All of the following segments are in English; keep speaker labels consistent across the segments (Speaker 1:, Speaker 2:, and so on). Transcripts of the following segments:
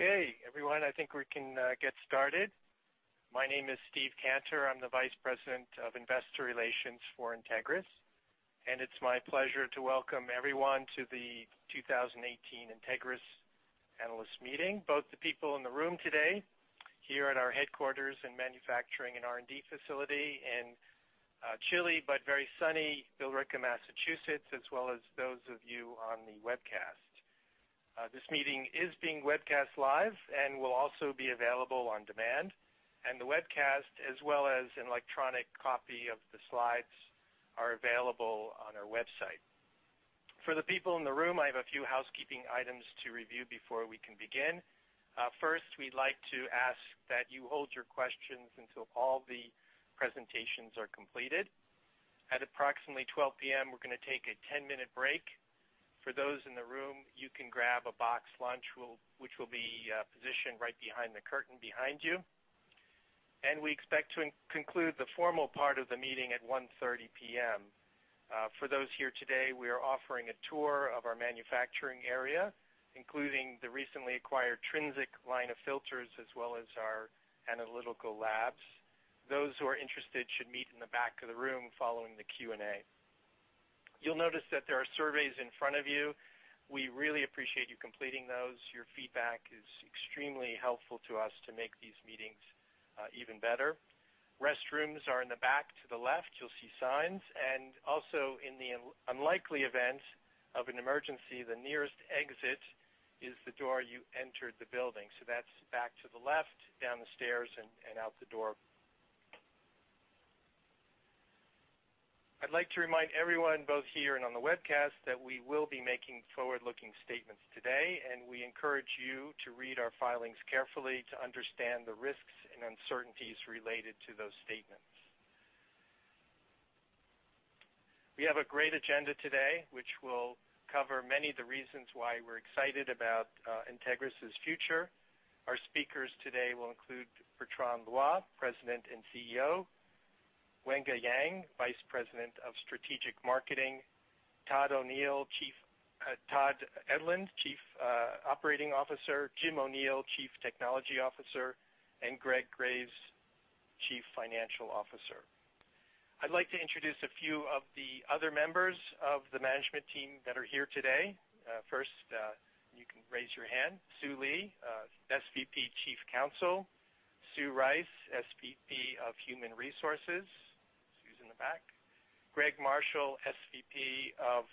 Speaker 1: Okay, everyone, I think we can get started. My name is Steve Cantor. I'm the Vice President of Investor Relations for Entegris, and it's my pleasure to welcome everyone to the 2018 Entegris Analyst Meeting, both the people in the room today, here at our headquarters in manufacturing and R&D facility in chilly but very sunny Billerica, Massachusetts, as well as those of you on the webcast. This meeting is being webcast live and will also be available on demand. The webcast, as well as an electronic copy of the slides, are available on our website. For the people in the room, I have a few housekeeping items to review before we can begin. First, we'd like to ask that you hold your questions until all the presentations are completed. At approximately 12:00 P.M., we're going to take a 10-minute break. For those in the room, you can grab a boxed lunch, which will be positioned right behind the curtain behind you. We expect to conclude the formal part of the meeting at 1:30 P.M. For those here today, we are offering a tour of our manufacturing area, including the recently acquired Trinzik line of filters, as well as our analytical labs. Those who are interested should meet in the back of the room following the Q&A. You'll notice that there are surveys in front of you. We really appreciate you completing those. Your feedback is extremely helpful to us to make these meetings even better. Restrooms are in the back to the left. You'll see signs. Also, in the unlikely event of an emergency, the nearest exit is the door you entered the building. That's back to the left, down the stairs, and out the door. I'd like to remind everyone, both here and on the webcast, that we will be making forward-looking statements today, and we encourage you to read our filings carefully to understand the risks and uncertainties related to those statements. We have a great agenda today, which will cover many of the reasons why we're excited about Entegris' future. Our speakers today will include Bertrand Loy, President and Chief Executive Officer; Wenga Yang, Vice President of Strategic Marketing; Todd Edlund, Chief Operating Officer; Jim O'Neill, Chief Technology Officer; and Greg Graves, Chief Financial Officer. I'd like to introduce a few of the other members of the management team that are here today. First, you can raise your hand. Sue Lee, SVP, Chief Counsel. Sue Rice, SVP of Human Resources. Sue's in the back. Greg Marshall, SVP of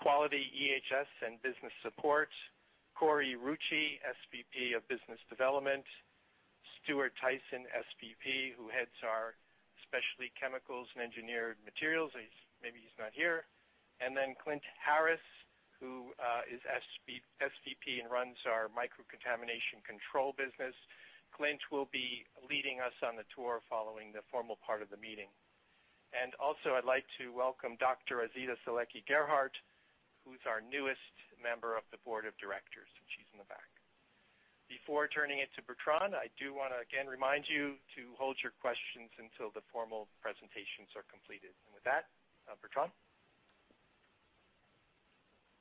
Speaker 1: Quality, EH&S, and Business Support. Corey Rucci, SVP of Business Development. Stuart Tison, SVP, who heads our Specialty Chemicals and Engineered Materials. Maybe he's not here. Then Clint Haris, who is SVP and runs our Microcontamination Control business. Clint will be leading us on the tour following the formal part of the meeting. Also, I'd like to welcome Dr. Azita Saleki-Gerhardt, who's our newest member of the Board of Directors, and she's in the back. Before turning it to Bertrand, I do want to, again, remind you to hold your questions until the formal presentations are completed. With that, Bertrand.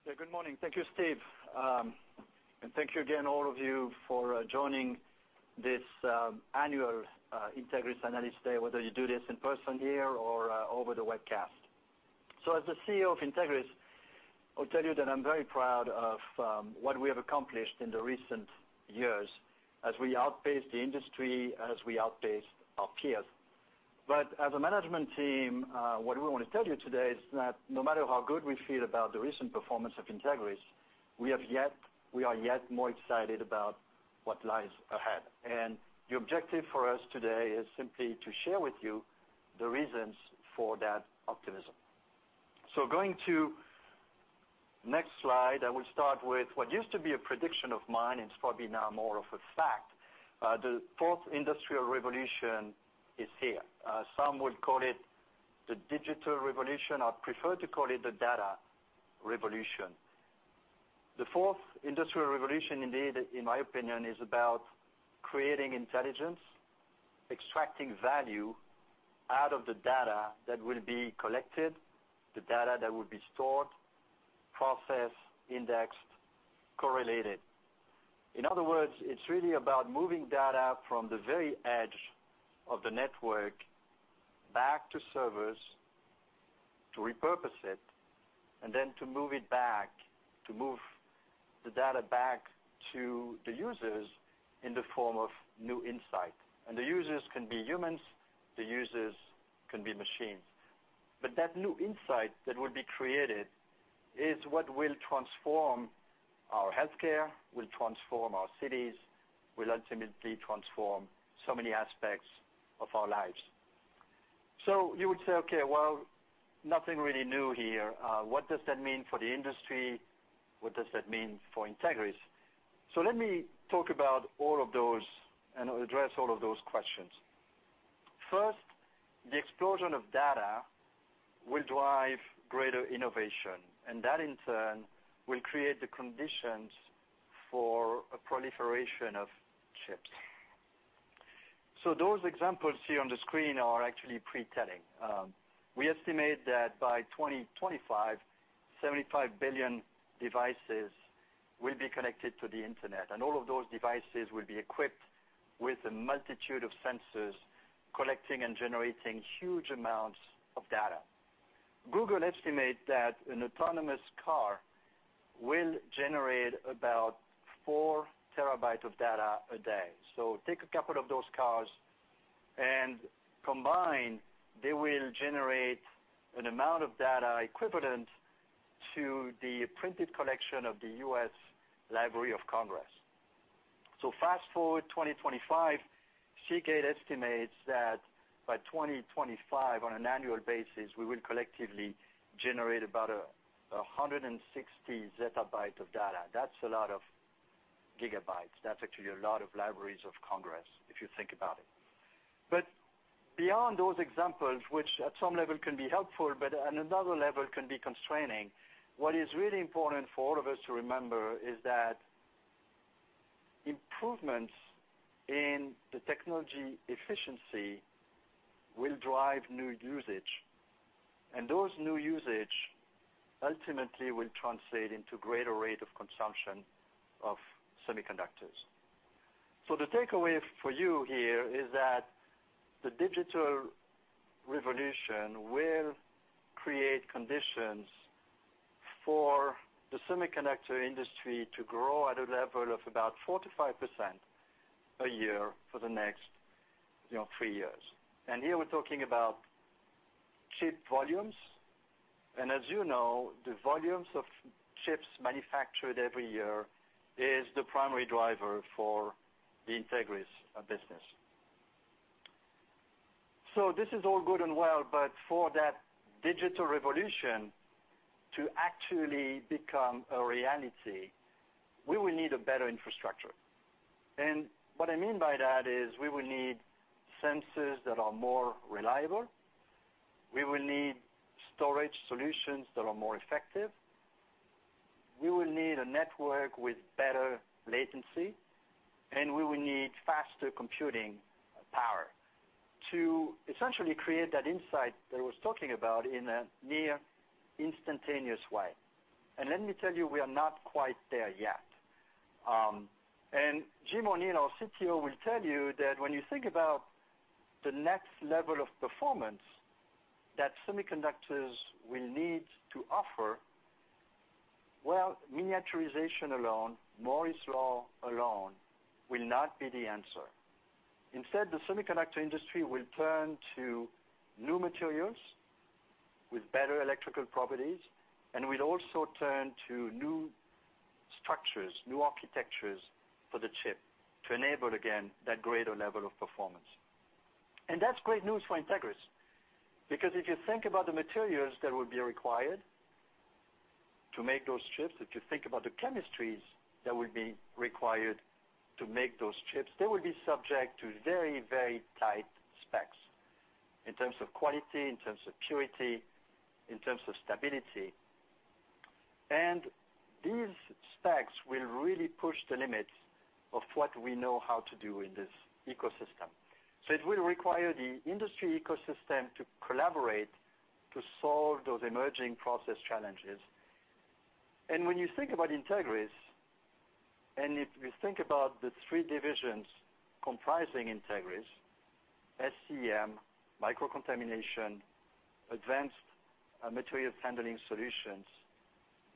Speaker 2: Good morning. Thank you, Steve. Thank you again, all of you, for joining this annual Entegris Analyst Day, whether you do this in person here or over the webcast. As the CEO of Entegris, I'll tell you that I'm very proud of what we have accomplished in the recent years as we outpace the industry, as we outpace our peers. As a management team, what we want to tell you today is that no matter how good we feel about the recent performance of Entegris, we are yet more excited about what lies ahead. The objective for us today is simply to share with you the reasons for that optimism. Going to next slide, I will start with what used to be a prediction of mine, it's probably now more of a fact. The fourth industrial revolution is here. Some would call it the digital revolution. I prefer to call it the data revolution. The fourth industrial revolution, indeed, in my opinion, is about creating intelligence, extracting value out of the data that will be collected, the data that will be stored, processed, indexed, correlated. In other words, it's really about moving data from the very edge of the network back to servers to repurpose it, to move the data back to the users in the form of new insight. The users can be humans, the users can be machines. That new insight that will be created is what will transform our healthcare, will transform our cities, will ultimately transform so many aspects of our lives. You would say, "Okay, well, nothing really new here. What does that mean for the industry? What does that mean for Entegris?" Let me talk about all of those and address all of those questions. First, the explosion of data will drive greater innovation, and that, in turn, will create the conditions for a proliferation of chips. Those examples here on the screen are actually presaging. We estimate that by 2025, 75 billion devices will be connected to the internet, and all of those devices will be equipped with a multitude of sensors, collecting and generating huge amounts of data. Google estimates that an autonomous car will generate about four terabytes of data a day. Take a couple of those cars and combined, they will generate an amount of data equivalent to the printed collection of the U.S. Library of Congress. Fast-forward 2025, Seagate estimates that by 2025, on an annual basis, we will collectively generate about 160 zettabytes of data. That's a lot of gigabytes. That's actually a lot of Libraries of Congress, if you think about it. Beyond those examples, which at some level can be helpful, but on another level can be constraining, what is really important for all of us to remember is that improvements in the technology efficiency will drive new usage. Those new usage ultimately will translate into greater rate of consumption of semiconductors. The takeaway for you here is that the digital revolution will create conditions for the semiconductor industry to grow at a level of about 4%-5% a year for the next three years. Here, we're talking about chip volumes. As you know, the volumes of chips manufactured every year is the primary driver for the Entegris business. This is all good and well, but for that digital revolution to actually become a reality, we will need a better infrastructure. What I mean by that is we will need sensors that are more reliable. We will need storage solutions that are more effective. We will need a network with better latency, and we will need faster computing power to essentially create that insight that I was talking about in a near-instantaneous way. Let me tell you, we are not quite there yet. Jim O'Neill, our CTO, will tell you that when you think about the next level of performance that semiconductors will need to offer, well, miniaturization alone, Moore's Law alone will not be the answer. Instead, the semiconductor industry will turn to new materials with better electrical properties and will also turn to new structures, new architectures for the chip to enable, again, that greater level of performance. That's great news for Entegris, because if you think about the materials that would be required to make those chips, if you think about the chemistries that would be required to make those chips, they would be subject to very, very tight specs in terms of quality, in terms of purity, in terms of stability. These specs will really push the limits of what we know how to do in this ecosystem. It will require the industry ecosystem to collaborate to solve those emerging process challenges. When you think about Entegris, and if you think about the three divisions comprising Entegris, SCEM, Microcontamination, Advanced Materials Handling solutions,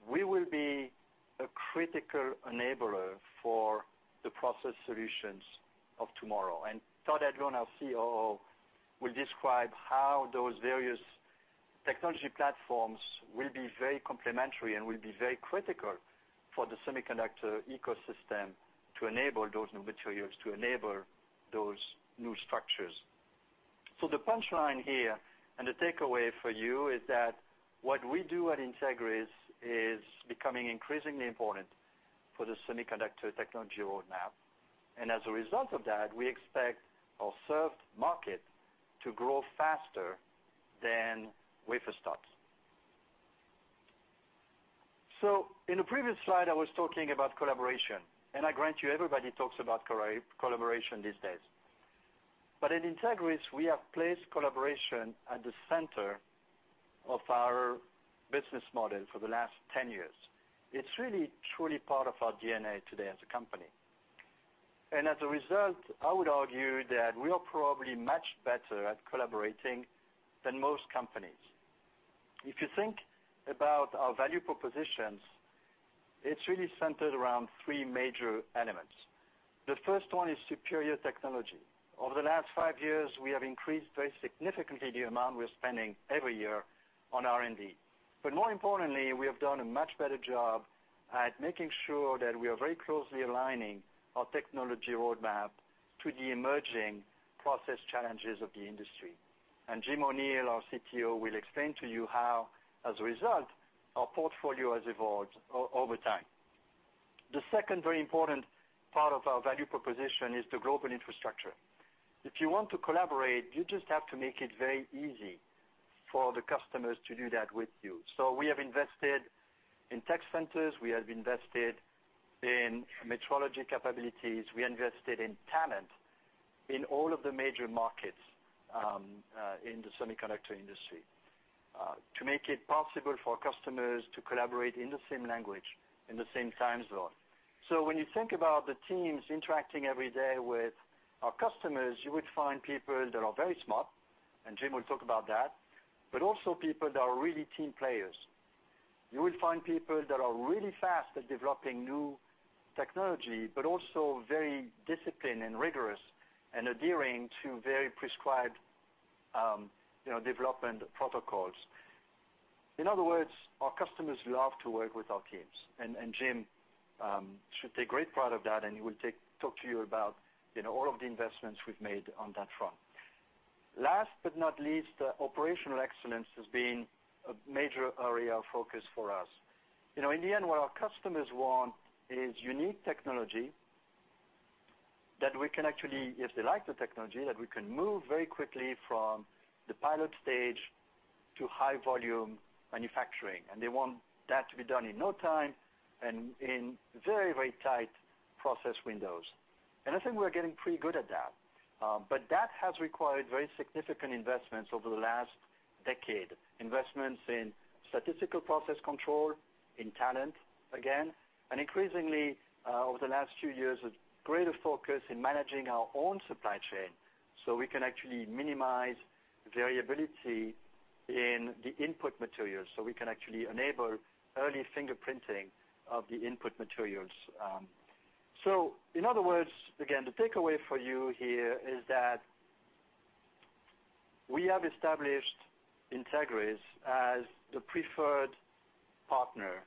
Speaker 2: we will be a critical enabler for the process solutions of tomorrow. Todd Edlund, our COO, will describe how those various technology platforms will be very complementary and will be very critical for the semiconductor ecosystem to enable those new materials, to enable those new structures. The punchline here and the takeaway for you is that what we do at Entegris is becoming increasingly important for the semiconductor technology roadmap. As a result of that, we expect our served market to grow faster than wafer starts. In the previous slide, I was talking about collaboration, and I grant you, everybody talks about collaboration these days. At Entegris, we have placed collaboration at the center of our business model for the last 10 years. It's really truly part of our DNA today as a company. As a result, I would argue that we are probably much better at collaborating than most companies. If you think about our value propositions, it's really centered around three major elements. The first one is superior technology. Over the last five years, we have increased very significantly the amount we're spending every year on R&D. More importantly, we have done a much better job at making sure that we are very closely aligning our technology roadmap to the emerging process challenges of the industry. Jim O'Neill, our CTO, will explain to you how, as a result, our portfolio has evolved over time. The second very important part of our value proposition is the global infrastructure. If you want to collaborate, you just have to make it very easy for the customers to do that with you. We have invested in tech centers, we have invested in metrology capabilities, we invested in talent in all of the major markets in the semiconductor industry to make it possible for customers to collaborate in the same language, in the same time zone. When you think about the teams interacting every day with our customers, you would find people that are very smart, and Jim will talk about that, but also people that are really team players. You will find people that are really fast at developing new technology, but also very disciplined and rigorous and adhering to very prescribed development protocols. In other words, our customers love to work with our teams. Jim should take great pride of that, and he will talk to you about all of the investments we've made on that front. Last but not least, operational excellence has been a major area of focus for us. In the end, what our customers want is unique technology that we can actually, if they like the technology, that we can move very quickly from the pilot stage to high volume manufacturing. They want that to be done in no time and in very tight process windows. I think we're getting pretty good at that. That has required very significant investments over the last decade, investments in statistical process control, in talent, again, and increasingly, over the last few years, a greater focus in managing our own supply chain so we can actually minimize variability in the input materials, so we can actually enable early fingerprinting of the input materials. In other words, again, the takeaway for you here is that we have established Entegris as the preferred partner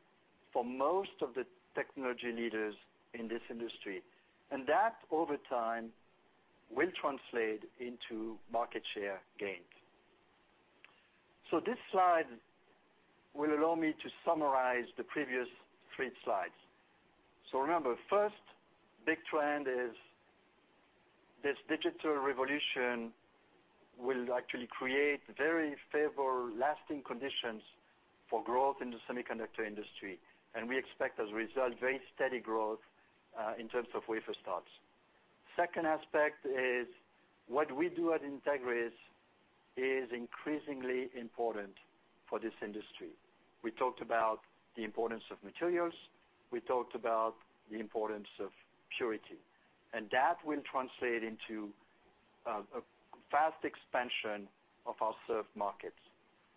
Speaker 2: for most of the technology leaders in this industry, and that, over time, will translate into market share gains. This slide will allow me to summarize the previous three slides. Remember, first big trend is this digital revolution will actually create very favorable lasting conditions for growth in the semiconductor industry. We expect, as a result, very steady growth, in terms of wafer starts. Second aspect is what we do at Entegris is increasingly important for this industry. We talked about the importance of materials, we talked about the importance of purity, and that will translate into a fast expansion of our served markets.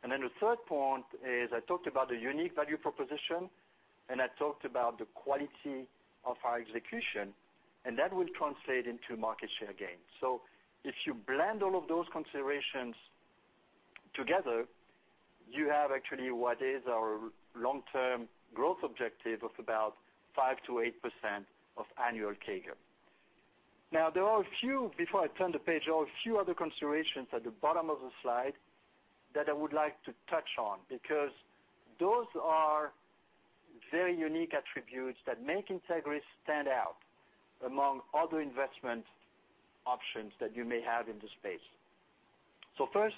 Speaker 2: The third point is, I talked about the unique value proposition, and I talked about the quality of our execution, and that will translate into market share gains. If you blend all of those considerations together, you have actually what is our long-term growth objective of about 5%-8% of annual CAGR. Now, before I turn the page, there are a few other considerations at the bottom of the slide that I would like to touch on, because those are very unique attributes that make Entegris stand out among other investment options that you may have in this space. First,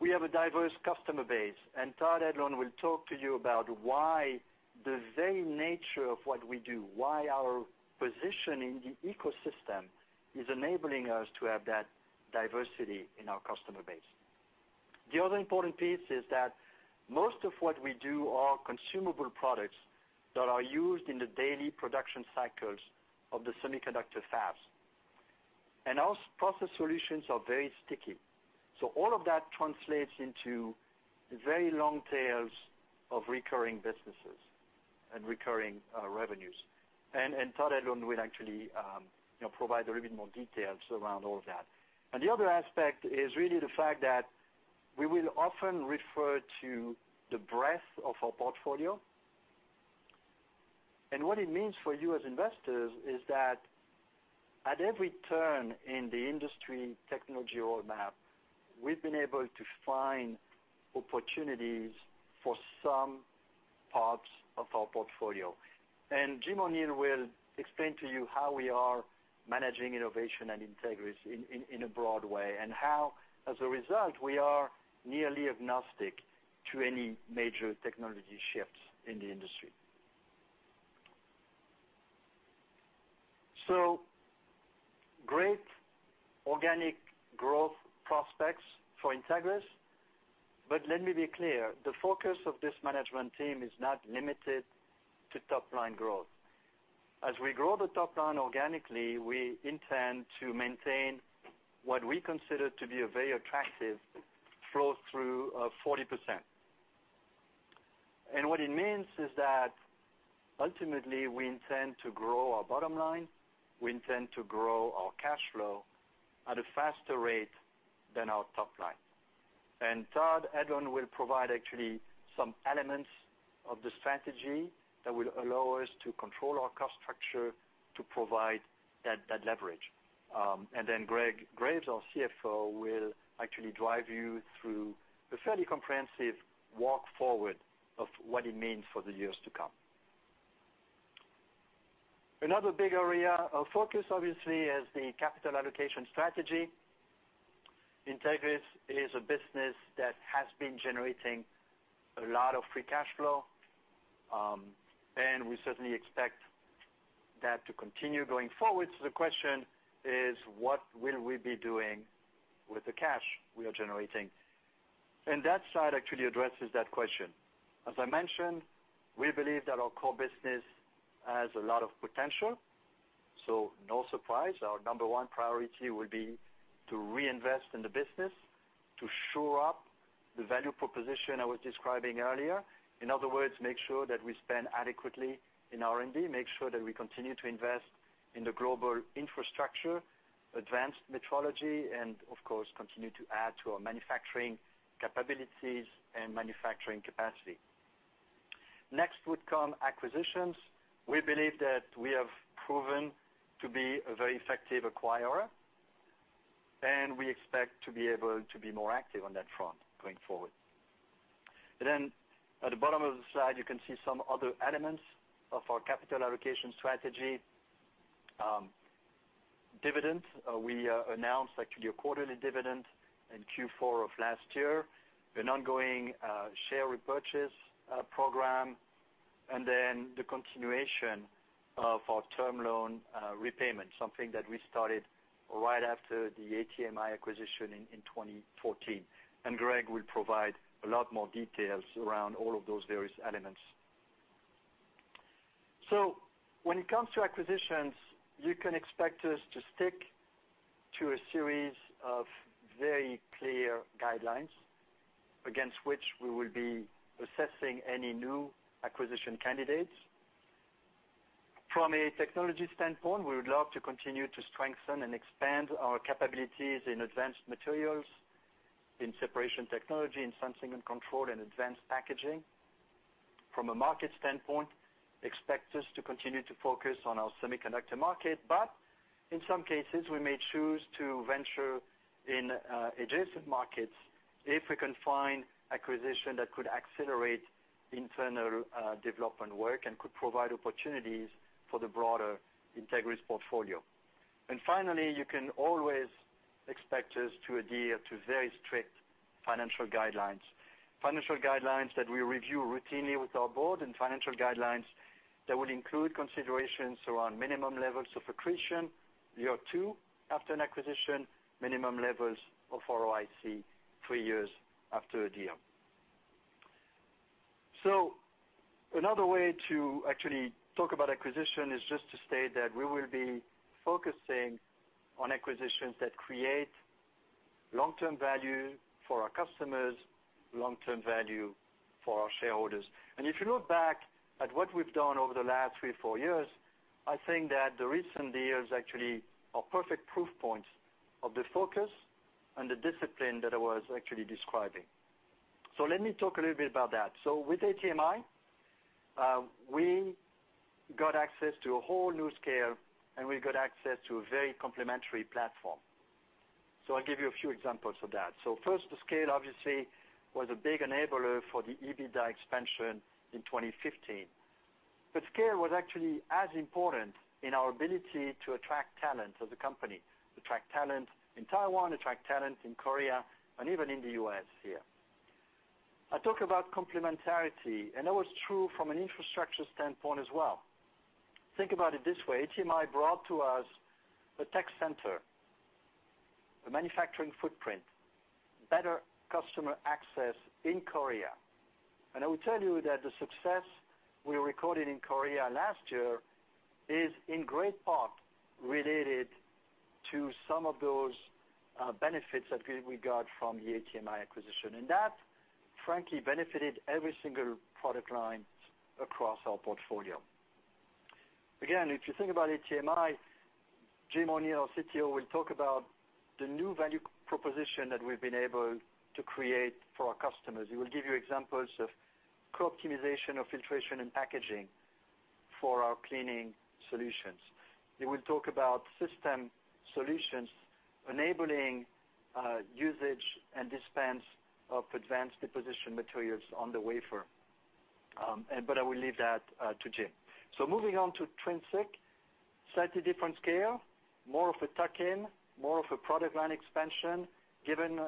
Speaker 2: we have a diverse customer base, and Todd Edlund will talk to you about why the very nature of what we do, why our position in the ecosystem is enabling us to have that diversity in our customer base. The other important piece is that most of what we do are consumable products that are used in the daily production cycles of the semiconductor fabs. Our process solutions are very sticky. All of that translates into very long tails of recurring businesses and recurring revenues. Todd Edlund will actually provide a little bit more details around all of that. The other aspect is really the fact that we will often refer to the breadth of our portfolio. What it means for you as investors is that at every turn in the industry technology roadmap, we've been able to find opportunities for some parts of our portfolio. Jim O'Neill will explain to you how we are managing innovation at Entegris in a broad way, and how, as a result, we are nearly agnostic to any major technology shifts in the industry. Great organic growth prospects for Entegris. Let me be clear, the focus of this management team is not limited to top-line growth. As we grow the top line organically, we intend to maintain what we consider to be a very attractive flow-through of 40%. What it means is that ultimately, we intend to grow our bottom line, we intend to grow our cash flow at a faster rate than our top line. Todd Edlund will provide actually some elements of the strategy that will allow us to control our cost structure to provide that leverage. Greg Graves, our CFO, will actually drive you through a fairly comprehensive walk forward of what it means for the years to come. Another big area of focus, obviously, is the capital allocation strategy. Entegris is a business that has been generating a lot of free cash flow, and we certainly expect that to continue going forward. The question is, what will we be doing with the cash we are generating? That slide actually addresses that question. As I mentioned, we believe that our core business has a lot of potential. No surprise, our number one priority will be to reinvest in the business, to shore up the value proposition I was describing earlier. In other words, make sure that we spend adequately in R&D, make sure that we continue to invest in the global infrastructure, advanced metrology, and of course, continue to add to our manufacturing capabilities and manufacturing capacity. Next would come acquisitions. We believe that we have proven to be a very effective acquirer, and we expect to be able to be more active on that front going forward. At the bottom of the slide, you can see some other elements of our capital allocation strategy. Dividends. We announced actually a quarterly dividend in Q4 of last year, an ongoing share repurchase program, and then the continuation of our term loan repayment, something that we started right after the ATMI acquisition in 2014. Greg will provide a lot more details around all of those various elements. When it comes to acquisitions, you can expect us to stick to a series of very clear guidelines against which we will be assessing any new acquisition candidates. From a technology standpoint, we would love to continue to strengthen and expand our capabilities in advanced materials, in separation technology, in sensing and control, and advanced packaging. From a market standpoint, expect us to continue to focus on our semiconductor market, but in some cases, we may choose to venture in adjacent markets if we can find acquisition that could accelerate internal development work and could provide opportunities for the broader Entegris portfolio. Finally, you can always expect us to adhere to very strict financial guidelines. Financial guidelines that we review routinely with our board, and financial guidelines that would include considerations around minimum levels of accretion year two after an acquisition, minimum levels of ROIC three years after a deal. Another way to actually talk about acquisition is just to state that we will be focusing on acquisitions that create long-term value for our customers, long-term value for our shareholders. If you look back at what we've done over the last three, four years, I think that the recent deals actually are perfect proof points of the focus and the discipline that I was actually describing. Let me talk a little bit about that. With ATMI, we got access to a whole new scale, and we got access to a very complementary platform. I'll give you a few examples of that. First, the scale obviously was a big enabler for the EBITDA expansion in 2015. Scale was actually as important in our ability to attract talent as a company, attract talent in Taiwan, attract talent in Korea, and even in the U.S. here. I talk about complementarity, that was true from an infrastructure standpoint as well. Think about it this way. ATMI brought to us a tech center, a manufacturing footprint, better customer access in Korea. I will tell you that the success we recorded in Korea last year is in great part related to some of those benefits that we got from the ATMI acquisition. That, frankly, benefited every single product line across our portfolio. Again, if you think about ATMI, Jim O'Neill, our CTO, will talk about the new value proposition that we've been able to create for our customers. He will give you examples of co-optimization of filtration and packaging for our cleaning solutions. He will talk about system solutions enabling usage and dispense of advanced deposition materials on the wafer. I will leave that to Jim. Moving on to Trinzik. Slightly different scale, more of a tuck-in, more of a product line expansion, given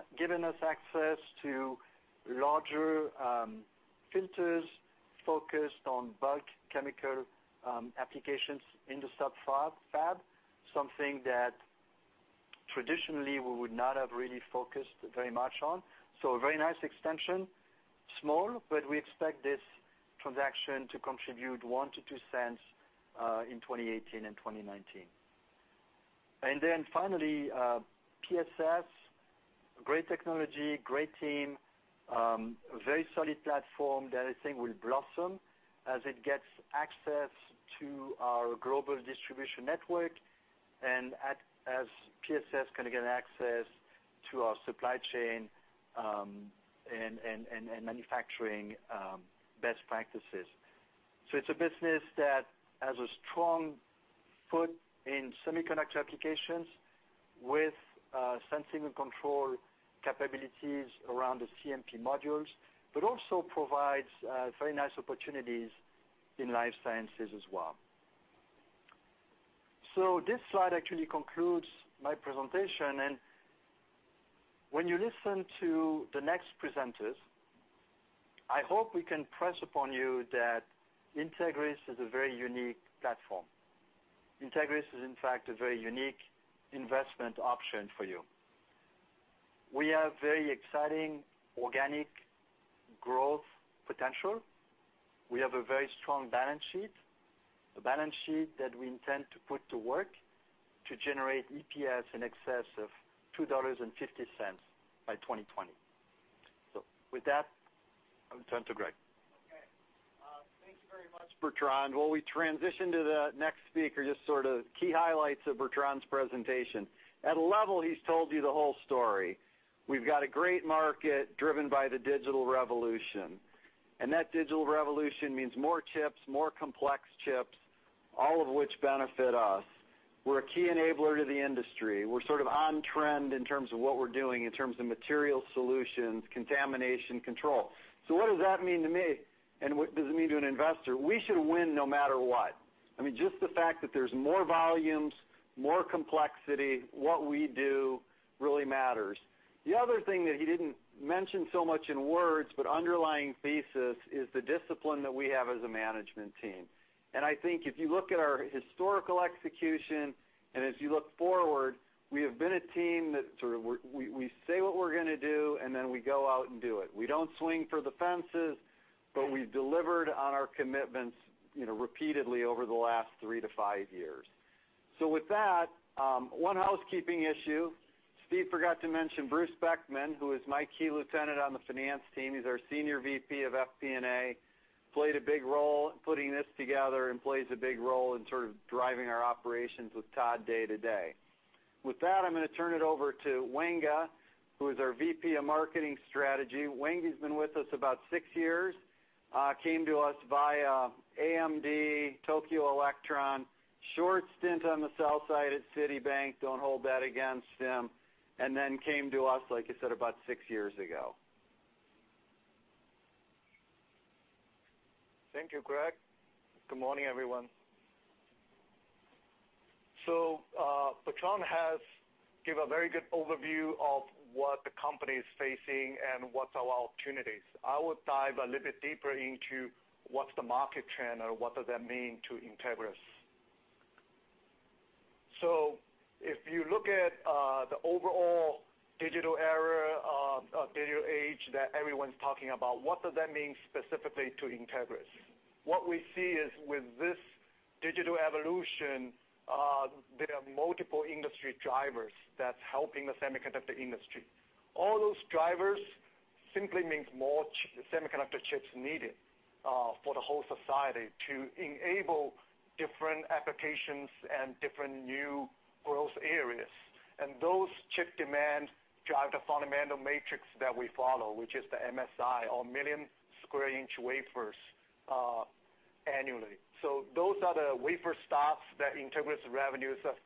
Speaker 2: us access to larger filters focused on bulk chemical applications in the sub-fab. Something that traditionally we would not have really focused very much on. A very nice extension. Small, but we expect this transaction to contribute $0.01 to $0.02 in 2018 and 2019. Finally, PSS. Great technology, great team, very solid platform that I think will blossom as it gets access to our global distribution network and as PSS can get access to our supply chain and manufacturing best practices. It's a business that has a strong foot in semiconductor applications with sensing and control capabilities around the CMP modules, also provides very nice opportunities in life sciences as well. This slide actually concludes my presentation. When you listen to the next presenters, I hope we can press upon you that Entegris is a very unique platform. Entegris is, in fact, a very unique investment option for you. We have very exciting organic growth potential. We have a very strong balance sheet, a balance sheet that we intend to put to work to generate EPS in excess of $2.50 by 2020. With that, I will turn to Greg.
Speaker 3: Okay. Thank you very much, Bertrand. While we transition to the next speaker, just sort of key highlights of Bertrand's presentation. At a level, he's told you the whole story. We've got a great market driven by the digital revolution, that digital revolution means more chips, more complex chips, all of which benefit us. We're a key enabler to the industry. We're sort of on-trend in terms of what we're doing, in terms of material solutions, contamination control. What does that mean to me? What does it mean to an investor? We should win no matter what. I mean, just the fact that there's more volumes, more complexity, what we do really matters. The other thing that he didn't mention so much in words, but underlying thesis, is the discipline that we have as a management team. I think if you look at our historical execution and as you look forward, we have been a team that sort of, we say what we're going to do, then we go out and do it. We don't swing for the fences, but we've delivered on our commitments repeatedly over the last three to five years. With that, one housekeeping issue, Steve forgot to mention Bruce Beckman, who is my key lieutenant on the finance team. He's our Senior VP of FP&A. Played a big role in putting this together and plays a big role in sort of driving our operations with Todd day to day. With that, I'm going to turn it over to Wenga, who is our VP of Marketing Strategy. Wenga's been with us about six years. Came to us via AMD, Tokyo Electron, short stint on the sell side at Citibank, don't hold that against him, then came to us, like I said, about six years ago.
Speaker 4: Thank you, Greg. Good morning, everyone. Bertrand has give a very good overview of what the company is facing and what's our opportunities. I would dive a little bit deeper into what's the market trend or what does that mean to Entegris. If you look at the overall digital era, digital age that everyone's talking about, what does that mean specifically to Entegris? What we see is with this digital evolution, there are multiple industry drivers that's helping the semiconductor industry. All those drivers simply means more semiconductor chips needed for the whole society to enable different applications and different new growth areas. Those chip demands drive the fundamental matrix that we follow, which is the MSI or million square inch wafers annually. Those are the wafer stocks that Entegris revenues have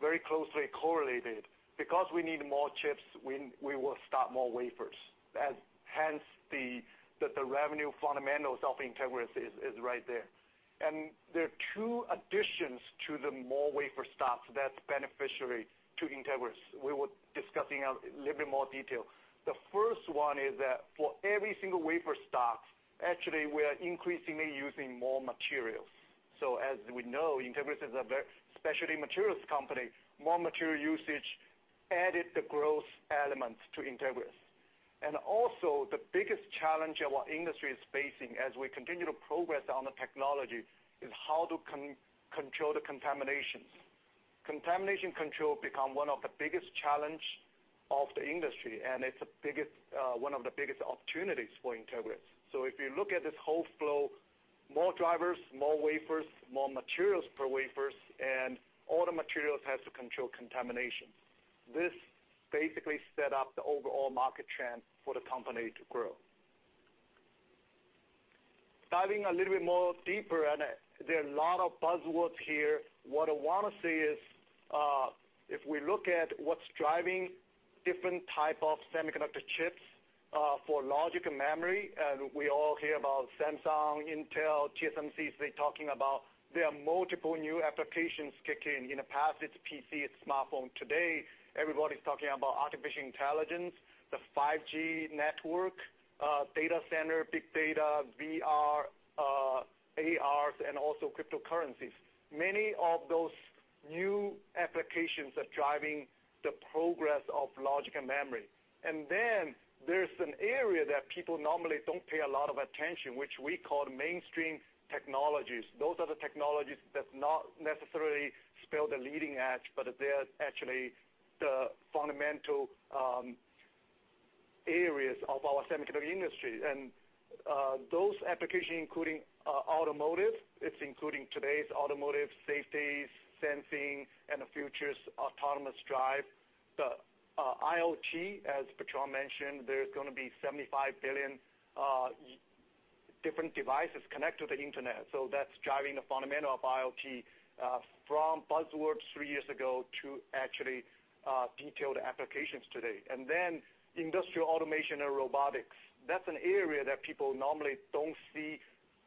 Speaker 4: very closely correlated. Because we need more chips, we will stock more wafers. Hence the revenue fundamentals of Entegris is right there. There are two additions to the more wafer stocks that's beneficiary to Entegris. We will discuss in a little bit more detail. The first one is that for every single wafer stock, actually, we are increasingly using more materials. As we know, Entegris is a very specialty materials company. More material usage added the growth elements to Entegris. Also, the biggest challenge our industry is facing as we continue to progress on the technology is how to control the contaminations. Contamination control become one of the biggest challenge of the industry, and it's one of the biggest opportunities for Entegris. If you look at this whole flow, more drivers, more wafers, more materials per wafers, and all the materials has to control contamination. This basically set up the overall market trend for the company to grow. Diving a little bit more deeper, and there are a lot of buzzwords here. What I want to say is, if we look at what's driving different type of semiconductor chips for logic and memory, and we all hear about Samsung, Intel, TSMC, they're talking about there are multiple new applications kicking in. In the past, it's PC, it's smartphone. Today, everybody's talking about artificial intelligence, the 5G network, data center, big data, VR, ARs, and also cryptocurrencies. Many of those new applications are driving the progress of logic and memory. There's an area that people normally don't pay a lot of attention, which we call the mainstream technologies. Those are the technologies that not necessarily spell the leading edge, but they are actually the fundamental areas of our semiconductor industry. Those applications including automotive, it's including today's automotive safety, sensing, and the future's autonomous drive. The IoT, as Bertrand mentioned, there's going to be 75 billion different devices connect to the internet. That's driving the fundamental of IoT from buzzwords three years ago to actually detailed applications today. Industrial automation and robotics. That's an area that people normally don't see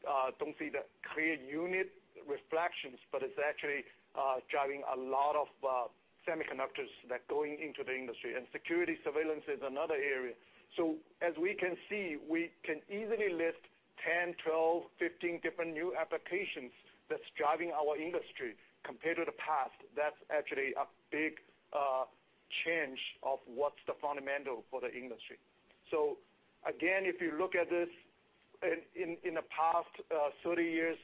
Speaker 4: the clear unit reflections, but it's actually driving a lot of semiconductors that are going into the industry. Security surveillance is another area. As we can see, we can easily list 10, 12, 15 different new applications that's driving our industry compared to the past. That's actually a big change of what's the fundamental for the industry. Again, if you look at this in the past 20-30 years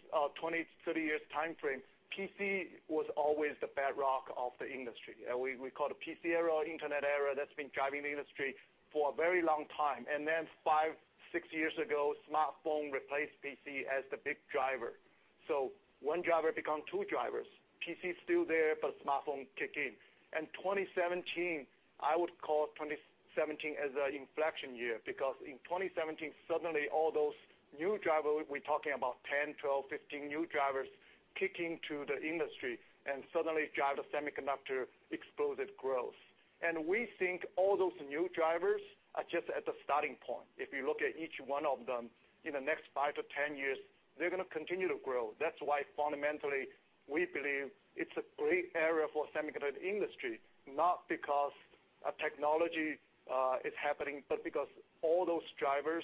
Speaker 4: timeframe, PC was always the bedrock of the industry. We call it the PC era, internet era, that's been driving the industry for a very long time. Five, six years ago, smartphone replaced PC as the big driver. One driver become two drivers. PC is still there, smartphone kick in. 2017, I would call 2017 as an inflection year, because in 2017, suddenly all those new drivers, we're talking about 10, 12, 15 new drivers, kick into the industry, and suddenly drive the semiconductor explosive growth. We think all those new drivers are just at the starting point. If you look at each one of them, in the next 5-10 years, they're going to continue to grow. That's why fundamentally, we believe it's a great area for semiconductor industry, not because a technology is happening, but because all those drivers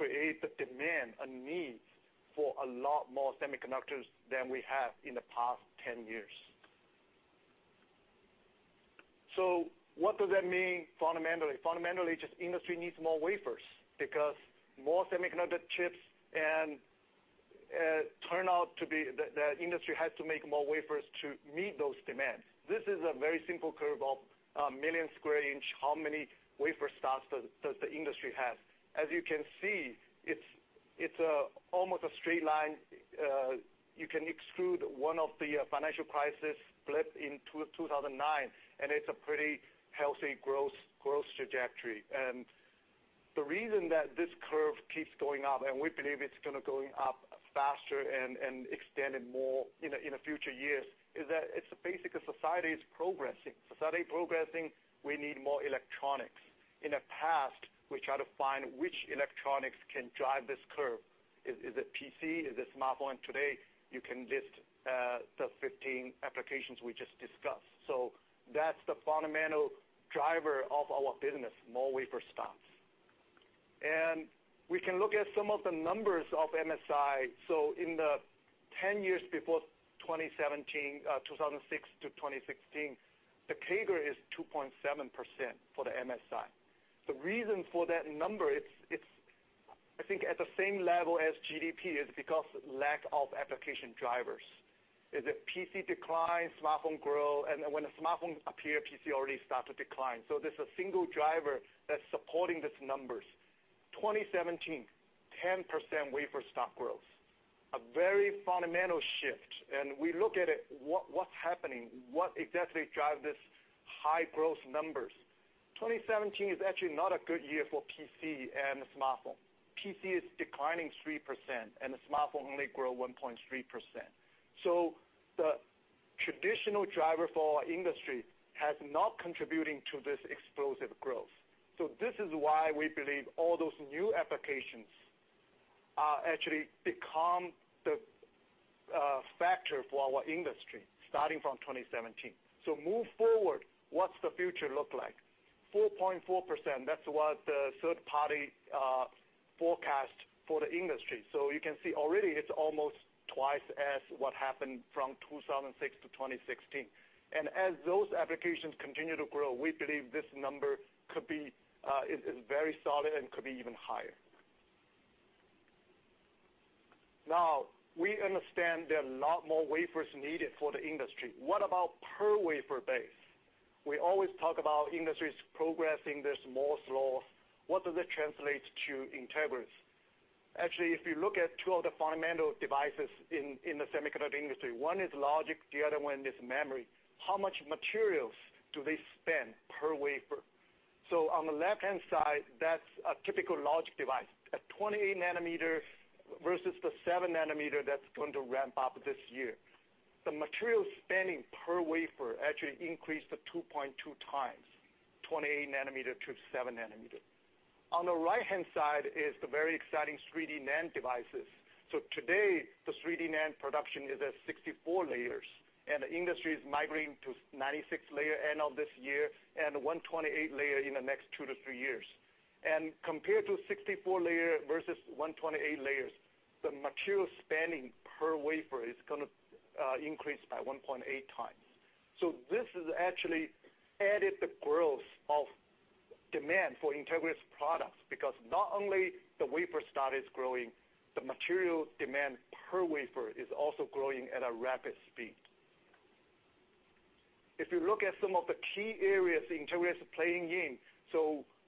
Speaker 4: create the demand and need for a lot more semiconductors than we have in the past 10 years. What does that mean, fundamentally? Fundamentally, just industry needs more wafers, because more semiconductor chips and turn out to be the industry has to make more wafers to meet those demands. This is a very simple curve of a million square inch, how many wafer starts does the industry have. As you can see, it's almost a straight line. You can exclude one of the financial crisis blip in 2009, and it's a pretty healthy growth trajectory. The reason that this curve keeps going up, and we believe it's going to going up faster and extending more in the future years, is that it's basically society is progressing. Society progressing, we need more electronics. In the past, we try to find which electronics can drive this curve. Is it PC? Is it smartphone? Today, you can list the 15 applications we just discussed. That's the fundamental driver of our business, more wafer starts. We can look at some of the numbers of MSI. In the 10 years before 2017, 2006 to 2016, the CAGR is 2.7% for the MSI. The reason for that number, it's I think at the same level as GDP, is because lack of application drivers. As the PC decline, smartphone grow, and when the smartphone appear, PC already start to decline. There's a single driver that's supporting these numbers. 2017, 10% wafer start growth. A very fundamental shift. We look at it, what's happening, what exactly drive this high growth numbers. 2017 is actually not a good year for PC and smartphone. PC is declining 3% and the smartphone only grow 1.3%. The traditional driver for our industry has not contributing to this explosive growth. This is why we believe all those new applications are actually become the factor for our industry, starting from 2017. Move forward, what's the future look like? 4.4%, that's what the third party forecast for the industry. You can see already it's almost twice as what happened from 2006 to 2016. As those applications continue to grow, we believe this number is very solid and could be even higher. Now, we understand there are a lot more wafers needed for the industry. What about per wafer base? We always talk about industry is progressing, there's Moore's Law. What does it translate to Entegris? Actually, if you look at two of the fundamental devices in the semiconductor industry, one is logic, the other one is memory. How much materials do they spend per wafer? On the left-hand side, that's a typical logic device. A 28 nanometer versus the 7 nanometer that's going to ramp up this year. The material spending per wafer actually increased to 2.2x, 28 nanometer to 7 nanometer. On the right-hand side is the very exciting 3D NAND devices. Today, the 3D NAND production is at 64 layers, and the industry is migrating to 96 layer end of this year, and 128 layer in the next two to three years. Compared to 64 layer versus 128 layers, the material spending per wafer is going to increase by 1.8x. This is actually added the growth of demand for Entegris products, because not only the wafer start is growing, the material demand per wafer is also growing at a rapid speed. If you look at some of the key areas Entegris is playing in,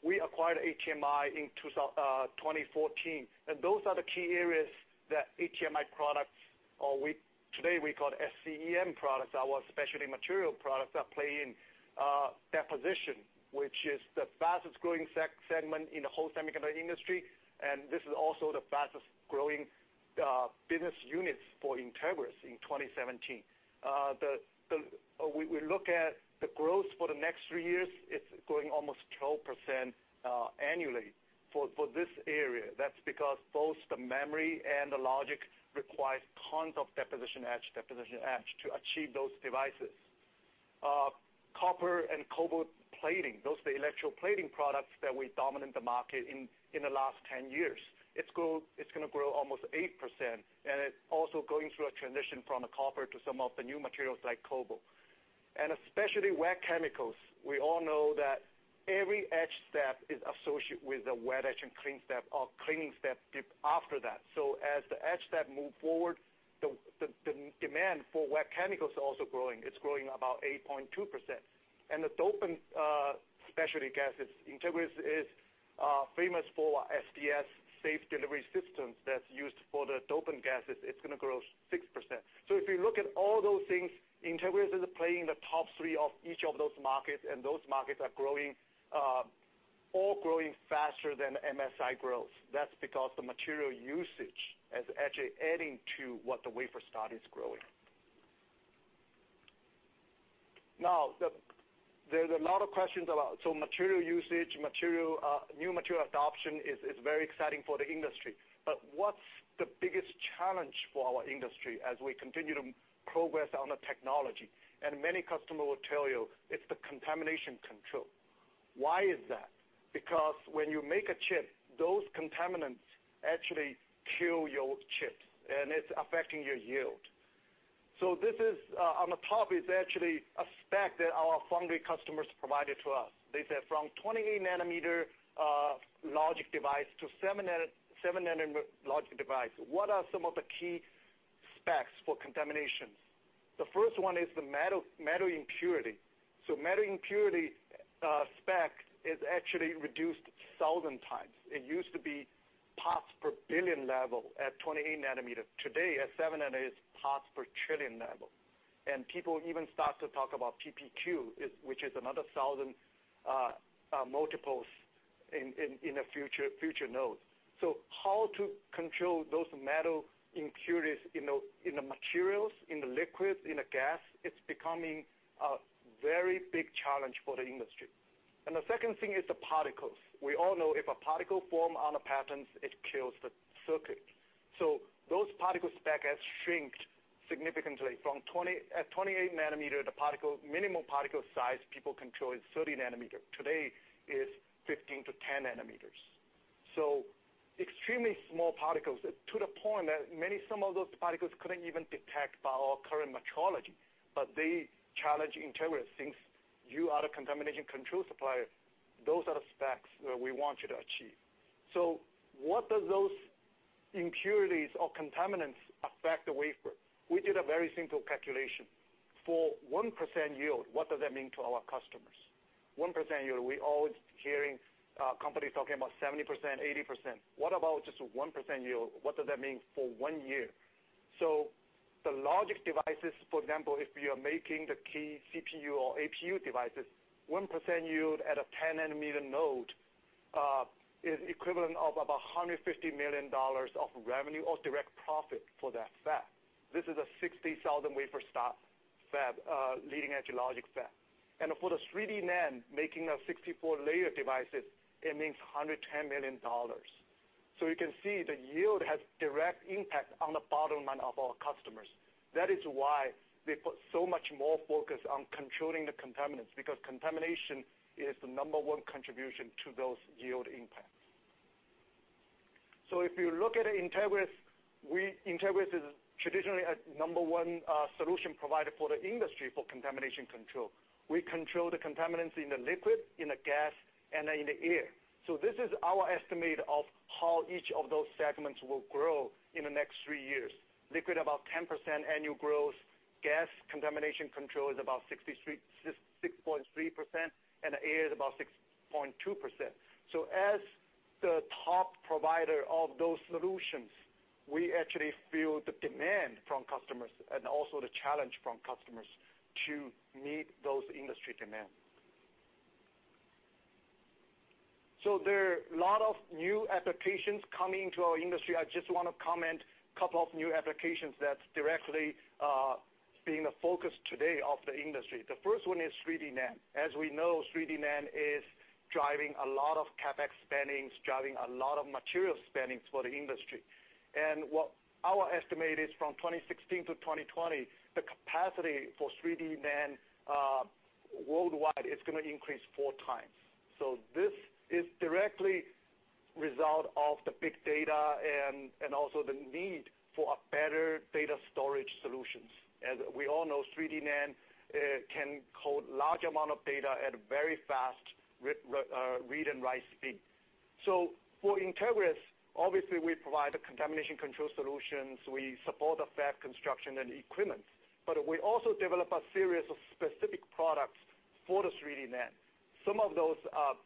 Speaker 4: we acquired ATMI in 2014, and those are the key areas that ATMI products, or today we call it SCEM products, our specialty material products that play in deposition, which is the fastest-growing segment in the whole semiconductor industry, and this is also the fastest-growing business units for Entegris in 2017. We look at the growth for the next three years, it's growing almost 12% annually. For this area, that's because both the memory and the logic requires tons of deposition etch, deposition etch to achieve those devices. Copper and cobalt plating, those are the electroplating products that we dominant the market in the last 10 years. It's going to grow almost 8%, and it's also going through a transition from the copper to some of the new materials like cobalt. Specially wet chemicals. We all know that every etch step is associated with the wet etch and clean step or cleaning step after that. As the etch step move forward, the demand for wet chemicals are also growing. It's growing about 8.2%. The dopant specialty gases, Entegris is famous for SDS, Safe Delivery Source, that's used for the dopant gases. It's going to grow 6%. If you look at all those things, Entegris is playing the top 3 of each of those markets, and those markets are all growing faster than MSI growth. That's because the material usage is actually adding to what the wafer start is growing. Now, there's a lot of questions about material usage, new material adoption is very exciting for the industry. What's the biggest challenge for our industry as we continue to progress on the technology? Many customer will tell you it's the contamination control. Why is that? Because when you make a chip, those contaminants actually kill your chip, and it's affecting your yield. On the top is actually a spec that our foundry customers provided to us. They said from 28 nanometer logic device to 7 nanometer logic device, what are some of the key specs for contamination? The first one is the metal impurity. Metal impurity spec is actually reduced 1,000 times. It used to be parts per billion level at 28 nanometer. Today, at 7 nanometer, it's parts per trillion level. People even start to talk about PPQ, which is another 1,000 multiples in the future nodes. How to control those metal impurities in the materials, in the liquids, in the gas, it's becoming a very big challenge for the industry. The second thing is the particles. We all know if a particle forms on patterns, it kills the circuit. Those particle spec has shrunk significantly. At 28 nanometers, the minimal particle size people control is 30 nanometers. Today, it's 15-10 nanometers. Extremely small particles to the point that many of those particles couldn't even detect by our current metrology. They challenge Entegris, since you are the contamination control supplier, those are the specs that we want you to achieve. What do those impurities or contaminants affect the wafer? We did a very simple calculation. For 1% yield, what does that mean to our customers? 1% yield, we always hear companies talking about 70%-80%. What about just 1% yield? What does that mean for one year? The logic devices, for example, if you are making the key CPU or APU devices, 1% yield at a 10 nanometer node, is equivalent of about $150 million of revenue or direct profit for that fab. This is a 60,000 wafer fab, leading-edge logic fab. For the 3D NAND, making a 64-layer devices, it means $110 million. You can see the yield has direct impact on the bottom line of our customers. That is why they put so much more focus on controlling the contaminants, because contamination is the number one contribution to those yield impacts. If you look at Entegris is traditionally a number one solution provider for the industry for contamination control. We control the contaminants in the liquid, in the gas, and in the air. This is our estimate of how each of those segments will grow in the next three years. Liquid, about 10% annual growth. Gas contamination control is about 6.3%, and air is about 6.2%. As the top provider of those solutions, we actually feel the demand from customers and also the challenge from customers to meet those industry demands. There are a lot of new applications coming into our industry. I just want to comment a couple of new applications that's directly being the focus today of the industry. The first one is 3D NAND. As we know, 3D NAND is driving a lot of CapEx spending, driving a lot of material spending for the industry. What our estimate is from 2016 to 2020, the capacity for 3D NAND worldwide is going to increase four times. This is directly a result of the big data and also the need for better data storage solutions. As we all know, 3D NAND can hold large amounts of data at a very fast read and write speed. For Entegris, obviously, we provide the contamination control solutions, we support the fab construction and equipment, but we also develop a series of specific products for the 3D NAND. Some of those are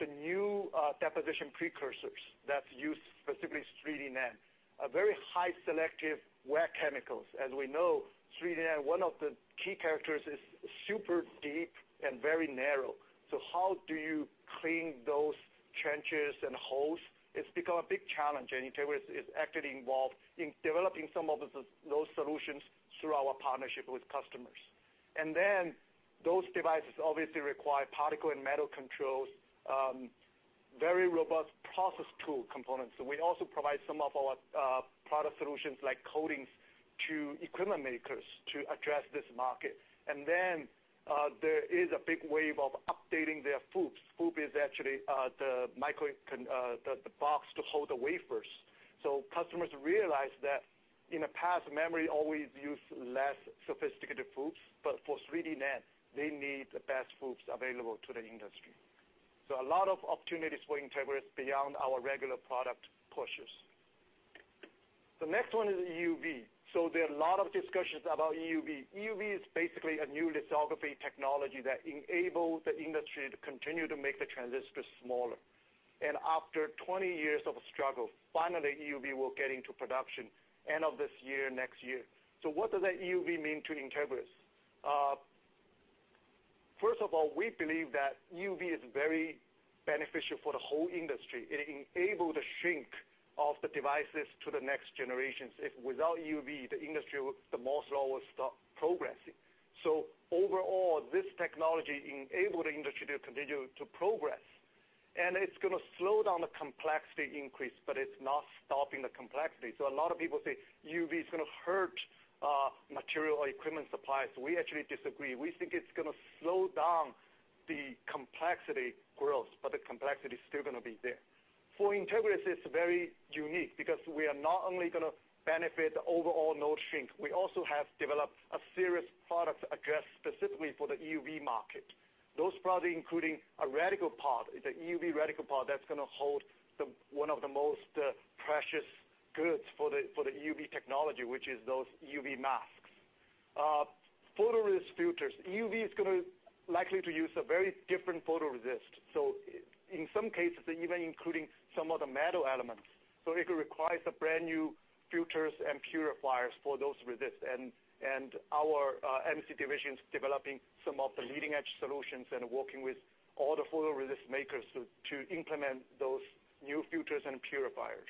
Speaker 4: the new deposition precursors that's used specifically for 3D NAND, very highly selective wet chemicals. As we know, 3D NAND, one of the key characteristics is super deep and very narrow. How do you clean those trenches and holes? It's become a big challenge, and Entegris is actively involved in developing some of those solutions through our partnership with customers. Then those devices obviously require particle and metal controls, very robust process tool components. We also provide some of our product solutions, like coatings, to equipment makers to address this market. There is a big wave of updating their FOUPs. FOUP is actually the box to hold the wafers. Customers realize that in the past, memory always used less sophisticated FOUPs, but for 3D NAND, they need the best FOUPs available to the industry. A lot of opportunities for Entegris beyond our regular product pushes. The next one is EUV. There are a lot of discussions about EUV. EUV is basically a new lithography technology that enables the industry to continue to make the transistors smaller. After 20 years of a struggle, finally, EUV will get into production end of this year, next year. What does that EUV mean to Entegris? First of all, we believe that EUV is very beneficial for the whole industry. It enables the shrink of the devices to the next generations. If without EUV, the industry, the Moore's Law will stop progressing. Overall, this technology enable the industry to continue to progress, and it's going to slow down the complexity increase, but it's not stopping the complexity. A lot of people say EUV is going to hurt material or equipment suppliers. We actually disagree. We think it's going to slow down the complexity growth, but the complexity is still going to be there. For Entegris, it's very unique because we are not only going to benefit the overall node shrink, we also have developed a series product addressed specifically for the EUV market. Those products, including a reticle pod, it's a EUV reticle pod that's going to hold one of the most precious goods for the EUV technology, which is those EUV masks. Photoresist filters. EUV is likely to use a very different photoresist. In some cases, even including some of the metal elements. It requires some brand-new filters and purifiers for those resists, and our MC division's developing some of the leading-edge solutions and working with all the photoresist makers to implement those new filters and purifiers.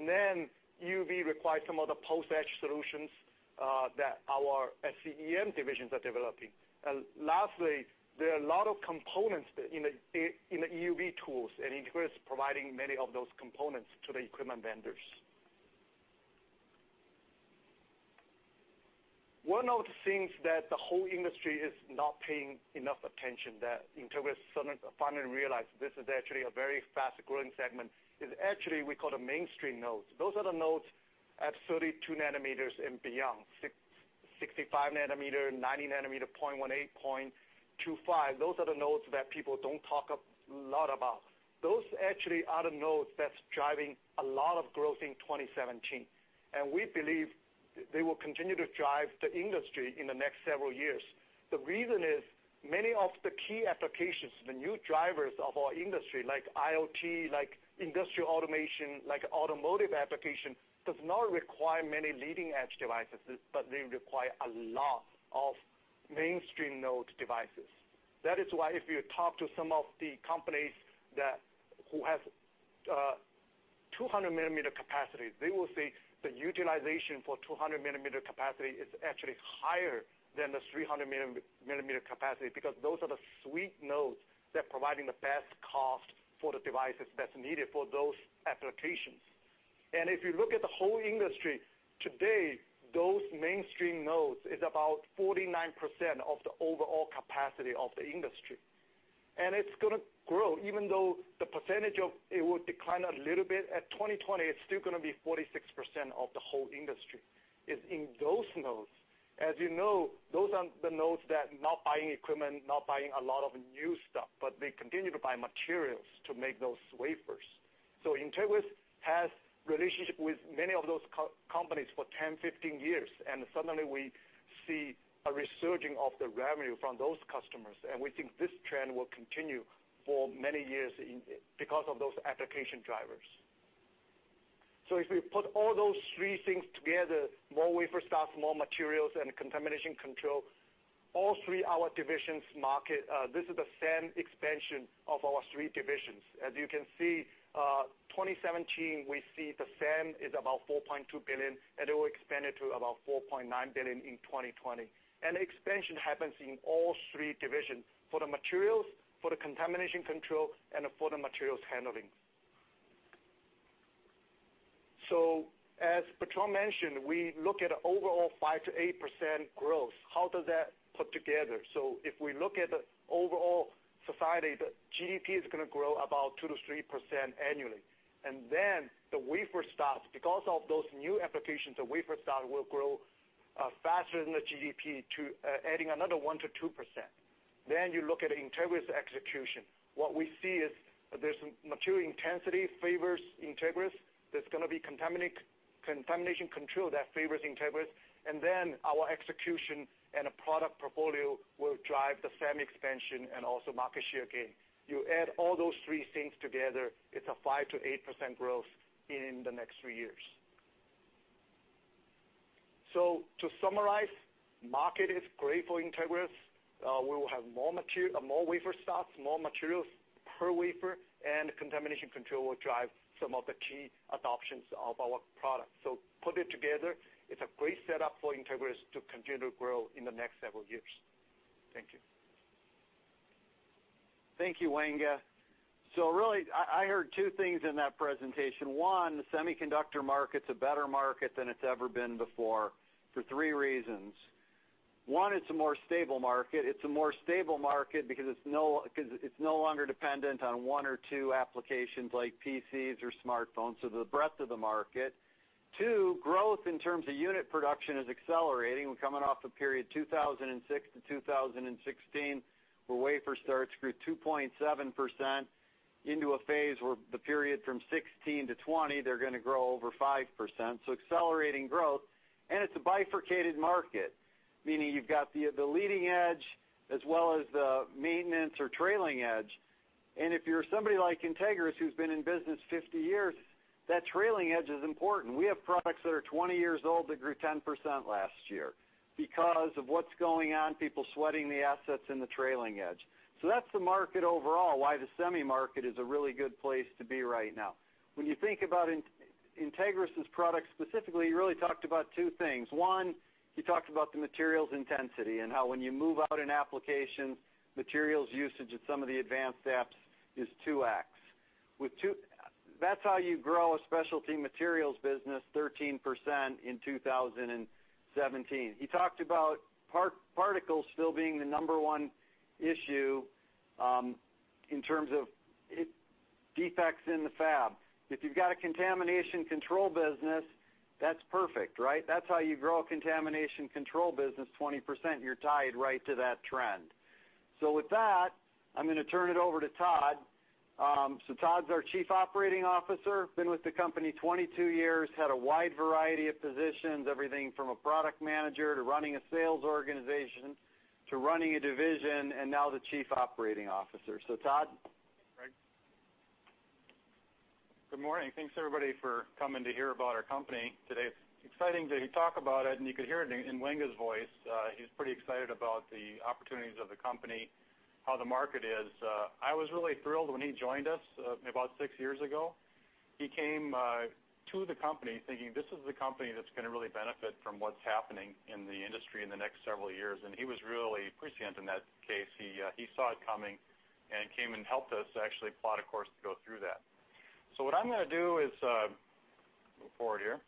Speaker 4: EUV requires some of the post-etch solutions that our SCEM divisions are developing. Lastly, there are a lot of components in the EUV tools, and Entegris is providing many of those components to the equipment vendors. One of the things that the whole industry is not paying enough attention that Entegris suddenly finally realized this is actually a very fast-growing segment, is actually we call the mainstream nodes. Those are the nodes at 32 nanometers and beyond. 65 nanometer, 90 nanometer, 0.18, 0.25. Those are the nodes that people don't talk a lot about. Those actually are the nodes that's driving a lot of growth in 2017, we believe they will continue to drive the industry in the next several years. The reason is, many of the key applications, the new drivers of our industry, like IoT, like industrial automation, like automotive application, does not require many leading-edge devices, but they require a lot of mainstream node devices. That is why if you talk to some of the companies who have 200-millimeter capacity, they will say the utilization for 200-millimeter capacity is actually higher than the 300-millimeter capacity because those are the sweet nodes that providing the best cost for the devices that's needed for those applications. If you look at the whole industry, today, those mainstream nodes is about 49% of the overall capacity of the industry. It's going to grow, even though the percentage of it will decline a little bit, at 2020, it's still going to be 46% of the whole industry. It's in those nodes. As you know, those are the nodes that not buying equipment, not buying a lot of new stuff, but they continue to buy materials to make those wafers. Entegris has relationship with many of those companies for 10, 15 years, suddenly we see a resurging of the revenue from those customers, we think this trend will continue for many years because of those application drivers. If we put all those three things together, more wafer starts, more materials, and contamination control, all three our divisions market, this is the same expansion of our three divisions. As you can see, 2017, we see the SAM is about $4.2 billion, it will expand it to about $4.9 billion in 2020. Expansion happens in all three divisions, for the materials, for the contamination control, and for the materials handling. As Bertrand mentioned, we look at overall 5%-8% growth. How does that put together? If we look at the overall society, the GDP is going to grow about 2%-3% annually. The wafer starts, because of those new applications, the wafer start will grow faster than the GDP, adding another 1%-2%. You look at Entegris execution. What we see is there's material intensity favors Entegris. There's going to be contamination control that favors Entegris. Our execution and a product portfolio will drive the SAM expansion and also market share gain. You add all those three things together, it's a 5%-8% growth in the next three years. To summarize, market is great for Entegris. We will have more wafer starts, more materials per wafer, and contamination control will drive some of the key adoptions of our product. Put it together, it's a great setup for Entegris to continue to grow in the next several years. Thank you.
Speaker 3: Thank you, Wenga. Really, I heard two things in that presentation. One, the semiconductor market's a better market than it's ever been before for three reasons. One, it's a more stable market. It's a more stable market because it's no longer dependent on one or two applications like PCs or smartphones, the breadth of the market. Two, growth in terms of unit production is accelerating. We're coming off a period 2006-2016, where wafer starts grew 2.7% into a phase where the period from 2016-2020, they're going to grow over 5%, so accelerating growth. It's a bifurcated market, meaning you've got the leading edge as well as the maintenance or trailing edge. If you're somebody like Entegris, who's been in business 50 years, that trailing edge is important. We have products that are 20 years old that grew 10% last year because of what's going on, people sweating the assets in the trailing edge. That's the market overall, why the semi market is a really good place to be right now. When you think about Entegris' products specifically, he really talked about two things. He talked about the materials intensity and how when you move out an application, materials usage at some of the advanced apps is 2x. That's how you grow a specialty materials business 13% in 2017. He talked about particles still being the number one issue, in terms of defects in the fab. If you've got a contamination control business, that's perfect, right? That's how you grow a contamination control business 20%, you're tied right to that trend. With that, I'm going to turn it over to Todd. Todd's our Chief Operating Officer, been with the company 22 years, had a wide variety of positions, everything from a product manager to running a sales organization, to running a division, and now the Chief Operating Officer. Todd?
Speaker 5: Thanks, Greg. Good morning. Thanks, everybody, for coming to hear about our company today. It's exciting to talk about it, and you could hear it in Wenga's voice. He's pretty excited about the opportunities of the company, how the market is. I was really thrilled when he joined us, about six years ago. He came to the company thinking, "This is the company that's going to really benefit from what's happening in the industry in the next several years." He was really prescient in that case. He saw it coming and came and helped us actually plot a course to go through that. What I'm going to do is, move forward here.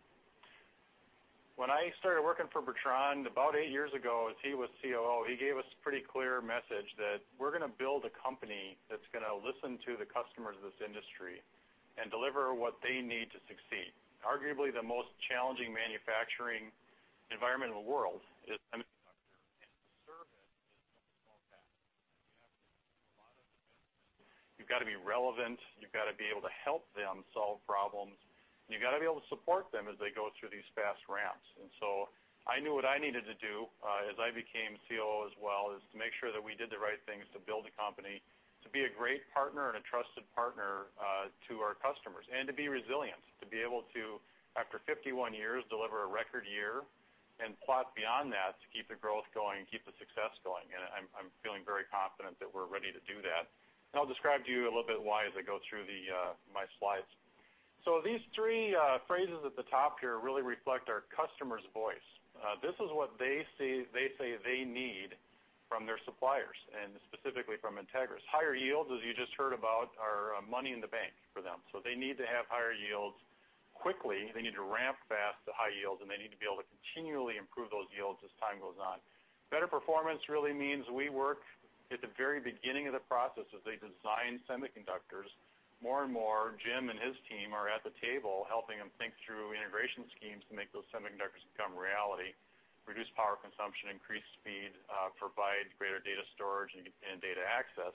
Speaker 5: When I started working for Bertrand about eight years ago, as he was COO, he gave us a pretty clear message that we're going to build a company that's going to listen to the customers of this industry and deliver what they need to succeed. Arguably, the most challenging manufacturing environment in the world is semiconductor, and to serve it is not a small task. You have to do a lot of different things. You've got to be relevant. You've got to be able to help them solve problems, and you've got to be able to support them as they go through these fast ramps. I knew what I needed to do, as I became COO as well, is to make sure that we did the right things to build a company, to be a great partner and a trusted partner, to our customers, and to be resilient, to be able to, after 51 years, deliver a record year and plot beyond that to keep the growth going and keep the success going. I'm feeling very confident that we're ready to do that. I'll describe to you a little bit why as I go through my slides. These three phrases at the top here really reflect our customer's voice. This is what they say they need from their suppliers, and specifically from Entegris. Higher yields, as you just heard about, are money in the bank for them. They need to have higher yields quickly. They need to ramp fast to high yields, and they need to be able to continually improve those yields as time goes on. Better performance really means we work at the very beginning of the process as they design semiconductors. More and more, Jim and his team are at the table helping them think through integration schemes to make those semiconductors become reality, reduce power consumption, increase speed, provide greater data storage and data access.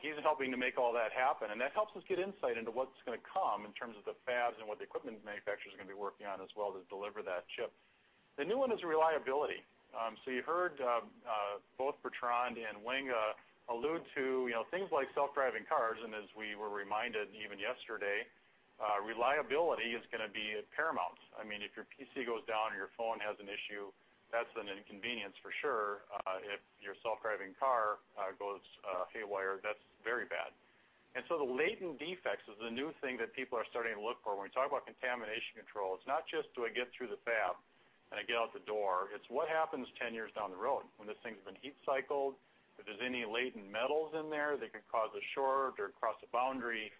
Speaker 5: He's helping to make all that happen, and that helps us get insight into what's going to come in terms of the fabs and what the equipment manufacturers are going to be working on as well to deliver that chip. The new one is reliability. You heard, both Bertrand and Wenga allude to things like self-driving cars, and as we were reminded even yesterday, reliability is going to be paramount. If your PC goes down or your phone has an issue, that's an inconvenience for sure. If your self-driving car goes haywire, that's very bad. The latent defects is the new thing that people are starting to look for. When we talk about contamination control, it's not just do I get through the fab and I get out the door, it's what happens 10 years down the road when this thing's been heat cycled, if there's any latent metals in there that could cause a short or cross a boundary,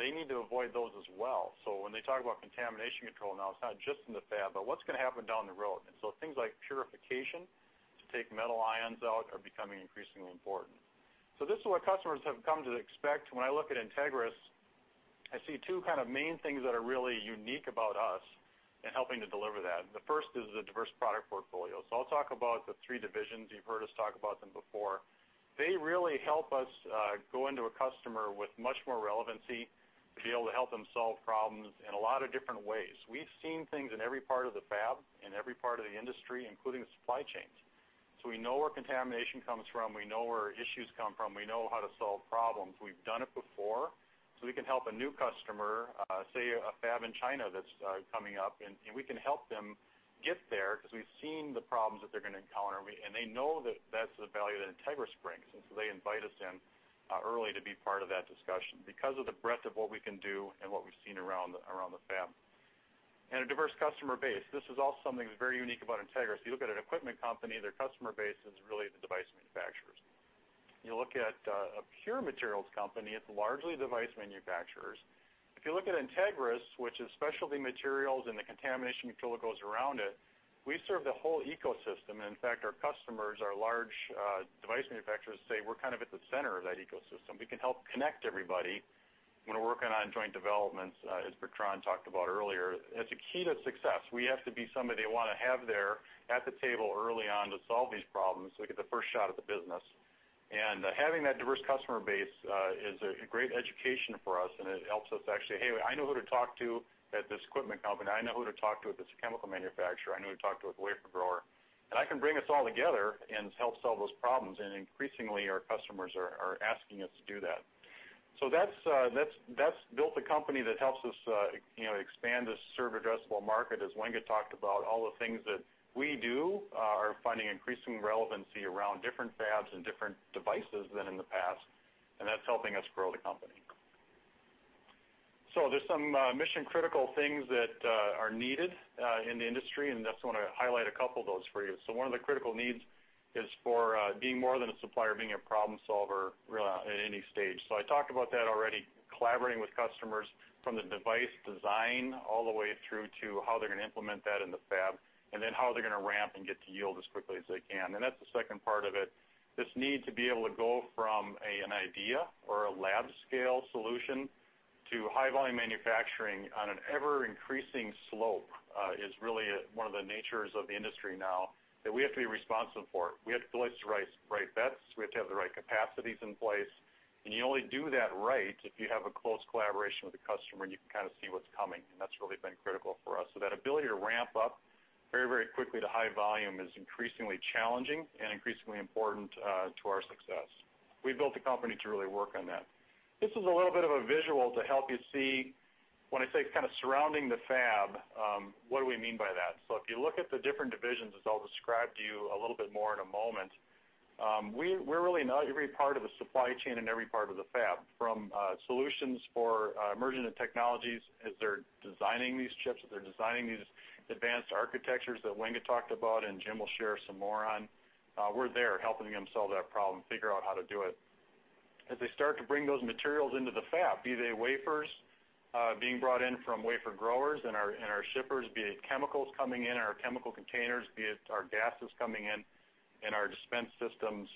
Speaker 5: they need to avoid those as well. When they talk about contamination control now, it's not just in the fab, but what's going to happen down the road. Things like purification to take metal ions out are becoming increasingly important. This is what customers have come to expect. When I look at Entegris, I see two kind of main things that are really unique about us in helping to deliver that. The first is the diverse product portfolio. I'll talk about the three divisions. You've heard us talk about them before. They really help us go into a customer with much more relevancy to be able to help them solve problems in a lot of different ways. We've seen things in every part of the fab, in every part of the industry, including the supply chains. We know where contamination comes from. We know where issues come from. We know how to solve problems. We've done it before. We can help a new customer, say a fab in China that's coming up, and we can help them get there because we've seen the problems that they're going to encounter, and they know that that's the value that Entegris brings. They invite us in early to be part of that discussion because of the breadth of what we can do and what we've seen around the fab. A diverse customer base. This is also something that's very unique about Entegris. You look at an equipment company, their customer base is really the device manufacturers. You look at a pure materials company, it's largely device manufacturers. If you look at Entegris, which is specialty materials and the contamination utilities around it, we serve the whole ecosystem. In fact, our customers, our large device manufacturers say we're kind of at the center of that ecosystem. We can help connect everybody when we're working on joint developments, as Bertrand talked about earlier. It's a key to success. We have to be somebody they want to have there at the table early on to solve these problems, so we get the first shot at the business. Having that diverse customer base is a great education for us, and it helps us actually, "Hey, I know who to talk to at this equipment company. I know who to talk to at this chemical manufacturer. I know who to talk to at the wafer grower, and I can bring us all together and help solve those problems." Increasingly, our customers are asking us to do that. That's built a company that helps us expand this served addressable market, as Wenga talked about, all the things that we do are finding increasing relevancy around different fabs and different devices than in the past, and that's helping us grow the company. There's some mission-critical things that are needed in the industry, and just want to highlight a couple of those for you. One of the critical needs is for being more than a supplier, being a problem solver really at any stage. I talked about that already, collaborating with customers from the device design all the way through to how they're going to implement that in the fab, and then how they're going to ramp and get to yield as quickly as they can. That's the second part of it. This need to be able to go from an idea or a lab scale solution to high volume manufacturing on an ever-increasing slope, is really one of the natures of the industry now that we have to be responsible for. We have to place the right bets. We have to have the right capacities in place. You only do that right if you have a close collaboration with the customer, and you can kind of see what's coming, and that's really been critical for us. That ability to ramp up very, very quickly to high volume is increasingly challenging and increasingly important to our success. We built the company to really work on that. This is a little bit of a visual to help you see when I say kind of surrounding the fab, what do we mean by that? If you look at the different divisions, as I'll describe to you a little bit more in a moment, we're really in every part of the supply chain and every part of the fab. From solutions for emerging technologies as they're designing these chips, as they're designing these advanced architectures that Wenga talked about and Jim O'Neill will share some more on, we're there helping them solve that problem, figure out how to do it. As they start to bring those materials into the fab, be they wafers, being brought in from wafer growers and our shippers, be it chemicals coming in and our chemical containers, be it our gases coming in and our dispense systems.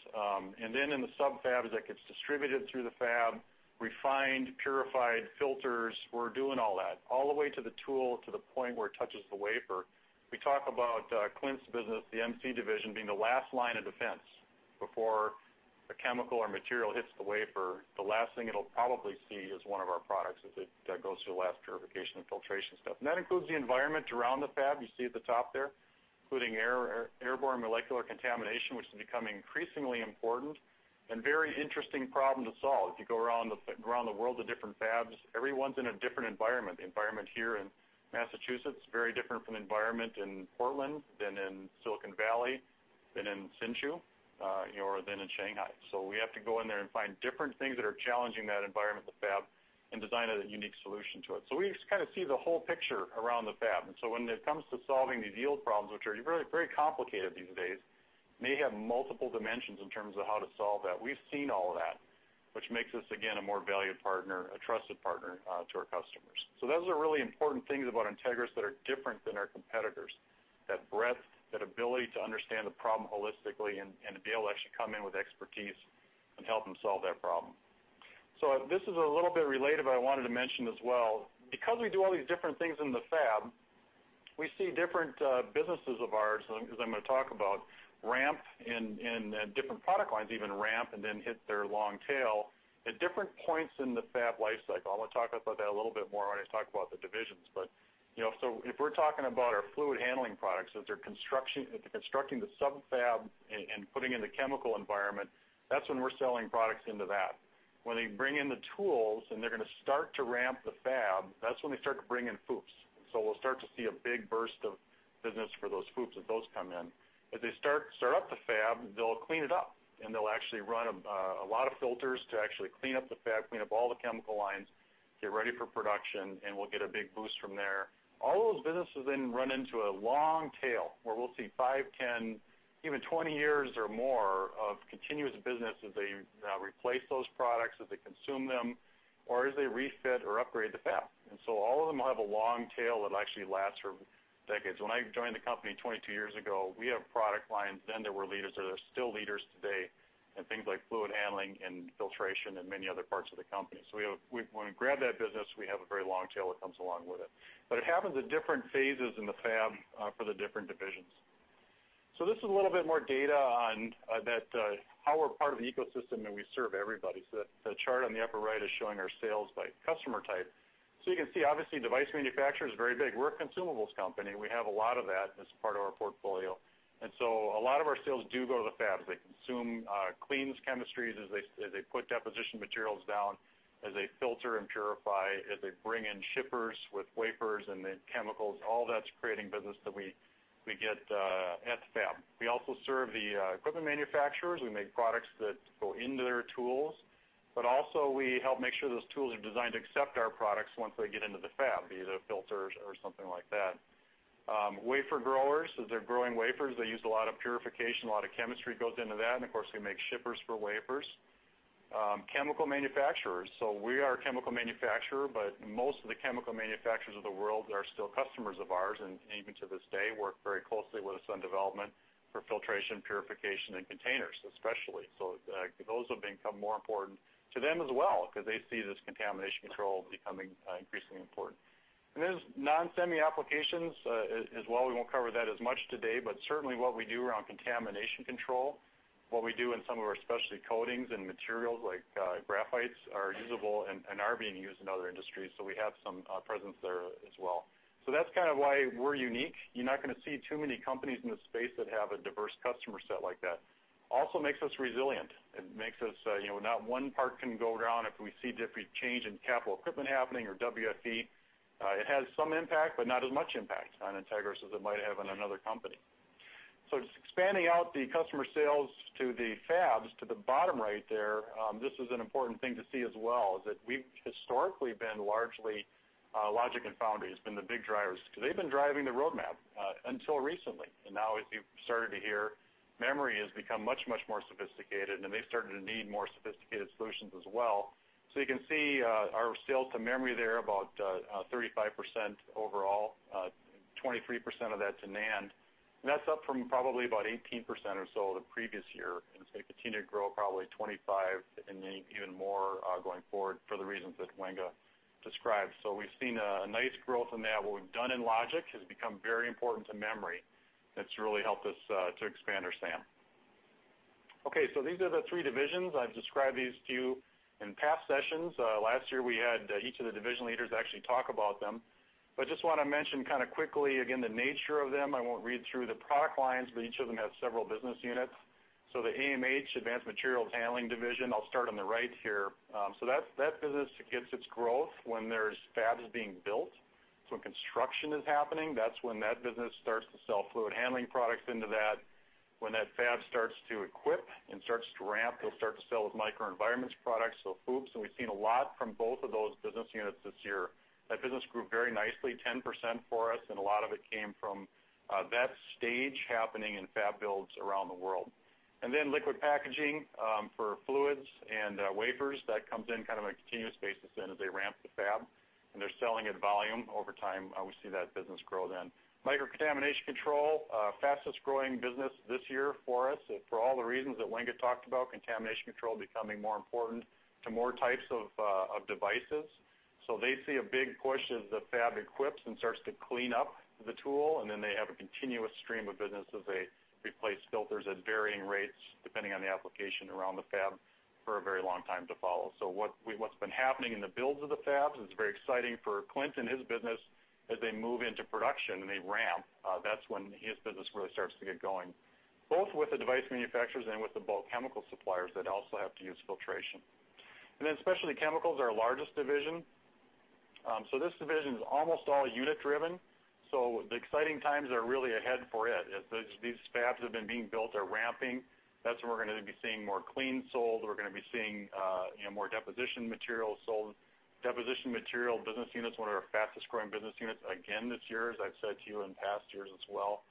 Speaker 5: Then in the sub-fab, as that gets distributed through the fab, refined, purified, filters, we're doing all that. All the way to the tool, to the point where it touches the wafer. We talk about Clint Haris's business, the MC division, being the last line of defense before a chemical or material hits the wafer. The last thing it'll probably see is one of our products as it goes through the last purification and filtration stuff. That includes the environment around the fab, you see at the top there, including airborne molecular contamination, which is becoming increasingly important and very interesting problem to solve. If you go around the world to different fabs, everyone's in a different environment. The environment here in Massachusetts is very different from the environment in Portland than in Silicon Valley than in Hsinchu, or than in Shanghai. We have to go in there and find different things that are challenging that environment of the fab, and design a unique solution to it. We kind of see the whole picture around the fab. When it comes to solving these yield problems, which are very complicated these days, may have multiple dimensions in terms of how to solve that. We've seen all of that, which makes us, again, a more valued partner, a trusted partner to our customers. Those are really important things about Entegris that are different than our competitors. That breadth, that ability to understand the problem holistically and to be able to actually come in with expertise and help them solve that problem. This is a little bit related, but I wanted to mention as well, because we do all these different things in the fab, we see different businesses of ours, as I'm going to talk about, ramp in different product lines, even ramp and then hit their long tail at different points in the fab life cycle. I want to talk about that a little bit more when I talk about the divisions, if we're talking about our fluid handling products, as they're constructing the sub-fab and putting in the chemical environment, that's when we're selling products into that. When they bring in the tools and they're going to start to ramp the fab, that's when they start to bring in FOUPs. We'll start to see a big burst of business for those FOUPs as those come in. As they start up the fab, they'll clean it up, and they'll actually run a lot of filters to actually clean up the fab, clean up all the chemical lines, get ready for production, we'll get a big boost from there. All those businesses then run into a long tail, where we'll see 5, 10, even 20 years or more of continuous business as they replace those products, as they consume them, or as they refit or upgrade the fab. All of them will have a long tail that actually lasts for decades. When I joined the company 22 years ago, we have product lines then that were leaders, that are still leaders today in things like fluid handling and filtration and many other parts of the company. When we grab that business, we have a very long tail that comes along with it. It happens at different phases in the fab for the different divisions. This is a little bit more data on how we're part of the ecosystem and we serve everybody. The chart on the upper right is showing our sales by customer type. You can see, obviously, device manufacturer is very big. We're a consumables company. We have a lot of that as part of our portfolio. A lot of our sales do go to the fabs. They consume cleans chemistries as they put deposition materials down, as they filter and purify, as they bring in shippers with wafers and then chemicals. All that's creating business that we get at the fab. We also serve the equipment manufacturers. We make products that go into their tools, but also we help make sure those tools are designed to accept our products once they get into the fab, be it filters or something like that. Wafer growers, as they're growing wafers, they use a lot of purification, a lot of chemistry goes into that, and of course, we make shippers for wafers. Chemical manufacturers, we are a chemical manufacturer, but most of the chemical manufacturers of the world are still customers of ours, and even to this day, work very closely with us on development for filtration, purification, and containers, especially. Those have become more important to them as well, because they see this contamination control becoming increasingly important. There's non-semi applications as well. We won't cover that as much today, but certainly what we do around contamination control, what we do in some of our specialty coatings and materials like graphites, are usable and are being used in other industries. We have some presence there as well. That's kind of why we're unique. You're not going to see too many companies in this space that have a diverse customer set like that. Also makes us resilient. It makes us, not one part can go down if we see change in capital equipment happening or WFE. It has some impact, but not as much impact on Entegris as it might have on another company. Just expanding out the customer sales to the fabs to the bottom right there. This is an important thing to see as well, is that we've historically been largely logic and foundry has been the big drivers, because they've been driving the roadmap, until recently. Now, as you've started to hear, memory has become much more sophisticated, and they've started to need more sophisticated solutions as well. You can see our sales to memory there about 35% overall, 23% of that to NAND. That's up from probably about 18% or so the previous year, and it's going to continue to grow probably 25% and maybe even more, going forward for the reasons that Wenga described. We've seen a nice growth in that. What we've done in logic has become very important to memory. That's really helped us to expand our SAM. These are the three divisions. I've described these to you in past sessions. Last year, we had each of the division leaders actually talk about them, but just want to mention kind of quickly, again, the nature of them. I won't read through the product lines, but each of them has several business units. The AMH, Advanced Materials Handling division, I'll start on the right here. That business gets its growth when there's fabs being built. When construction is happening, that's when that business starts to sell fluid handling products into that. When that fab starts to equip and starts to ramp, they'll start to sell those microenvironments products, FOUPs, and we've seen a lot from both of those business units this year. That business grew very nicely, 10% for us, and a lot of it came from that stage happening in fab builds around the world. Liquid packaging for fluids and wafers, that comes in kind of on a continuous basis then as they ramp the fab, and they're selling at volume over time, we see that business grow then. Microcontamination Control, fastest growing business this year for us, for all the reasons that Wenga talked about, contamination control becoming more important to more types of devices. They see a big push as the fab equips and starts to clean up the tool, and then they have a continuous stream of business as they replace filters at varying rates, depending on the application around the fab, for a very long time to follow. What's been happening in the builds of the fabs is very exciting for Clint and his business as they move into production and they ramp. That's when his business really starts to get going, both with the device manufacturers and with the bulk chemical suppliers that also have to use filtration. Specialty Chemicals, our largest division. This division is almost all unit driven, the exciting times are really ahead for it. As these fabs have been being built are ramping, that's when we're going to be seeing more clean sold, we're going to be seeing more deposition material sold. Deposition material business unit is one of our fastest growing business units again this year, as I've said to you in past years as well.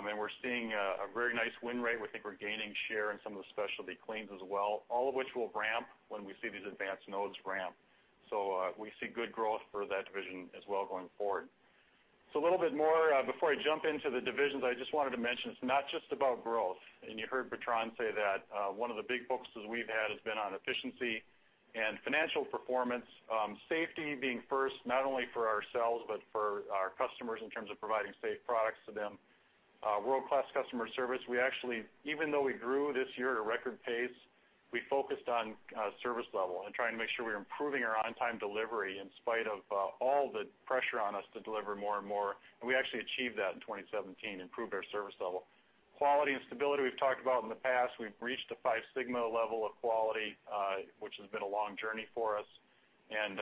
Speaker 5: We're seeing a very nice win rate. We think we're gaining share in some of the specialty cleans as well, all of which will ramp when we see these advanced nodes ramp. We see good growth for that division as well going forward. A little bit more, before I jump into the divisions, I just wanted to mention, it's not just about growth. You heard Bertrand say that one of the big focuses we've had has been on efficiency and financial performance, safety being first, not only for ourselves, but for our customers in terms of providing safe products to them. World-class customer service. We actually, even though we grew this year at a record pace, we focused on service level and trying to make sure we're improving our on-time delivery in spite of all the pressure on us to deliver more and more. We actually achieved that in 2017, improved our service level. Quality and stability, we've talked about in the past. We've reached a 5 sigma level of quality, which has been a long journey for us, and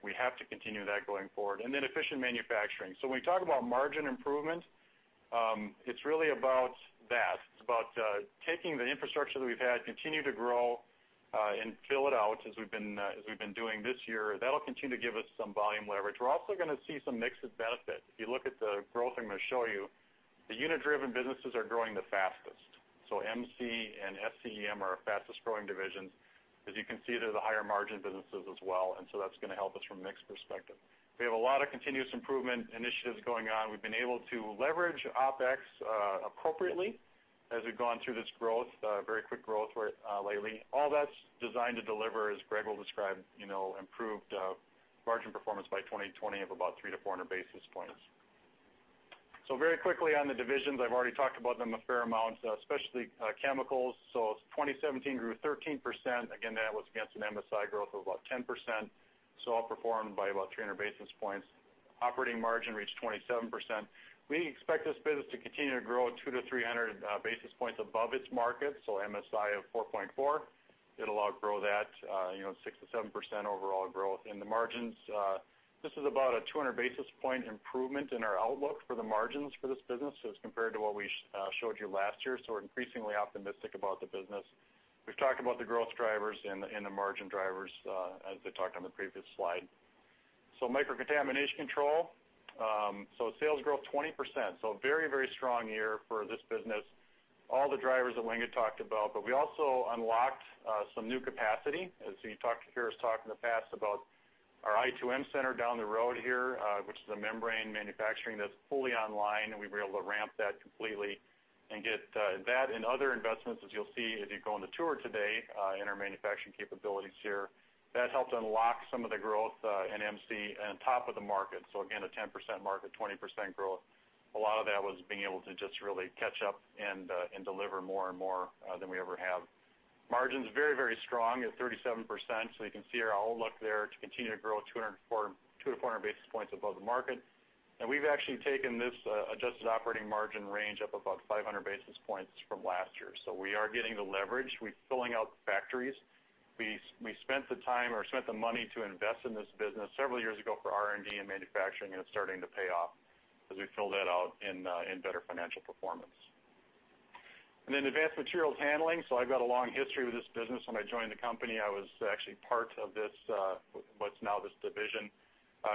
Speaker 5: we have to continue that going forward. Efficient manufacturing. When we talk about margin improvement, it's really about that. It's about taking the infrastructure that we've had, continue to grow, and fill it out as we've been doing this year. That'll continue to give us some volume leverage. We're also going to see some mix of benefit. If you look at the growth I'm going to show you, the unit-driven businesses are growing the fastest. MC and SCEM are our fastest-growing divisions. As you can see, they're the higher margin businesses as well, that's going to help us from a mix perspective. We have a lot of continuous improvement initiatives going on. We've been able to leverage OpEx appropriately as we've gone through this growth, very quick growth lately. All that's designed to deliver, as Greg will describe, improved margin performance by 2020 of about 300 to 400 basis points. Very quickly on the divisions, I've already talked about them a fair amount, especially chemicals. 2017 grew 13%. Again, that was against an MSI growth of about 10%, outperformed by about 300 basis points. Operating margin reached 27%. We expect this business to continue to grow at 200 to 300 basis points above its market. MSI of 4.4, it'll outgrow that, 6% to 7% overall growth in the margins. This is about a 200 basis point improvement in our outlook for the margins for this business as compared to what we showed you last year. We're increasingly optimistic about the business. We've talked about the growth drivers and the margin drivers, as I talked on the previous slide. Microcontamination Control. Sales growth 20%, a very strong year for this business. All the drivers that Wenga talked about, but we also unlocked some new capacity. As you hear us talk in the past about our i2M center down the road here, which is the membrane manufacturing that's fully online, we were able to ramp that completely and get that and other investments, as you'll see if you go on the tour today in our manufacturing capabilities here. That helped unlock some of the growth in MC on top of the market. Again, a 10% market, 20% growth. A lot of that was being able to just really catch up and deliver more and more than we ever have. Margins very strong at 37%, you can see our outlook there to continue to grow 200 to 400 basis points above the market. We've actually taken this adjusted operating margin range up about 500 basis points from last year. We are getting the leverage. We're filling out the factories. We spent the time or spent the money to invest in this business several years ago for R&D and manufacturing, it's starting to pay off as we fill that out in better financial performance. Advanced Materials Handling. I've got a long history with this business. When I joined the company, I was actually part of what's now this division.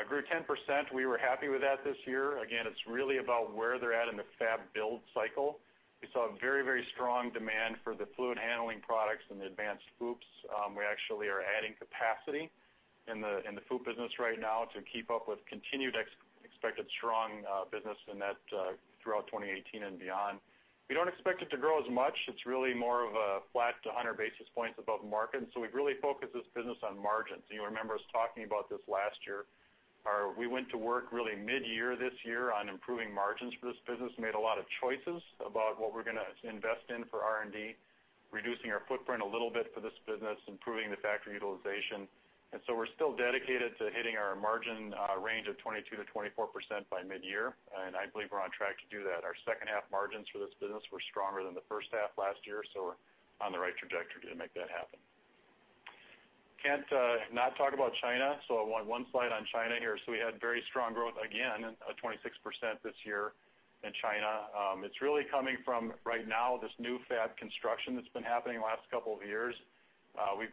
Speaker 5: Grew 10%. We were happy with that this year. Again, it's really about where they're at in the fab build cycle. We saw very strong demand for the fluid handling products and the advanced FOUPs. We actually are adding capacity in the FOUP business right now to keep up with continued expected strong business in that throughout 2018 and beyond. We don't expect it to grow as much. It's really more of a flat to 100 basis points above market. We've really focused this business on margins. You remember us talking about this last year. We went to work really mid-year this year on improving margins for this business, made a lot of choices about what we're going to invest in for R&D, reducing our footprint a little bit for this business, improving the factory utilization. We're still dedicated to hitting our margin range of 22%-24% by mid-year, and I believe we're on track to do that. Our second half margins for this business were stronger than the first half last year, so we're on the right trajectory to make that happen. Can't not talk about China, I want one slide on China here. We had very strong growth again, 26% this year in China. It's really coming from, right now, this new fab construction that's been happening the last couple of years. We've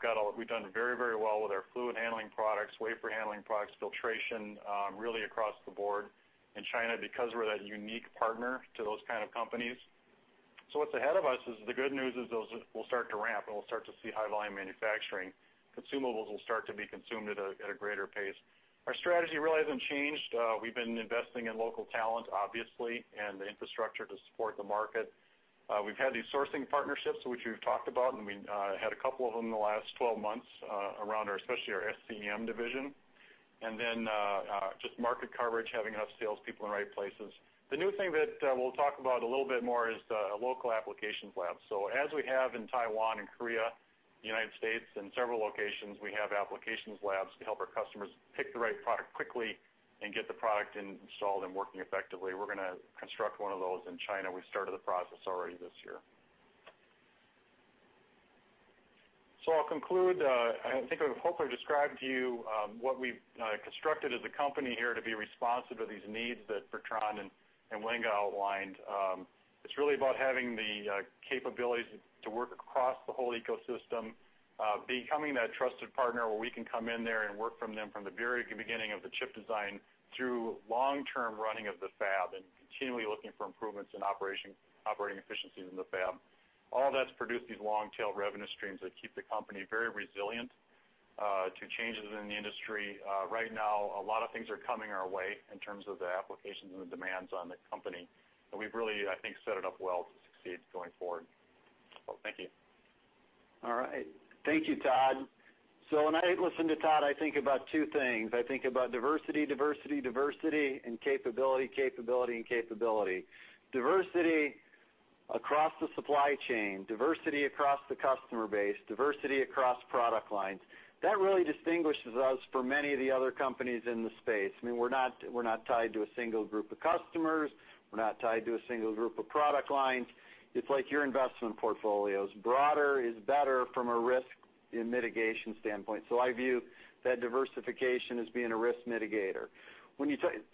Speaker 5: done very well with our fluid handling products, wafer handling products, filtration, really across the board in China, because we're that unique partner to those kind of companies. What's ahead of us is the good news is those will start to ramp, and we'll start to see high volume manufacturing. Consumables will start to be consumed at a greater pace. Our strategy really hasn't changed. We've been investing in local talent, obviously, and the infrastructure to support the market. We've had these sourcing partnerships, which we've talked about, and we had a couple of them in the last 12 months around especially our SCEM division. Just market coverage, having enough salespeople in the right places. The new thing that we'll talk about a little bit more is the local applications lab. As we have in Taiwan and Korea, U.S., and several locations, we have applications labs to help our customers pick the right product quickly and get the product installed and working effectively. We're going to construct one of those in China. We started the process already this year. I'll conclude. I think I've hopefully described to you what we've constructed as a company here to be responsive to these needs that Bertrand and Wenga outlined. It's really about having the capabilities to work across the whole ecosystem, becoming that trusted partner where we can come in there and work from them from the very beginning of the chip design through long-term running of the fab and continually looking for improvements in operating efficiencies in the fab. All that's produced these long-tail revenue streams that keep the company very resilient to changes in the industry. Right now, a lot of things are coming our way in terms of the applications and the demands on the company, we've really, I think, set it up well to succeed going forward. Thank you.
Speaker 3: All right. Thank you, Todd. When I listen to Todd, I think about two things. I think about diversity, diversity and capability, and capability. Diversity across the supply chain, diversity across the customer base, diversity across product lines. That really distinguishes us from many of the other companies in the space. We're not tied to a single group of customers. We're not tied to a single group of product lines. It's like your investment portfolios. Broader is better from a risk and mitigation standpoint. I view that diversification as being a risk mitigator.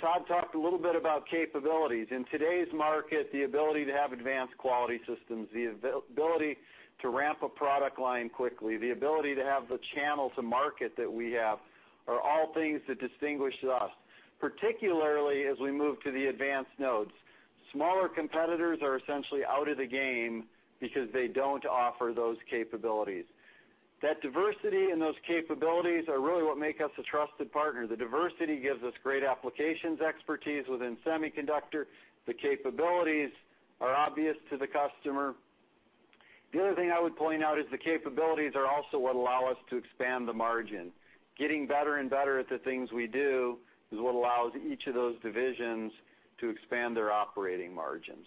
Speaker 3: Todd talked a little bit about capabilities. In today's market, the ability to have advanced quality systems, the ability to ramp a product line quickly, the ability to have the channel to market that we have are all things that distinguish us, particularly as we move to the advanced nodes. Smaller competitors are essentially out of the game because they don't offer those capabilities. That diversity and those capabilities are really what make us a trusted partner. The diversity gives us great applications expertise within semiconductor. The capabilities are obvious to the customer. The other thing I would point out is the capabilities are also what allow us to expand the margin. Getting better and better at the things we do is what allows each of those divisions to expand their operating margins.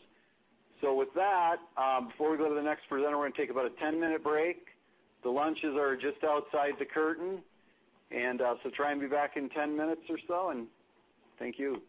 Speaker 3: With that, before we go to the next presenter, we're going to take about a 10-minute break. The lunches are just outside the curtain. Try and be back in 10 minutes or so, thank you.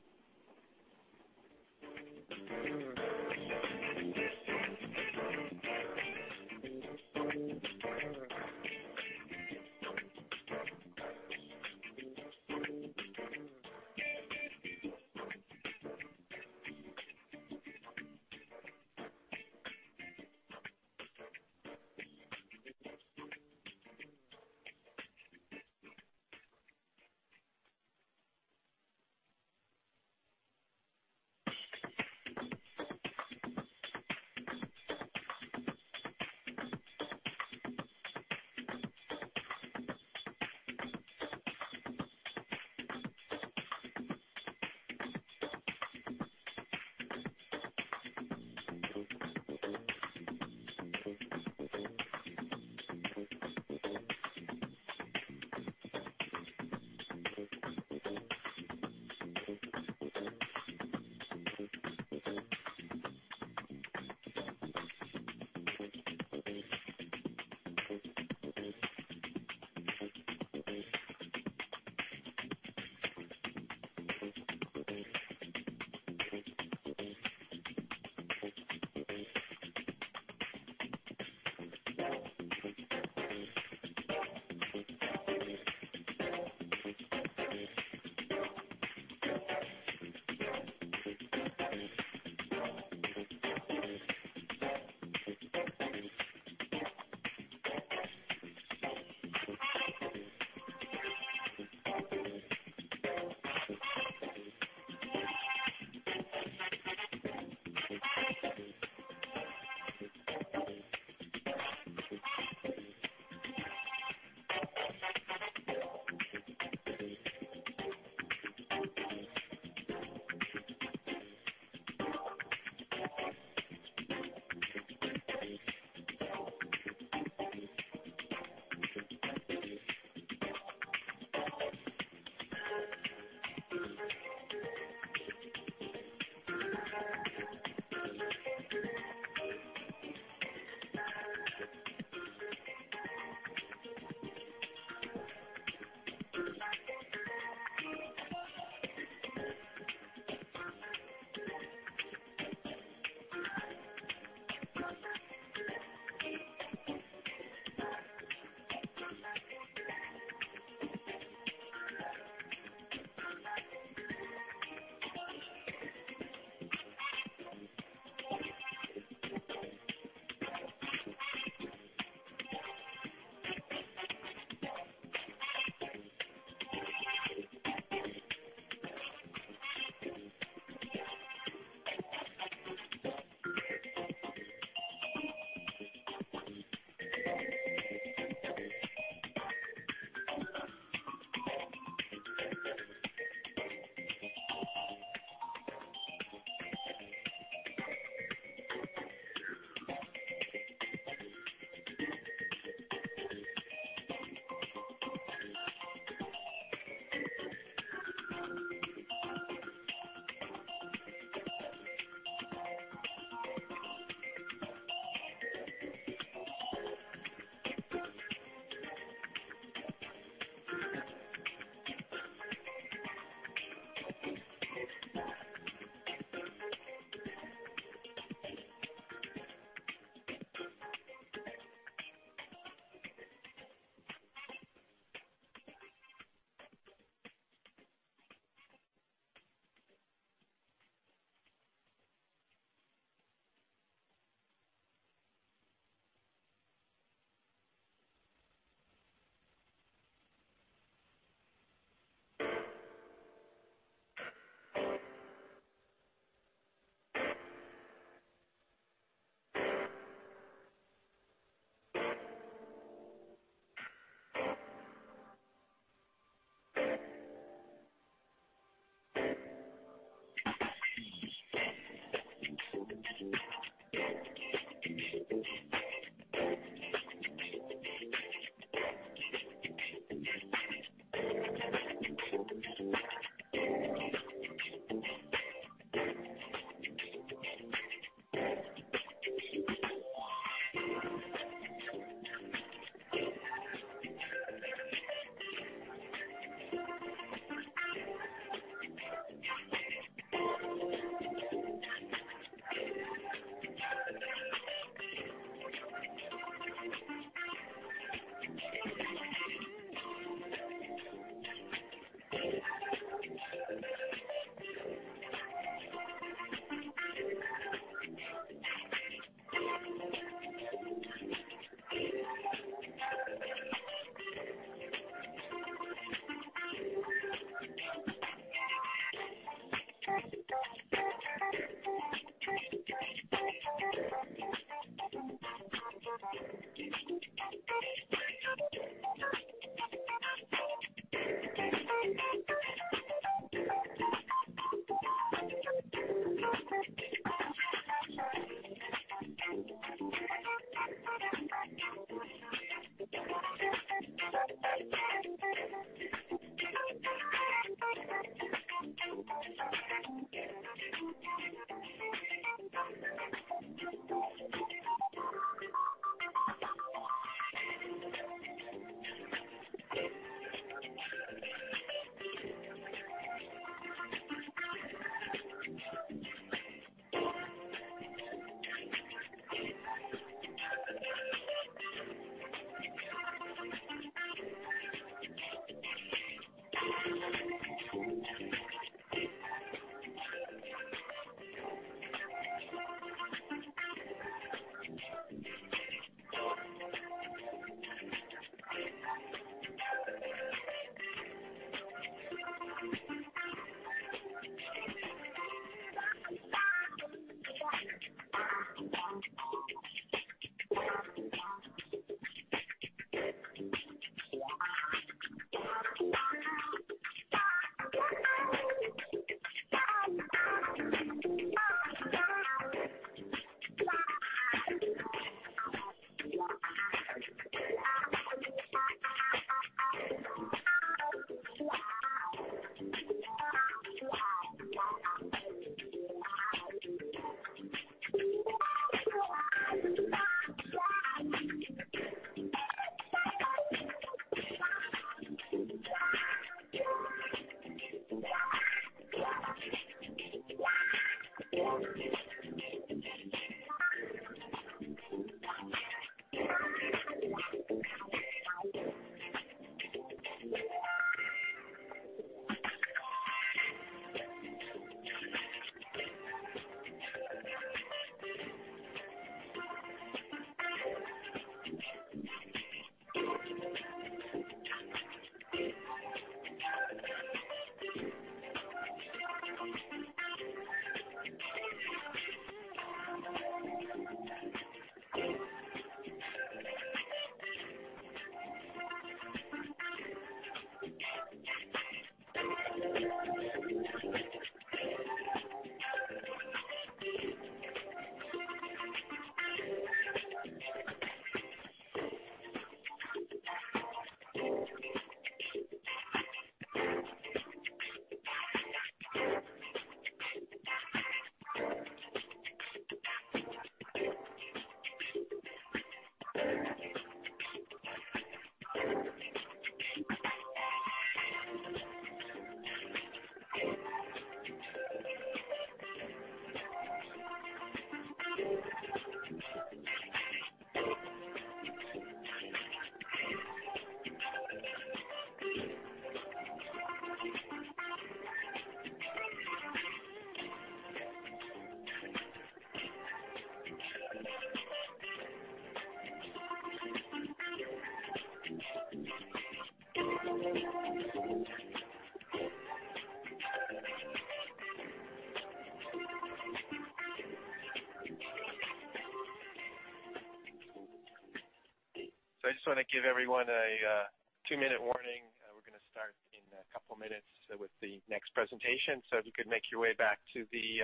Speaker 1: I just want to give everyone a two-minute warning. We're going to start in a couple of minutes with the next presentation, if you could make your way back to the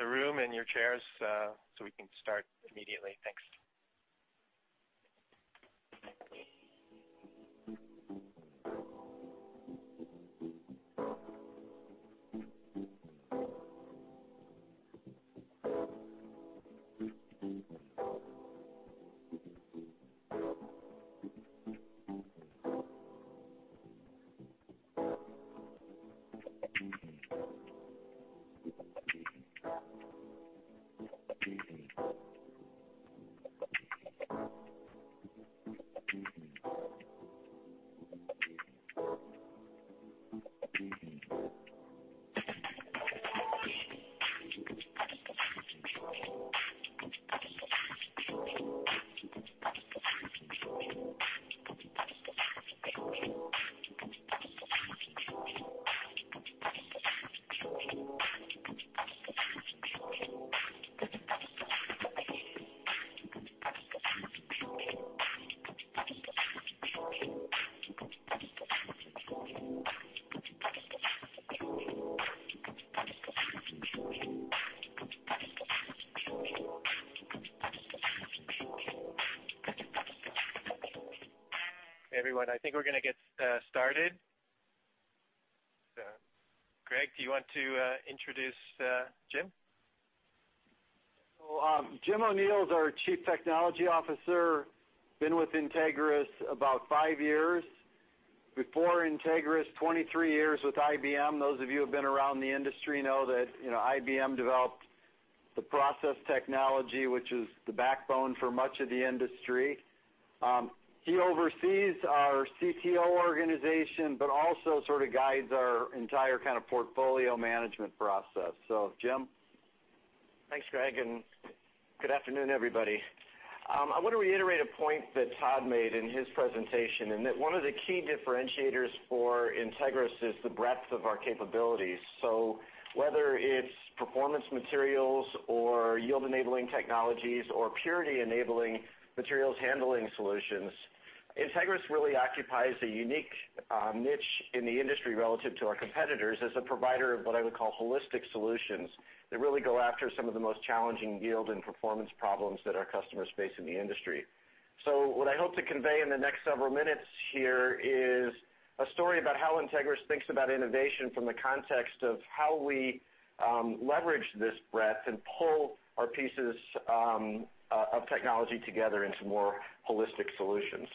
Speaker 1: room and your chairs, we can start immediately. Thanks. Okay, everyone. I think we're going to get started. Greg, do you want to introduce Jim?
Speaker 3: Jim O'Neill is our Chief Technology Officer, been with Entegris about five years. Before Entegris, 23 years with IBM. Those of you who have been around the industry know that IBM developed the process technology, which is the backbone for much of the industry. He oversees our CTO organization, but also sort of guides our entire portfolio management process. Jim.
Speaker 6: Thanks, Greg, and good afternoon, everybody. I want to reiterate point that Todd made in his presentation, in that one of the key differentiators for Entegris is the breadth of our capabilities. Whether it's performance materials or yield-enabling technologies or purity-enabling materials handling solutions, Entegris really occupies a unique niche in the industry relative to our competitors as a provider of what I would call holistic solutions that really go after some of the most challenging yield and performance problems that our customers face in the industry. What I hope to convey in the next several minutes here is a story about how Entegris thinks about innovation from the context of how we leverage this breadth and pull our pieces of technology together into more holistic solutions.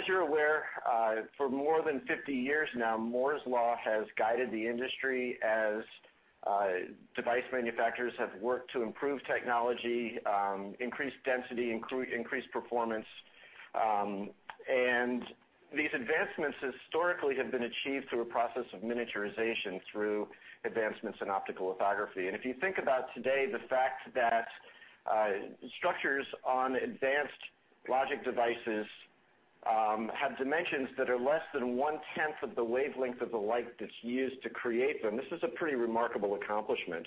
Speaker 6: As you're aware, for more than 50 years now, Moore's Law has guided the industry as device manufacturers have worked to improve technology, increase density, increase performance. These advancements historically have been achieved through a process of miniaturization through advancements in optical lithography. If you think about today, the fact that structures on advanced logic devices have dimensions that are less than one tenth of the wavelength of the light that's used to create them, this is a pretty remarkable accomplishment.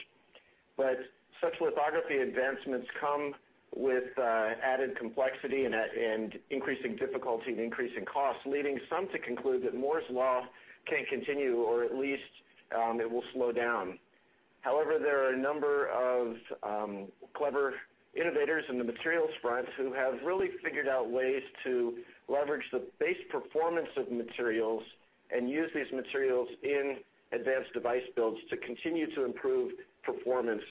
Speaker 6: Such lithography advancements come with added complexity and increasing difficulty and increasing costs, leading some to conclude that Moore's Law can't continue, or at least it will slow down. However, there are a number of clever innovators in the materials front who have really figured out ways to leverage the base performance of materials and use these materials in advanced device builds to continue to improve performance,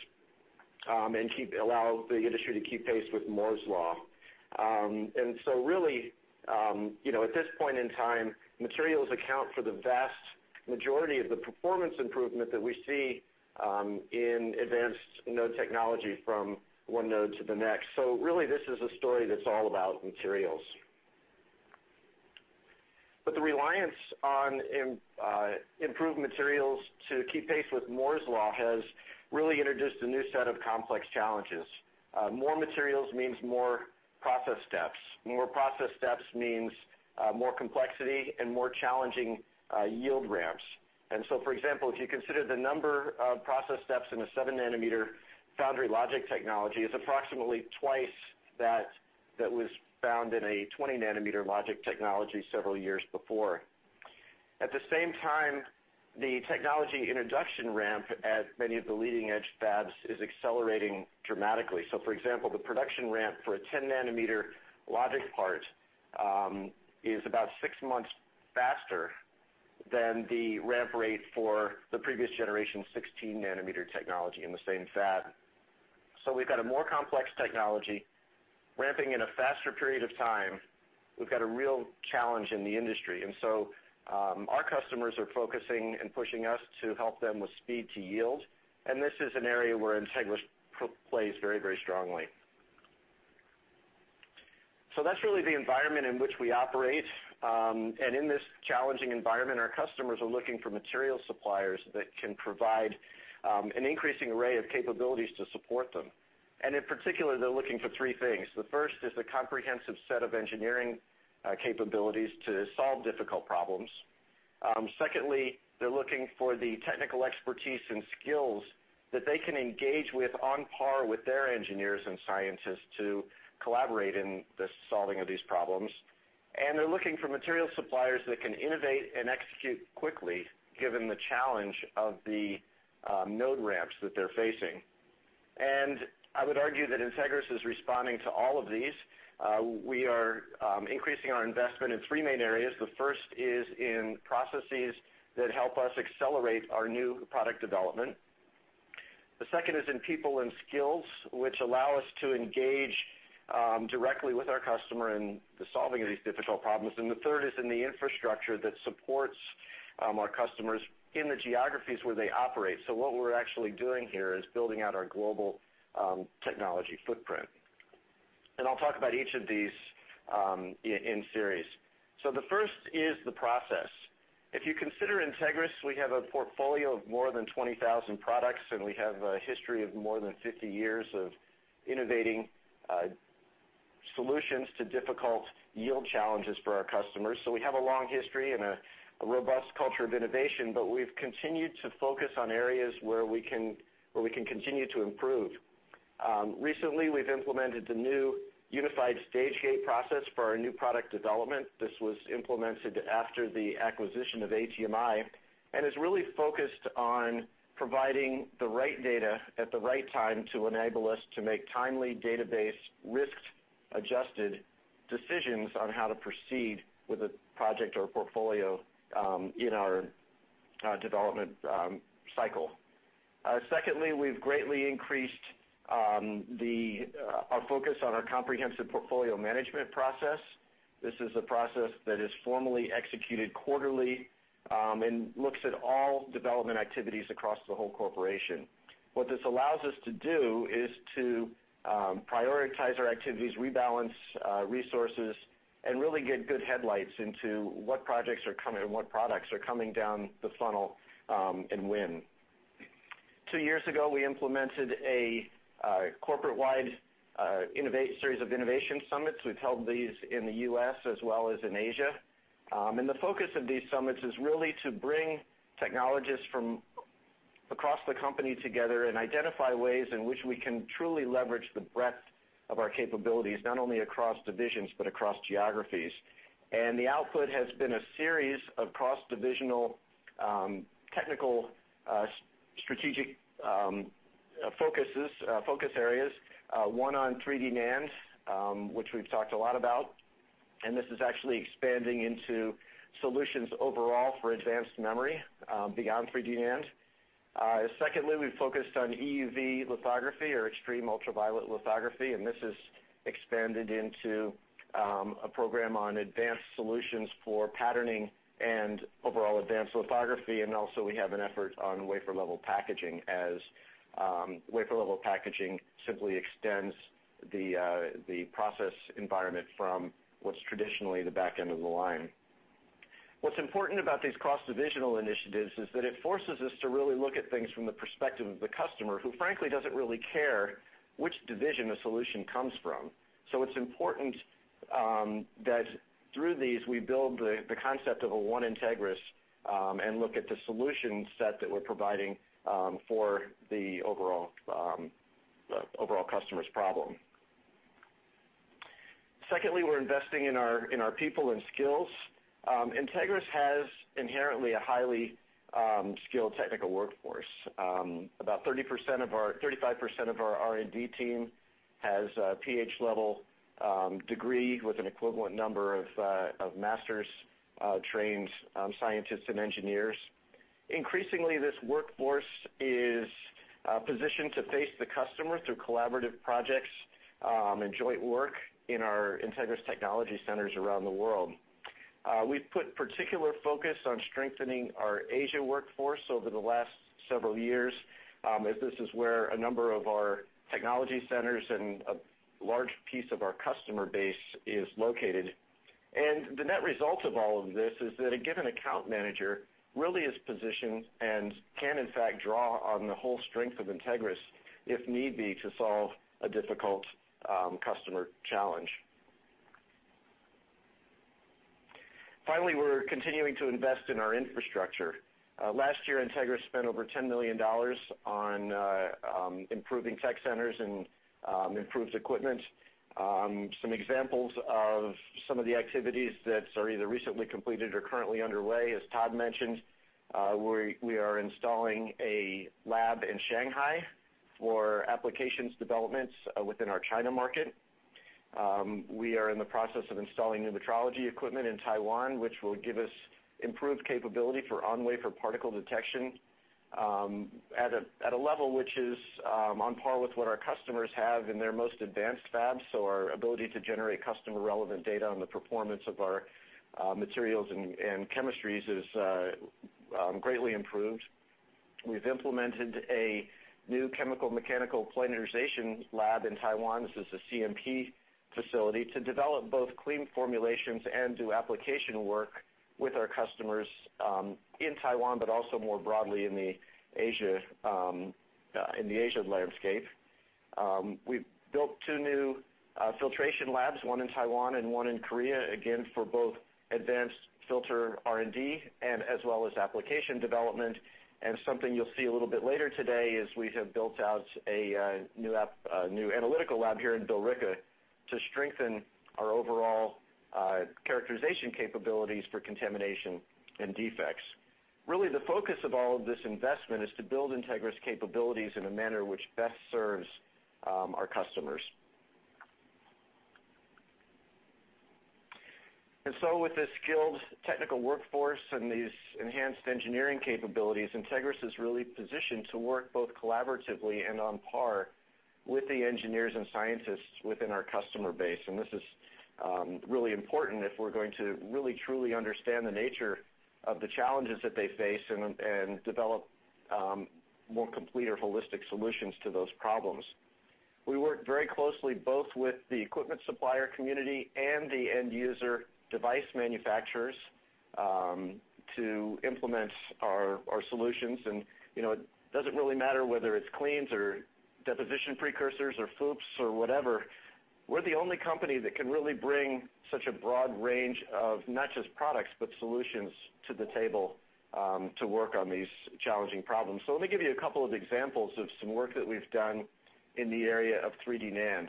Speaker 6: and allow the industry to keep pace with Moore's Law. Really, at this point in time, materials account for the vast majority of the performance improvement that we see in advanced node technology from one node to the next. Really, this is a story that's all about materials. The reliance on improved materials to keep pace with Moore's Law has really introduced a new set of complex challenges. More materials means more process steps. More process steps means more complexity and more challenging yield ramps. For example, if you consider the number of process steps in a seven nanometer foundry logic technology, it's approximately twice that was found in a 20 nanometer logic technology several years before. The same time, the technology introduction ramp at many of the leading-edge fabs is accelerating dramatically. For example, the production ramp for a 10 nanometer logic part is about six months faster than the ramp rate for the previous generation 16 nanometer technology in the same fab. We've got a more complex technology ramping in a faster period of time. We've got a real challenge in the industry. Our customers are focusing and pushing us to help them with speed to yield, and this is an area where Entegris plays very strongly. That's really the environment in which we operate. In this challenging environment, our customers are looking for material suppliers that can provide an increasing array of capabilities to support them. In particular, they're looking for three things. The first is a comprehensive set of engineering capabilities to solve difficult problems. Secondly, they're looking for the technical expertise and skills that they can engage with on par with their engineers and scientists to collaborate in the solving of these problems. They're looking for material suppliers that can innovate and execute quickly, given the challenge of the node ramps that they're facing. I would argue that Entegris is responding to all of these. We are increasing our investment in three main areas. The first is in processes that help us accelerate our new product development. The second is in people and skills, which allow us to engage directly with our customer in the solving of these difficult problems. The third is in the infrastructure that supports our customers in the geographies where they operate. What we're actually doing here is building out our global technology footprint. I'll talk about each of these in series. The first is the process. If you consider Entegris, we have a portfolio of more than 20,000 products, and we have a history of more than 50 years of innovating solutions to difficult yield challenges for our customers. We have a long history and a robust culture of innovation, but we've continued to focus on areas where we can continue to improve. Recently, we've implemented the new unified stage gate process for our new product development. This was implemented after the acquisition of ATMI, and is really focused on providing the right data at the right time to enable us to make timely database risk-adjusted decisions on how to proceed with a project or portfolio in our development cycle. Secondly, we've greatly increased our focus on our comprehensive portfolio management process. This is a process that is formally executed quarterly and looks at all development activities across the whole corporation. What this allows us to do is to prioritize our activities, rebalance resources, and really get good headlights into what projects are coming and what products are coming down the funnel, and when. Two years ago, we implemented a corporate-wide series of innovation summits. We've held these in the U.S. as well as in Asia. The focus of these summits is really to bring technologists from across the company together and identify ways in which we can truly leverage the breadth of our capabilities, not only across divisions but across geographies. The output has been a series of cross-divisional, technical, strategic focus areas, one on 3D NAND, which we've talked a lot about. This is actually expanding into solutions overall for advanced memory beyond 3D NAND. Secondly, we've focused on EUV lithography or extreme ultraviolet lithography, and this has expanded into a program on advanced solutions for patterning and overall advanced lithography. Also we have an effort on wafer level packaging as wafer level packaging simply extends the process environment from what's traditionally the back end of the line. What's important about these cross-divisional initiatives is that it forces us to really look at things from the perspective of the customer, who frankly doesn't really care which division a solution comes from. It's important that through these, we build the concept of a one Entegris, and look at the solution set that we're providing for the overall customer's problem. Secondly, we're investing in our people and skills. Entegris has inherently a highly skilled technical workforce. About 35% of our R&D team has a Ph.D. level degree with an equivalent number of master's-trained scientists and engineers. Increasingly, this workforce is positioned to face the customer through collaborative projects and joint work in our Entegris technology centers around the world. We've put particular focus on strengthening our Asia workforce over the last several years, as this is where a number of our technology centers and a large piece of our customer base is located. The net result of all of this is that a given account manager really is positioned and can in fact draw on the whole strength of Entegris, if need be, to solve a difficult customer challenge. Finally, we're continuing to invest in our infrastructure. Last year, Entegris spent over $10 million on improving tech centers and improved equipment. Some examples of some of the activities that are either recently completed or currently underway, as Todd mentioned, we are installing a lab in Shanghai for applications developments within our China market. We are in the process of installing new metrology equipment in Taiwan, which will give us improved capability for on-wafer particle detection, at a level which is on par with what our customers have in their most advanced fabs. Our ability to generate customer relevant data on the performance of our materials and chemistries is greatly improved. We've implemented a new chemical mechanical planarization lab in Taiwan. This is a CMP facility to develop both clean formulations and do application work with our customers in Taiwan, but also more broadly in the Asia landscape. We've built two new filtration labs, one in Taiwan and one in Korea, again, for both advanced filter R&D as well as application development. Something you'll see a little bit later today is we have built out a new analytical lab here in Billerica to strengthen our overall characterization capabilities for contamination and defects. The focus of all of this investment is to build Entegris capabilities in a manner which best serves our customers. With this skilled technical workforce and these enhanced engineering capabilities, Entegris is really positioned to work both collaboratively and on par with the engineers and scientists within our customer base. This is really important if we're going to really, truly understand the nature of the challenges that they face and develop more complete or holistic solutions to those problems. We work very closely both with the equipment supplier community and the end user device manufacturers to implement our solutions. It doesn't really matter whether it's cleans or deposition precursors or FOUPs or whatever. We're the only company that can really bring such a broad range of not just products, but solutions to the table, to work on these challenging problems. Let me give you a couple of examples of some work that we've done in the area of 3D NAND.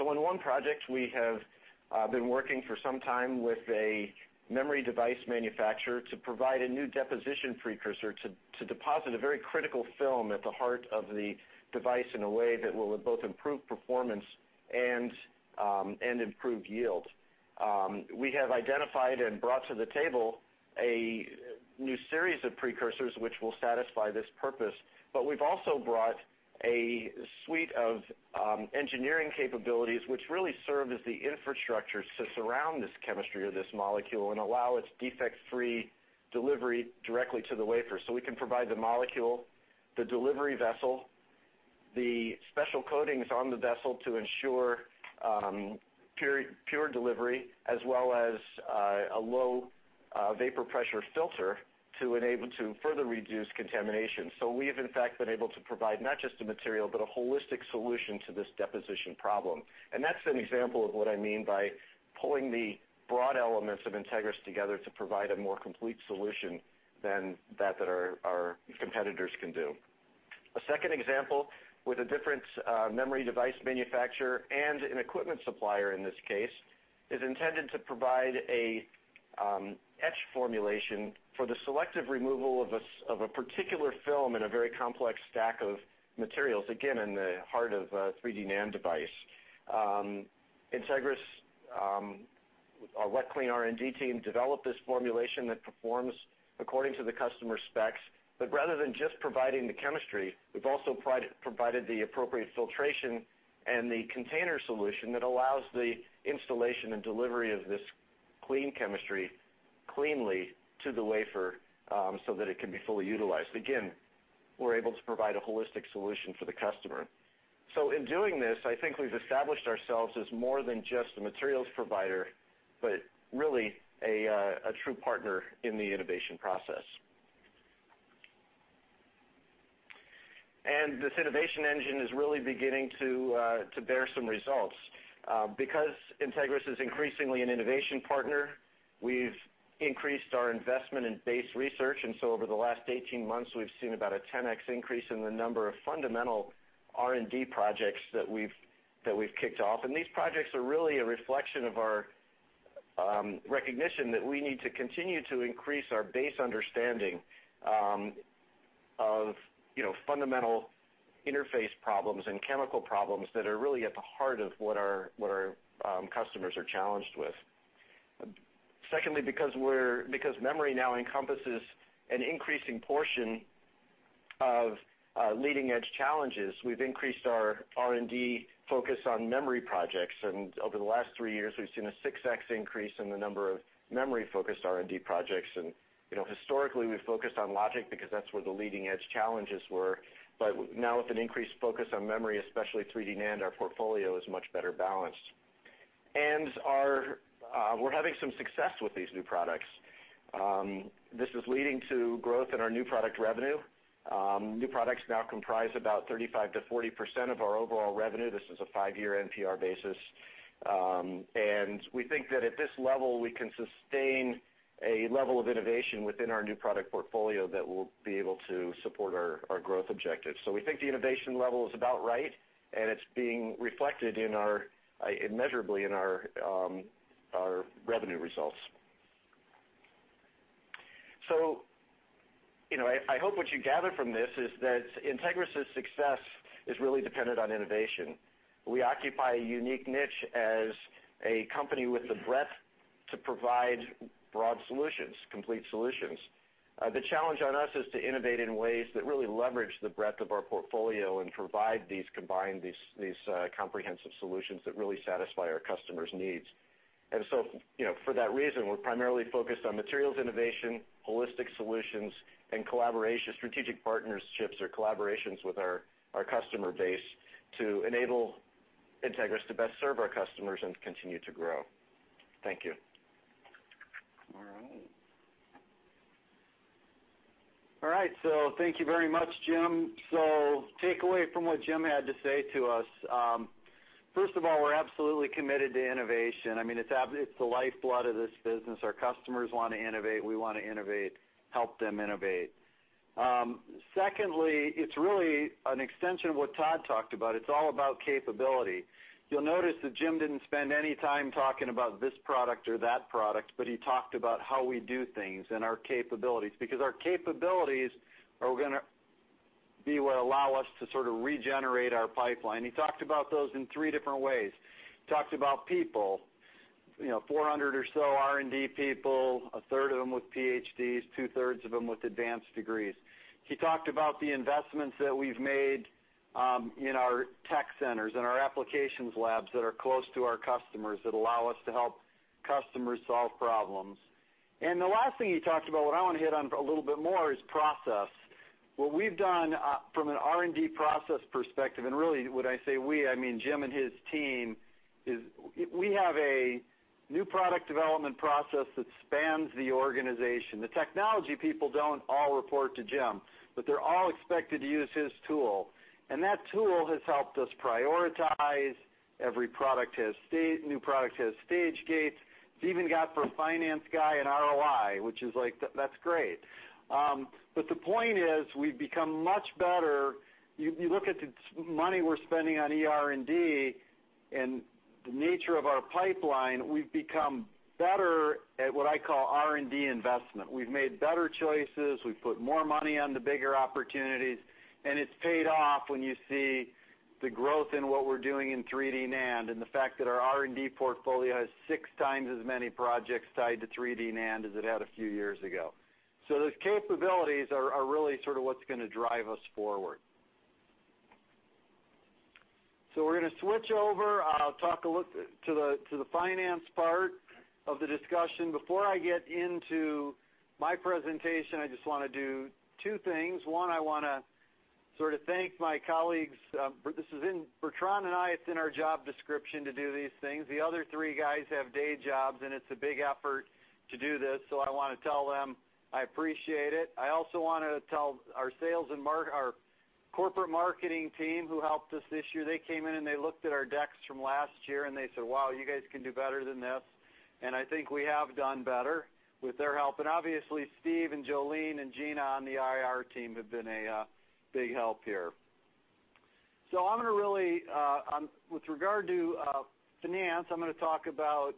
Speaker 6: On one project, we have been working for some time with a memory device manufacturer to provide a new deposition precursor to deposit a very critical film at the heart of the device in a way that will both improve performance and improve yield. We have identified and brought to the table a new series of precursors which will satisfy this purpose, but we've also brought a suite of engineering capabilities which really serve as the infrastructure to surround this chemistry or this molecule and allow its defect-free delivery directly to the wafer, so we can provide the molecule, the delivery vessel, the special coatings on the vessel to ensure pure delivery, as well as a low vapor pressure filter to enable to further reduce contamination. We have, in fact, been able to provide not just a material, but a holistic solution to this deposition problem. That's an example of what I mean by pulling the broad elements of Entegris together to provide a more complete solution than that our competitors can do. A second example with a different memory device manufacturer and an equipment supplier, in this case, is intended to provide an etch formulation for the selective removal of a particular film in a very complex stack of materials, again, in the heart of a 3D NAND device. Entegris, our Wet Clean R&D team, developed this formulation that performs according to the customer specs. Rather than just providing the chemistry, we've also provided the appropriate filtration and the container solution that allows the installation and delivery of this clean chemistry cleanly to the wafer so that it can be fully utilized. Again, we're able to provide a holistic solution for the customer. In doing this, I think we've established ourselves as more than just a materials provider, but really a true partner in the innovation process. This innovation engine is really beginning to bear some results. Entegris is increasingly an innovation partner, we've increased our investment in base research, and so over the last 18 months, we've seen about a 10x increase in the number of fundamental R&D projects that we've kicked off. These projects are really a reflection of our recognition that we need to continue to increase our base understanding of fundamental interface problems and chemical problems that are really at the heart of what our customers are challenged with. Secondly, because memory now encompasses an increasing portion of leading-edge challenges, we've increased our R&D focus on memory projects. Over the last three years, we've seen a 6x increase in the number of memory-focused R&D projects. Historically, we've focused on logic because that's where the leading-edge challenges were. Now, with an increased focus on memory, especially 3D NAND, our portfolio is much better balanced. We're having some success with these new products. This is leading to growth in our new product revenue. New products now comprise about 35%-40% of our overall revenue. This is a five-year NPR basis. We think that at this level, we can sustain a level of innovation within our new product portfolio that will be able to support our growth objectives. We think the innovation level is about right, and it's being reflected immeasurably in our revenue results. I hope what you gather from this is that Entegris' success is really dependent on innovation. We occupy a unique niche as a company with the breadth to provide broad solutions, complete solutions. The challenge on us is to innovate in ways that really leverage the breadth of our portfolio and provide these combined, these comprehensive solutions that really satisfy our customers' needs. For that reason, we're primarily focused on materials innovation, holistic solutions, and strategic partnerships or collaborations with our customer base to enable Entegris to best serve our customers and continue to grow. Thank you.
Speaker 3: All right. Thank you very much, Jim. Take away from what Jim had to say to us. First of all, we're absolutely committed to innovation. I mean, it's the lifeblood of this business. Our customers want to innovate. We want to innovate, help them innovate. Secondly, it's really an extension of what Todd talked about. It's all about capability. You'll notice that Jim didn't spend any time talking about this product or that product, but he talked about how we do things and our capabilities, because our capabilities are going to be what allow us to sort of regenerate our pipeline. He talked about those in three different ways. He talked about people, 400 or so R&D people, a third of them with PhDs, two-thirds of them with advanced degrees. He talked about the investments that we've made in our tech centers and our applications labs that are close to our customers, that allow us to help customers solve problems. The last thing he talked about, what I want to hit on a little bit more, is process. What we've done from an R&D process perspective, and really, when I say we, I mean Jim and his team, is we have a new product development process that spans the organization. The technology people don't all report to Jim, but they're all expected to use his tool. That tool has helped us prioritize. Every new product has stage gates. It's even got for a finance guy an ROI, which is like, that's great. The point is, we've become much better. You look at the money we're spending on ER&D and the nature of our pipeline, we've become better at what I call R&D investment. We've made better choices. We've put more money on the bigger opportunities, and it's paid off when you see the growth in what we're doing in 3D NAND and the fact that our R&D portfolio has six times as many projects tied to 3D NAND as it had a few years ago. Those capabilities are really sort of what's going to drive us forward. We're going to switch over. I'll talk a look to the finance part of the discussion. Before I get into my presentation, I just want to do two things. One, I want to thank my colleagues. Bertrand and I, it's in our job description to do these things. The other three guys have day jobs, and it's a big effort to do this, I want to tell them I appreciate it. I also want to tell our corporate marketing team who helped us this year. They came in and they looked at our decks from last year, and they said, "Wow, you guys can do better than this." I think we have done better with their help. Obviously, Steve and Jolene and Gina on the IR team have been a big help here. With regard to finance, I'm going to talk about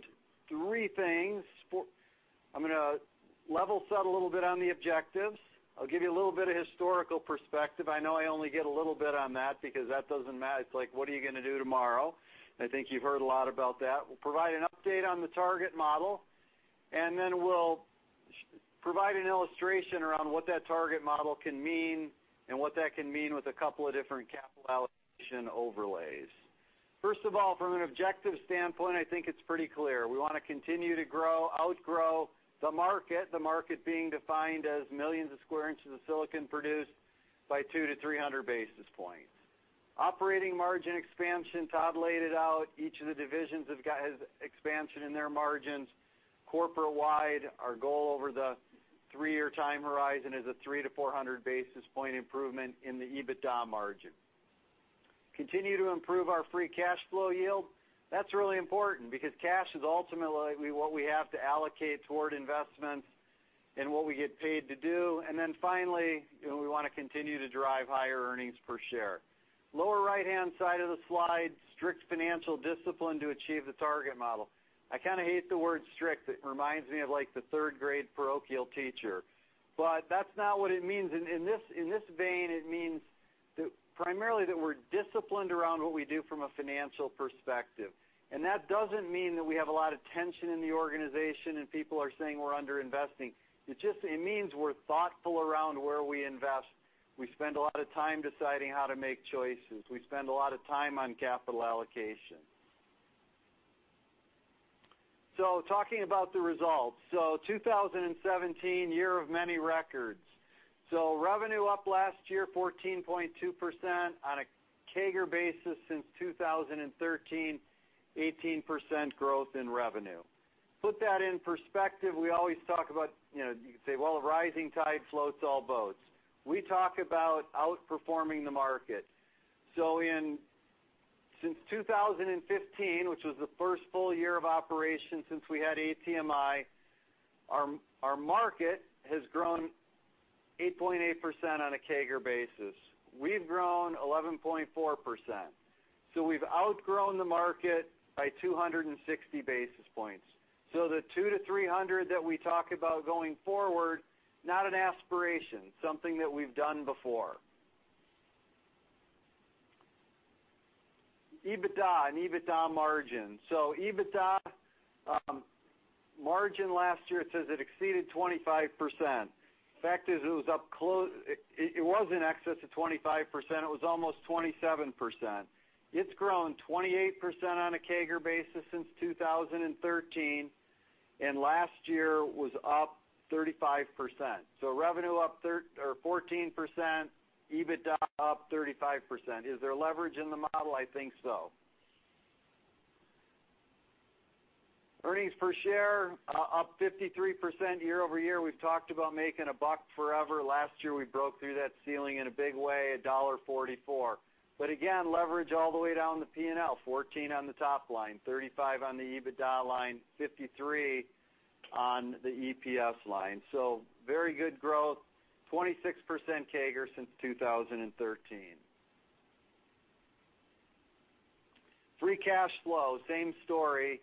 Speaker 3: three things. I'm going to level set a little bit on the objectives. I'll give you a little bit of historical perspective. I know I only get a little bit on that because that doesn't matter. It's like, what are you going to do tomorrow? I think you've heard a lot about that. We'll provide an update on the target model, then we'll provide an illustration around what that target model can mean and what that can mean with a couple of different capital allocation overlays. First of all, from an objective standpoint, I think it's pretty clear. We want to continue to outgrow the market, the market being defined as millions of square inches of silicon produced by 200 to 300 basis points. Operating margin expansion, Todd laid it out. Each of the divisions has expansion in their margins. Corporate-wide, our goal over the three-year time horizon is a 300 to 400 basis point improvement in the EBITDA margin. Continue to improve our free cash flow yield. That's really important because cash is ultimately what we have to allocate toward investments and what we get paid to do. Then finally, we want to continue to drive higher earnings per share. Lower right-hand side of the slide, strict financial discipline to achieve the target model. I kind of hate the word strict. It reminds me of the third-grade parochial teacher. That's not what it means. In this vein, it means primarily that we're disciplined around what we do from a financial perspective. That doesn't mean that we have a lot of tension in the organization and people are saying we're under-investing. It means we're thoughtful around where we invest. We spend a lot of time deciding how to make choices. We spend a lot of time on capital allocation. Talking about the results. 2017, year of many records. Revenue up last year 14.2% on a CAGR basis since 2013, 18% growth in revenue. Put that in perspective, we always talk about, you could say, well, a rising tide floats all boats. We talk about outperforming the market. Since 2015, which was the first full year of operation since we had ATMI, our market has grown 8.8% on a CAGR basis. We've grown 11.4%. We've outgrown the market by 260 basis points. The 200 to 300 that we talk about going forward, not an aspiration, something that we've done before. EBITDA and EBITDA margin. EBITDA margin last year, it says it exceeded 25%. Fact is it was in excess of 25%, it was almost 27%. It's grown 28% on a CAGR basis since 2013, and last year was up 35%. Revenue up 14%, EBITDA up 35%. Is there leverage in the model? I think so. Earnings per share up 53% year-over-year. We've talked about making a buck forever. Last year, we broke through that ceiling in a big way, $1.44. Again, leverage all the way down the P&L, 14 on the top line, 35 on the EBITDA line, 53 on the EPS line. Very good growth, 26% CAGR since 2013. Free cash flow, same story.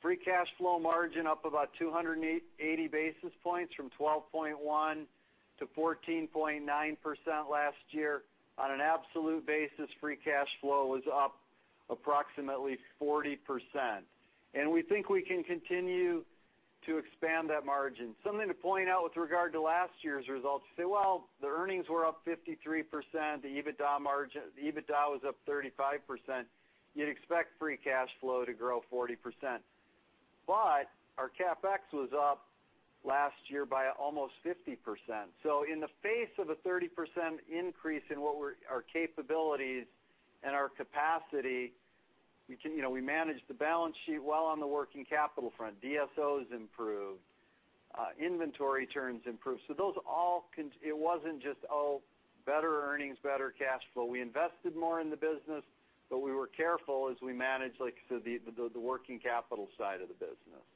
Speaker 3: Free cash flow margin up about 280 basis points from 12.1% to 14.9% last year. On an absolute basis, free cash flow was up approximately 40%. We think we can continue to expand that margin. Something to point out with regard to last year's results, say, well, the earnings were up 53%, the EBITDA was up 35%, you'd expect free cash flow to grow 40%. Our CapEx was up last year by almost 50%. In the face of a 30% increase in our capabilities and our capacity, we managed the balance sheet well on the working capital front. DSOs improved. Inventory turns improved. It wasn't just, oh, better earnings, better cash flow. We invested more in the business, we were careful as we managed, like I said, the working capital side of the business.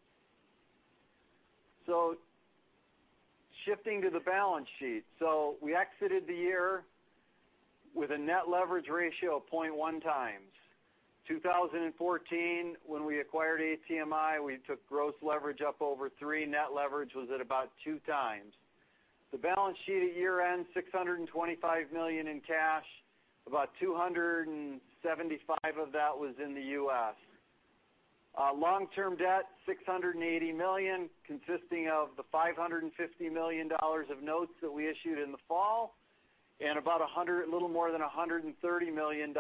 Speaker 3: Shifting to the balance sheet. We exited the year with a net leverage ratio of 0.1 times. 2014, when we acquired ATMI, we took gross leverage up over 3, net leverage was at about 2 times. The balance sheet at year-end, $625 million in cash, about $275 million of that was in the U.S. Our long-term debt, $680 million, consisting of the $550 million of notes that we issued in the fall, and about a little more than $130 million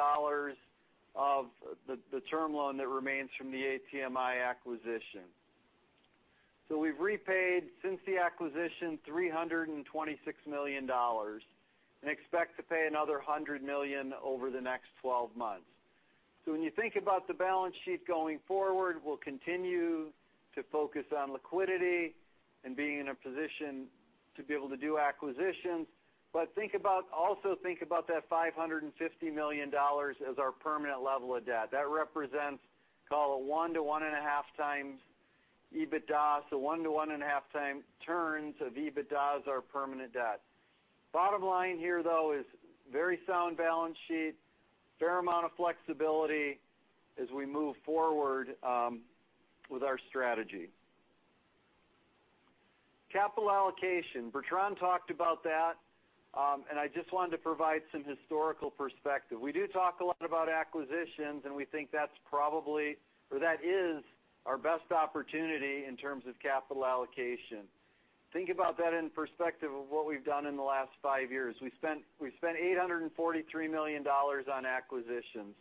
Speaker 3: of the term loan that remains from the ATMI acquisition. We've repaid, since the acquisition, $326 million and expect to pay another $100 million over the next 12 months. When you think about the balance sheet going forward, we'll continue to focus on liquidity and being in a position to be able to do acquisitions. Also think about that $550 million as our permanent level of debt. That represents call it 1 to 1.5 times EBITDA, 1 to 1.5 times turns of EBITDA is our permanent debt. Bottom line here, though, is very sound balance sheet, fair amount of flexibility as we move forward with our strategy. Capital allocation. Bertrand talked about that, and I just wanted to provide some historical perspective. We do talk a lot about acquisitions, and we think that is our best opportunity in terms of capital allocation. Think about that in perspective of what we've done in the last five years. We've spent $843 million on acquisitions.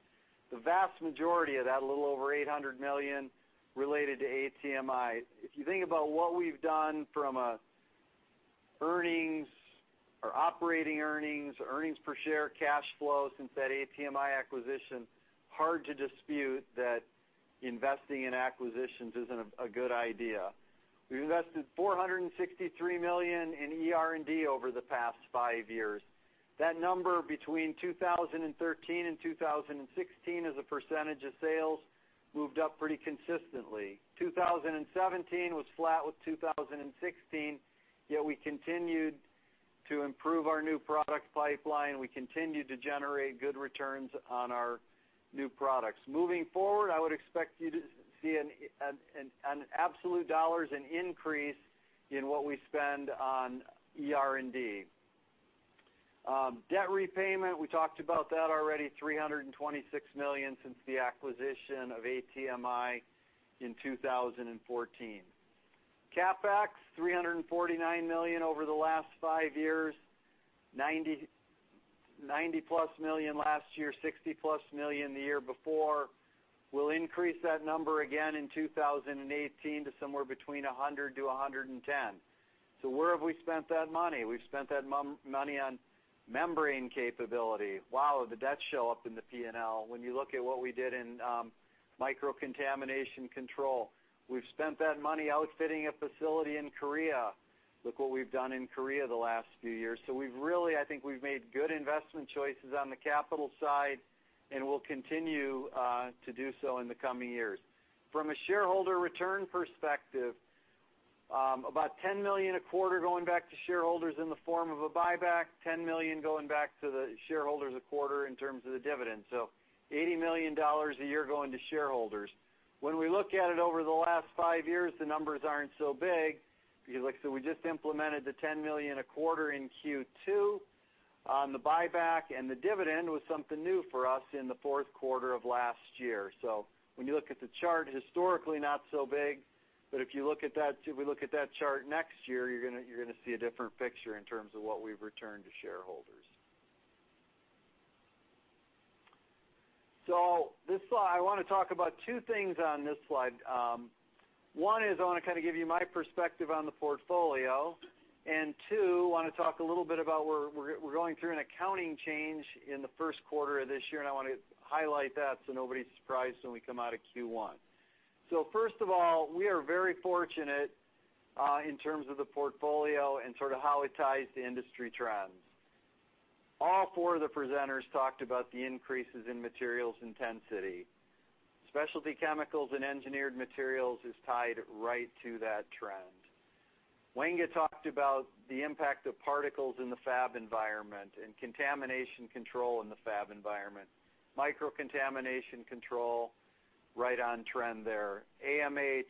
Speaker 3: The vast majority of that, a little over $800 million, related to ATMI. If you think about what we've done from operating earnings, EPS, cash flow since that ATMI acquisition, hard to dispute that investing in acquisitions isn't a good idea. We've invested $463 million in ER&D over the past five years. That number between 2013 and 2016 as a percentage of sales moved up pretty consistently. 2017 was flat with 2016, yet we continued to improve our new product pipeline. We continued to generate good returns on our new products. Moving forward, I would expect you to see, in absolute dollars, an increase in what we spend on ER&D. Debt repayment, we talked about that already, $326 million since the acquisition of ATMI in 2014. CapEx, $349 million over the last five years, $90-plus million last year, $60-plus million the year before. We'll increase that number again in 2018 to somewhere between $100 million-$110 million. So where have we spent that money? We've spent that money on membrane capability. Wow, did that show up in the P&L when you look at what we did in Microcontamination Control. We've spent that money outfitting a facility in Korea. Look what we've done in Korea the last few years. I think we've made good investment choices on the capital side, and we'll continue to do so in the coming years. From a shareholder return perspective, about $10 million a quarter going back to shareholders in the form of a buyback, $10 million going back to the shareholders a quarter in terms of the dividend. $80 million a year going to shareholders. When we look at it over the last five years, the numbers aren't so big, because like I said, we just implemented the $10 million a quarter in Q2 on the buyback, and the dividend was something new for us in the fourth quarter of last year. When you look at the chart historically, not so big, but if we look at that chart next year, you're going to see a different picture in terms of what we've returned to shareholders. I want to talk about two things on this slide. One is I want to give you my perspective on the portfolio, and two, want to talk a little bit about we're going through an accounting change in the first quarter of this year, and I want to highlight that so nobody's surprised when we come out of Q1. First of all, we are very fortunate in terms of the portfolio and how it ties to industry trends. All four of the presenters talked about the increases in materials intensity. Specialty Chemicals and Engineered Materials is tied right to that trend. Wenge talked about the impact of particles in the fab environment and contamination control in the fab environment. Microcontamination Control, right on trend there. AMH,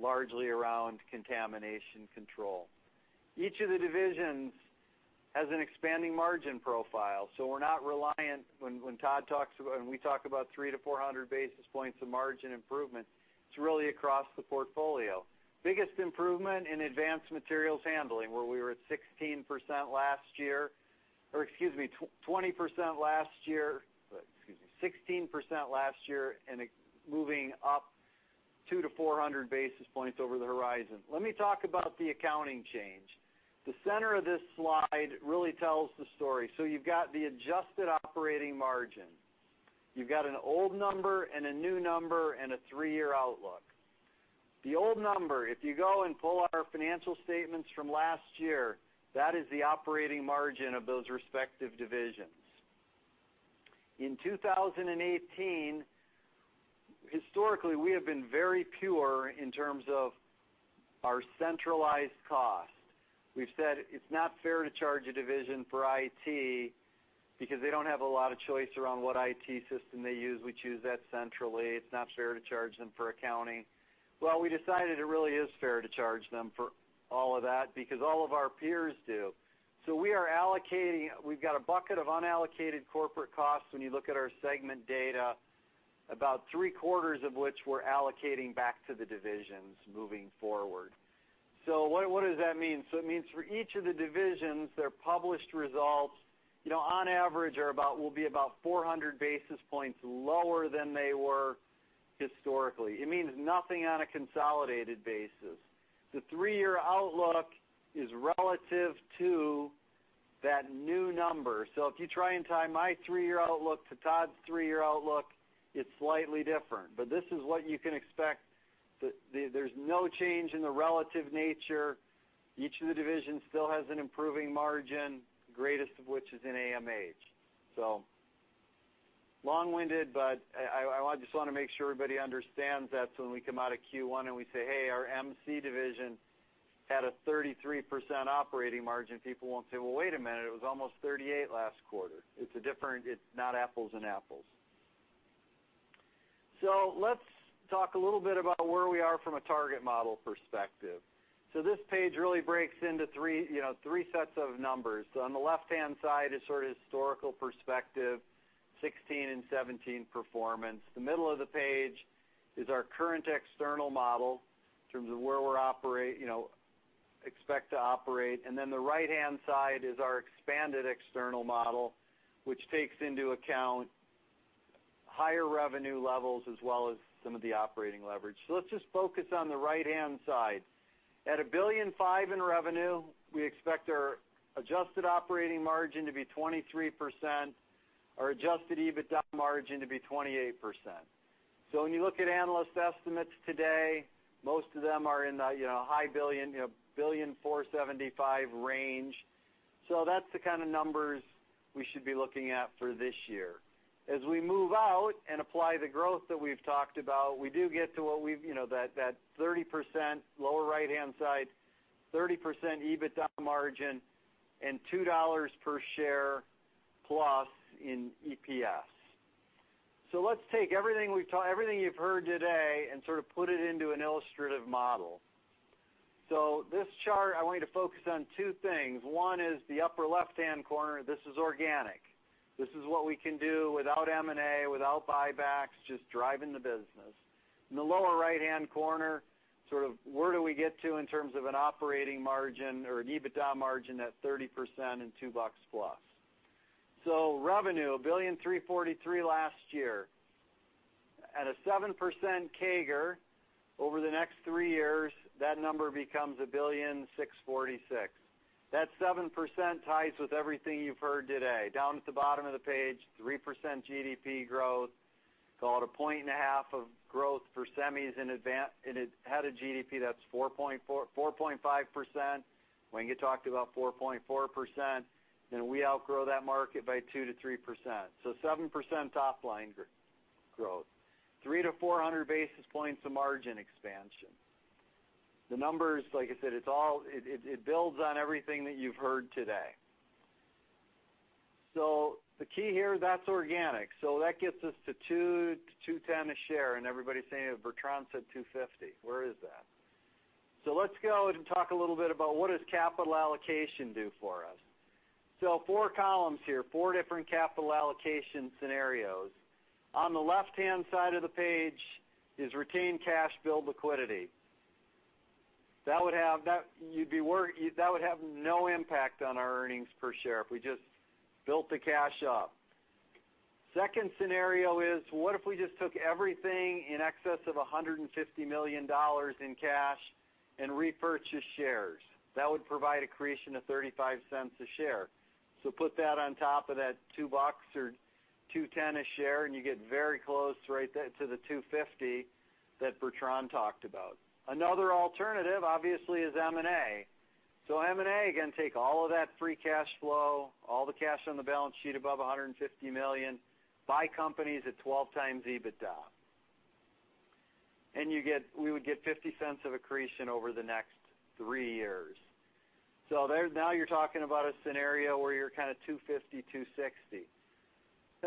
Speaker 3: largely around contamination control. Each of the divisions has an expanding margin profile. We're not reliant when we talk about 300-400 basis points of margin improvement, it's really across the portfolio. Biggest improvement in Advanced Materials Handling, where we were at 16% last year and moving up 200-400 basis points over the horizon. Let me talk about the accounting change. The center of this slide really tells the story. You've got the adjusted operating margin. You've got an old number and a new number and a 3-year outlook. The old number, if you go and pull our financial statements from last year, that is the operating margin of those respective divisions. In 2018, historically, we have been very pure in terms of our centralized cost. We've said it's not fair to charge a division for IT because they don't have a lot of choice around what IT system they use. We choose that centrally. It's not fair to charge them for accounting. We decided it really is fair to charge them for all of that because all of our peers do. We've got a bucket of unallocated corporate costs when you look at our segment data, about three-quarters of which we're allocating back to the divisions moving forward. What does that mean? It means for each of the divisions, their published results on average will be about 400 basis points lower than they were historically. It means nothing on a consolidated basis. The 3-year outlook is relative to that new number. If you try and tie my 3-year outlook to Todd's 3-year outlook, it's slightly different, but this is what you can expect. There's no change in the relative nature. Each of the divisions still has an improving margin, greatest of which is in AMH. Long-winded, but I just want to make sure everybody understands that when we come out of Q1 and we say, "Hey, our MC division had a 33% operating margin," people won't say, "Well, wait a minute, it was almost 38% last quarter." It's not apples and apples. Let's talk a little bit about where we are from a target model perspective. This page really breaks into three sets of numbers. On the left-hand side is sort of historical perspective, 2016 and 2017 performance. The middle of the page is our current external model in terms of where we expect to operate. The right-hand side is our expanded external model, which takes into account higher revenue levels as well as some of the operating leverage. Let's just focus on the right-hand side. At $1.5 billion in revenue, we expect our adjusted operating margin to be 23%, our adjusted EBITDA margin to be 28%. When you look at analyst estimates today, most of them are in the $1.475 billion range. That's the kind of numbers we should be looking at for this year. As we move out and apply the growth that we've talked about, we do get to that 30% lower right-hand side, 30% EBITDA margin and $2 per share plus in EPS. Let's take everything you've heard today and sort of put it into an illustrative model. This chart, I want you to focus on two things. One is the upper left-hand corner. This is organic. This is what we can do without M&A, without buybacks, just driving the business. In the lower right-hand corner, where do we get to in terms of an operating margin or an EBITDA margin at 30% and $2 plus. Revenue, $1.343 billion last year. At a 7% CAGR over the next three years, that number becomes $1.646 billion. That 7% ties with everything you've heard today. Down at the bottom of the page, 3% GDP growth, call it a point and a half of growth for semis ahead of GDP, that's 4.5%. When you talked about 4.4%, we outgrow that market by 2%-3%. 7% top-line growth, 300 to 400 basis points of margin expansion. The numbers, like I said, it builds on everything that you've heard today. The key here, that's organic. That gets us to $2-$2.10 a share, and everybody's saying, "Bertrand said $2.50. Where is that?" Let's go and talk a little bit about what does capital allocation do for us. Four columns here, four different capital allocation scenarios. On the left-hand side of the page is retain cash build liquidity. That would have no impact on our earnings per share if we just built the cash up. Second scenario is what if we just took everything in excess of $150 million in cash and repurchased shares? That would provide accretion of $0.35 a share. Put that on top of that $2 or $2.10 a share, and you get very close to the $2.50 that Bertrand talked about. Another alternative, obviously, is M&A. M&A, again, take all of that free cash flow, all the cash on the balance sheet above $150 million, buy companies at 12 times EBITDA. We would get $0.50 of accretion over the next three years. Now you're talking about a scenario where you're kind of $2.50, $2.60.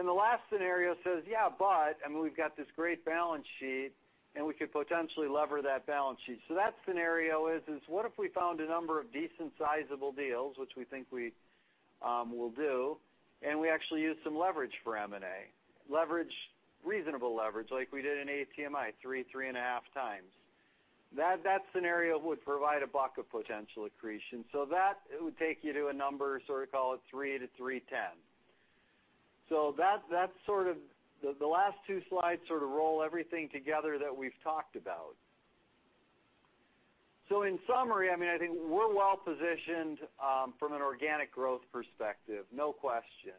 Speaker 3: The last scenario says, yeah, but, we've got this great balance sheet, and we could potentially lever that balance sheet. That scenario is what if we found a number of decent sizable deals, which we think we will do, and we actually use some leverage for M&A? Reasonable leverage like we did in ATMI, three and a half times. That scenario would provide $1 of potential accretion. That would take you to a number, call it $3-$3.10. The last two slides roll everything together that we've talked about. In summary, I think we're well-positioned from an organic growth perspective, no question.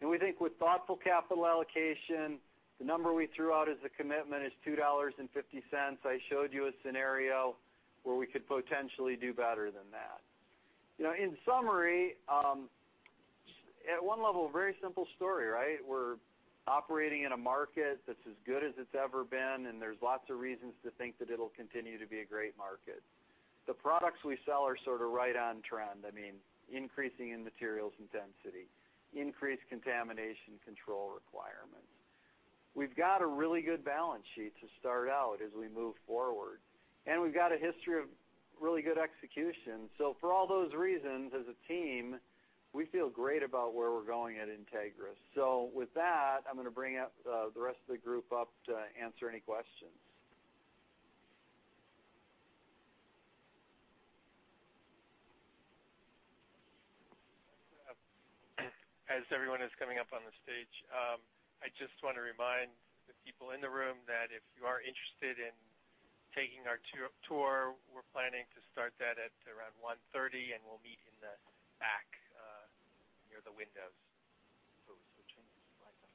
Speaker 3: We think with thoughtful capital allocation, the number we threw out as a commitment is $2.50. I showed you a scenario where we could potentially do better than that. In summary, at one level, very simple story. We're operating in a market that's as good as it's ever been, and there's lots of reasons to think that it'll continue to be a great market. The products we sell are right on trend. Increasing in materials intensity, increased contamination control requirements. We've got a really good balance sheet to start out as we move forward, and we've got a history of really good execution. For all those reasons, as a team, we feel great about where we're going at Entegris. With that, I'm going to bring the rest of the group up to answer any questions.
Speaker 1: As everyone is coming up on the stage, I just want to remind the people in the room that if you are interested in taking our tour, we're planning to start that at around 1:30, and we'll meet in the back, near the windows. Switching the slide up.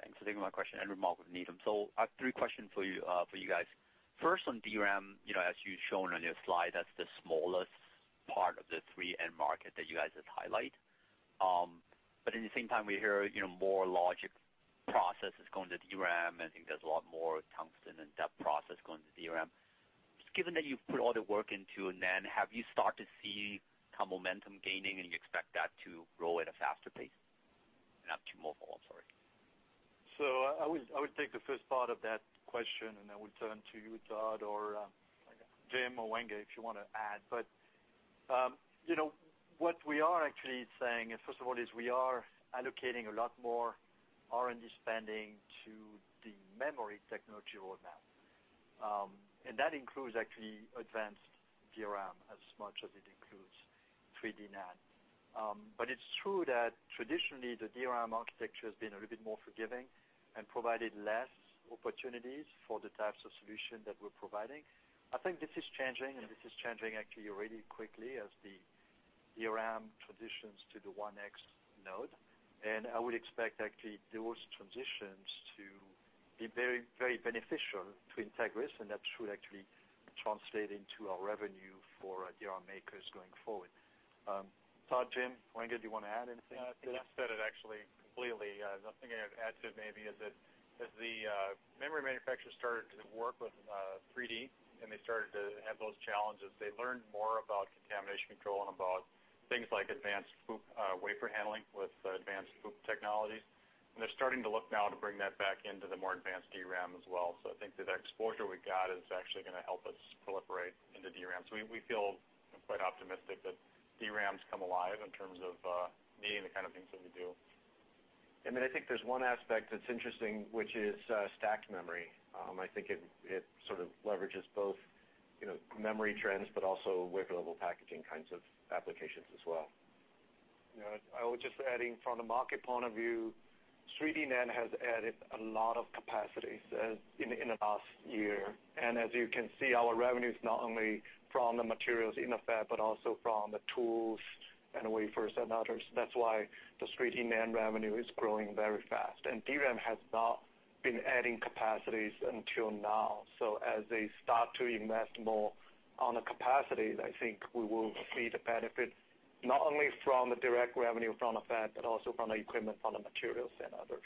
Speaker 7: Thanks. I think my question, Edwin Mok with Needham. I have three questions for you guys. First, on DRAM, as you've shown on your slide, that's the smallest part of the three end market that you guys have highlight. But at the same time, we hear more logic processes going to DRAM, I think there's a lot more tungsten and depth process going to DRAM. Given that you've put all the work into NAND, have you started to see some momentum gaining, and you expect that to grow at a faster pace? I have two more follow-ups, sorry.
Speaker 2: I would take the first part of that question, and then we'll turn to you, Todd, or Jim, or Wenge, if you want to add. What we are actually saying is, first of all, is we are allocating a lot more R&D spending to the memory technology roadmap. That includes actually advanced DRAM as much as it includes 3D NAND. It's true that traditionally, the DRAM architecture has been a little bit more forgiving and provided less opportunities for the types of solution that we're providing. I think this is changing, and this is changing actually really quickly as the DRAM transitions to the 1X node. I would expect actually those transitions to be very, very beneficial to Entegris, and that should actually translate into our revenue for DRAM makers going forward. Todd, Jim, Wenge, do you want to add anything?
Speaker 5: I think that said it actually completely. The only thing I'd add to it maybe is that as the memory manufacturers started to work with 3D, and they started to have those challenges, they learned more about contamination control and about things like advanced FOUP wafer handling with advanced FOUP technologies. They're starting to look now to bring that back into the more advanced DRAM as well. I think that exposure we got is actually going to help us proliferate into DRAM. We feel quite optimistic that DRAMs come alive in terms of needing the kind of things that we do.
Speaker 3: I think there's one aspect that's interesting, which is stacked memory. I think it sort of leverages both memory trends, also wafer level packaging kinds of applications as well.
Speaker 4: I would just adding from the market point of view, 3D NAND has added a lot of capacity in the last year. As you can see, our revenue's not only from the materials in the fab, but also from the tools and wafers and others. That's why the 3D NAND revenue is growing very fast. DRAM has not been adding capacities until now. As they start to invest more on the capacity, I think we will see the benefit not only from the direct revenue from the fab, but also from the equipment, from the materials and others.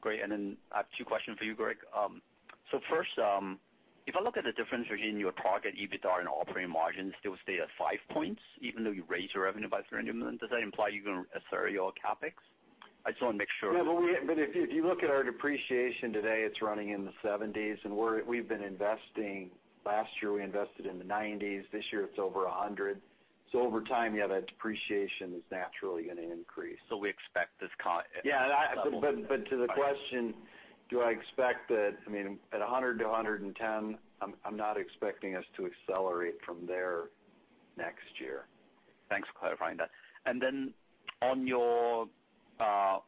Speaker 7: Great. I have two questions for you, Greg. First, if I look at the difference between your target EBITDAR and operating margins, they will stay at five points even though you raise your revenue by $300 million. Does that imply you're going to accelerate your CapEx? I just want to make sure.
Speaker 3: Yeah, if you look at our depreciation today, it's running in the $70s, and we've been investing. Last year, we invested in the $90s. This year, it's over $100. Over time, yeah, that depreciation is naturally going to increase.
Speaker 7: We expect this.
Speaker 3: Yeah, to the question, do I expect that at $100-$110, I'm not expecting us to accelerate from there next year.
Speaker 7: Thanks for clarifying that. Then on your capital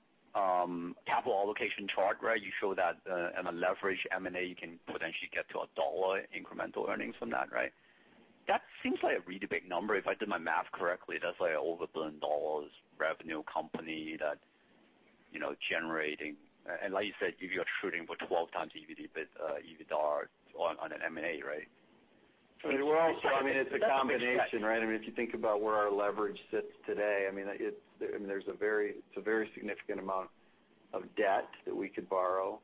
Speaker 7: allocation chart, you show that on a leverage M&A, you can potentially get to a $1 incremental earnings from that, right? That seems like a really big number. If I did my math correctly, that's like a over $1 billion revenue company that generating. Like you said, if you're shooting for 12x EBITDAR on an M&A, right?
Speaker 3: Well, it's a combination, right? If you think about where our leverage sits today, it's a very significant amount of debt that we could borrow.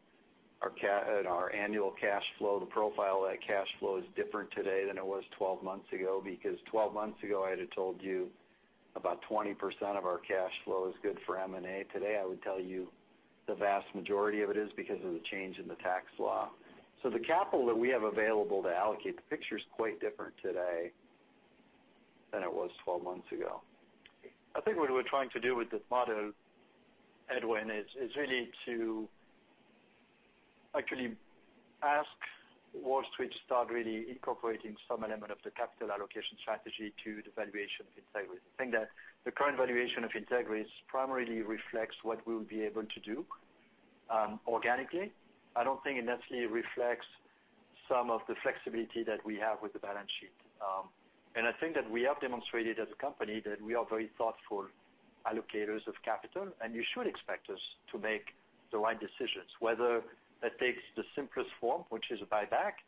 Speaker 3: Our annual cash flow, the profile of that cash flow is different today than it was 12 months ago, because 12 months ago, I'd have told you about 20% of our cash flow is good for M&A. Today, I would tell you the vast majority of it is because of the change in the tax law. The capital that we have available to allocate, the picture's quite different today than it was 12 months ago.
Speaker 2: I think what we're trying to do with this model, Edwin, is really to actually ask Wall Street to start really incorporating some element of the capital allocation strategy to the valuation of Entegris. I think that the current valuation of Entegris primarily reflects what we'll be able to do organically. I don't think it necessarily reflects some of the flexibility that we have with the balance sheet. I think that we have demonstrated as a company that we are very thoughtful allocators of capital, and you should expect us to make the right decisions, whether that takes the simplest form, which is a buyback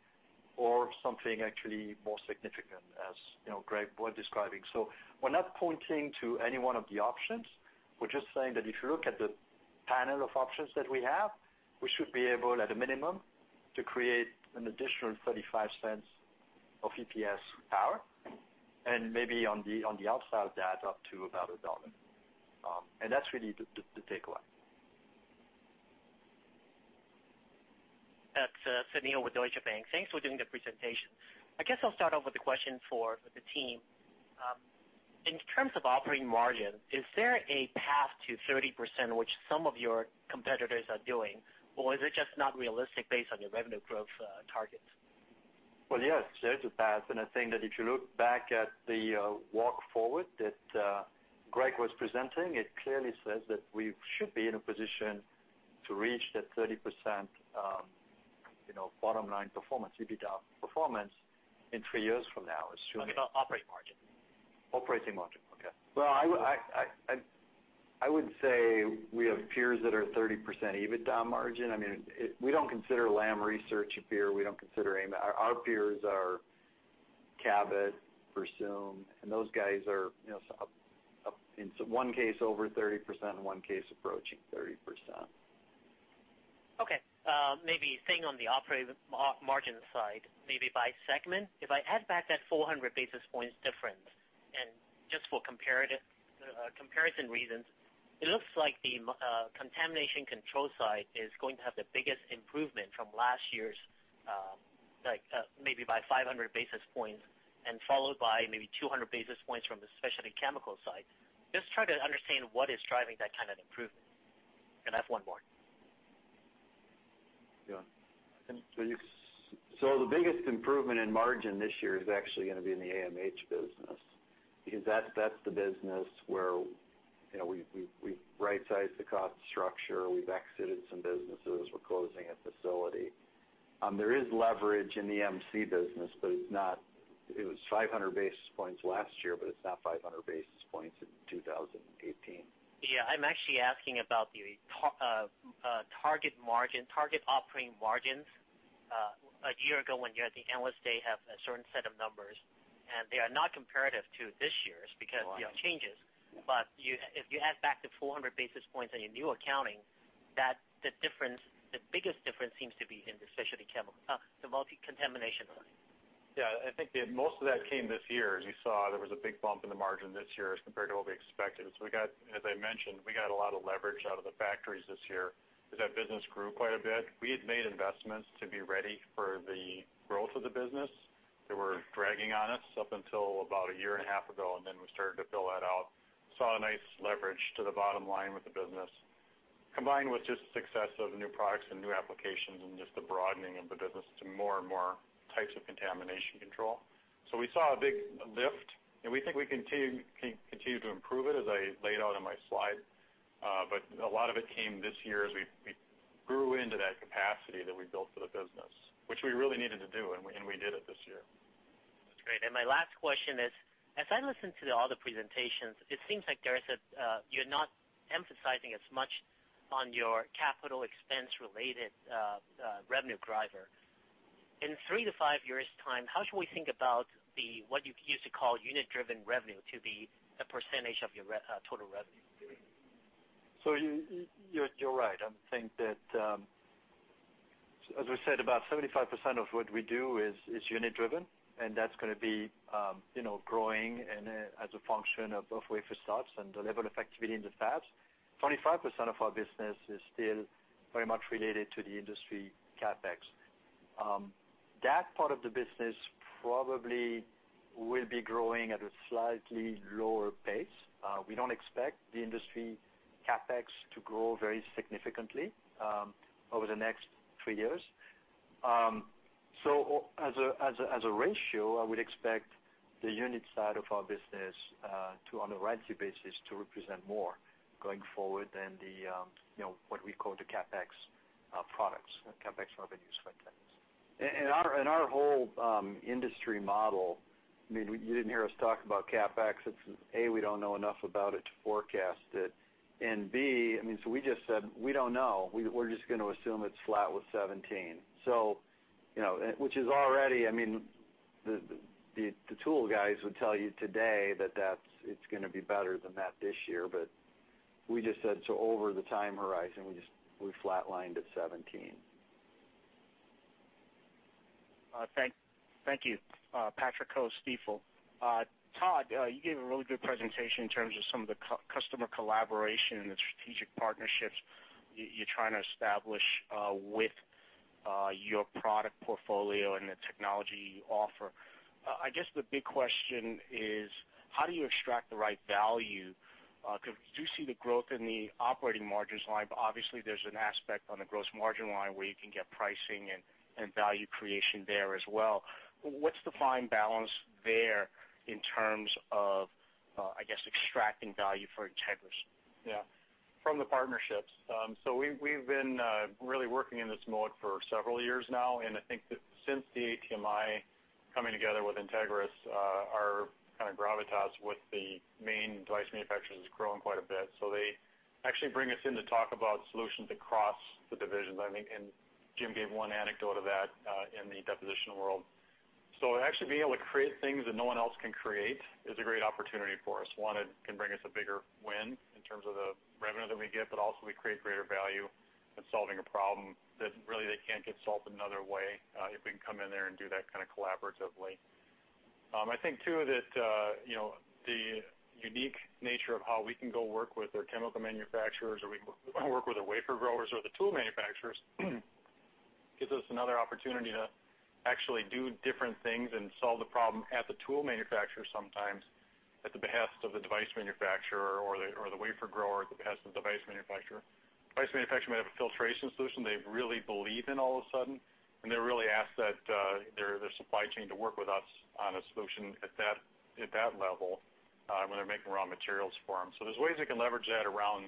Speaker 2: or something actually more significant, as Greg was describing. We're not pointing to any one of the options. We're just saying that if you look at the panel of options that we have, we should be able, at a minimum, to create an additional $0.35 of EPS power, and maybe on the outside of that, up to about $1. That's really the takeaway.
Speaker 8: It's Sunil with Deutsche Bank. Thanks for doing the presentation. I guess I'll start off with a question for the team. In terms of operating margin, is there a path to 30%, which some of your competitors are doing, or is it just not realistic based on your revenue growth targets?
Speaker 2: Well, yes, there's a path, and I think that if you look back at the walk forward that Greg was presenting, it clearly says that we should be in a position to reach that 30% bottom line performance, EBITDA performance, in three years from now, assuming
Speaker 8: I'm talking about operating margin.
Speaker 2: Operating margin. Okay.
Speaker 5: Well, I would say we have peers that are 30% EBITDA margin. We don't consider Lam Research a peer. Our peers are Cabot, Versum, and those guys are, in one case, over 30%, in one case, approaching 30%.
Speaker 8: Okay. Maybe staying on the operating margin side, maybe by segment, if I add back that 400 basis points difference, and just for comparison reasons, it looks like the contamination control side is going to have the biggest improvement from last year's, maybe by 500 basis points, and followed by maybe 200 basis points from the specialty chemical side. Just trying to understand what is driving that kind of improvement. I have one more.
Speaker 5: Yeah. The biggest improvement in margin this year is actually going to be in the AMH business, because that's the business where we've right-sized the cost structure, we've exited some businesses, we're closing a facility. There is leverage in the MC business, it was 500 basis points last year, but it's not 500 basis points in 2018.
Speaker 8: Yeah, I'm actually asking about the target operating margins a year ago when you, at the Analyst Day, have a certain set of numbers. They are not comparative to this year's because of changes.
Speaker 5: Right.
Speaker 8: If you add back the 400 basis points on your new accounting, the biggest difference seems to be in the Microcontamination side.
Speaker 5: Yeah, I think most of that came this year. As you saw, there was a big bump in the margin this year as compared to what we expected. As I mentioned, we got a lot of leverage out of the factories this year because that business grew quite a bit. We had made investments to be ready for the growth of the business that were dragging on us up until about a year and a half ago, and then we started to build that out. Saw a nice leverage to the bottom line with the business, combined with just success of new products and new applications and just the broadening of the business to more and more types of contamination control. We saw a big lift, and we think we continue to improve it, as I laid out in my slide. A lot of it came this year as we grew into that capacity that we built for the business, which we really needed to do, and we did it this year.
Speaker 8: That's great. My last question is, as I listen to the other presentations, it seems like you're not emphasizing as much on your CapEx related revenue driver. In three to five years' time, how should we think about what you used to call unit-driven revenue to be a % of your total revenue?
Speaker 2: You're right. I think that, as we said, about 75% of what we do is unit driven, and that's going to be growing as a function of both wafer starts and the level of activity in the fabs. 25% of our business is still very much related to the industry CapEx. That part of the business probably will be growing at a slightly lower pace. We don't expect the industry CapEx to grow very significantly over the next three years. As a ratio, I would expect the unit side of our business to, on a ratio basis, to represent more going forward than what we call the CapEx products, CapEx revenues, for instance.
Speaker 5: In our whole industry model, you didn't hear us talk about CapEx. It's A, we don't know enough about it to forecast it, and B, we just said, "We don't know. We're just going to assume it's flat with 2017." Which is already, the tool guys would tell you today that it's going to be better than that this year, but we just said, over the time horizon, we flat lined at 2017.
Speaker 9: Thank you. Patrick Ho, Stifel. Todd, you gave a really good presentation in terms of some of the customer collaboration and the strategic partnerships you're trying to establish with your product portfolio and the technology you offer. I guess the big question is, how do you extract the right value? You do see the growth in the operating margins line, but obviously there's an aspect on the gross margin line where you can get pricing and value creation there as well. What's the fine balance there in terms of, I guess, extracting value for Entegris?
Speaker 5: Yeah. From the partnerships. We've been really working in this mode for several years now, and I think that since the ATMI coming together with Entegris, our kind of gravitas with the main device manufacturers has grown quite a bit. They actually bring us in to talk about solutions across the divisions. Jim gave one anecdote of that in the deposition world. Actually being able to create things that no one else can create is a great opportunity for us. One, it can bring us a bigger win in terms of the revenue that we get, but also we create greater value in solving a problem that really they can't get solved another way, if we can come in there and do that kind of collaboratively. I think, too, that the unique nature of how we can go work with our chemical manufacturers, or we can work with the wafer growers or the tool manufacturers, gives us another opportunity to actually do different things and solve the problem at the tool manufacturer sometimes at the behest of the device manufacturer or the wafer grower at the behest of the device manufacturer. Device manufacturer may have a filtration solution they really believe in all of a sudden, they really ask their supply chain to work with us on a solution at that level, when they're making raw materials for them. There's ways they can leverage that around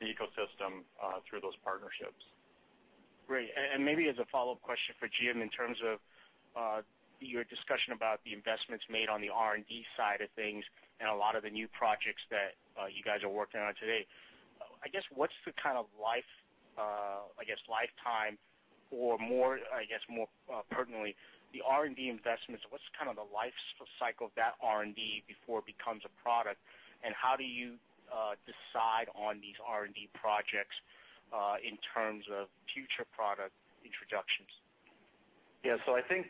Speaker 5: the ecosystem through those partnerships.
Speaker 9: Great. Maybe as a follow-up question for Jim, in terms of your discussion about the investments made on the R&D side of things and a lot of the new projects that you guys are working on today. I guess, what's the kind of life, I guess lifetime or I guess more pertinently, the R&D investments, what's kind of the life cycle of that R&D before it becomes a product, and how do you decide on these R&D projects, in terms of future product introductions?
Speaker 6: Yeah. I think,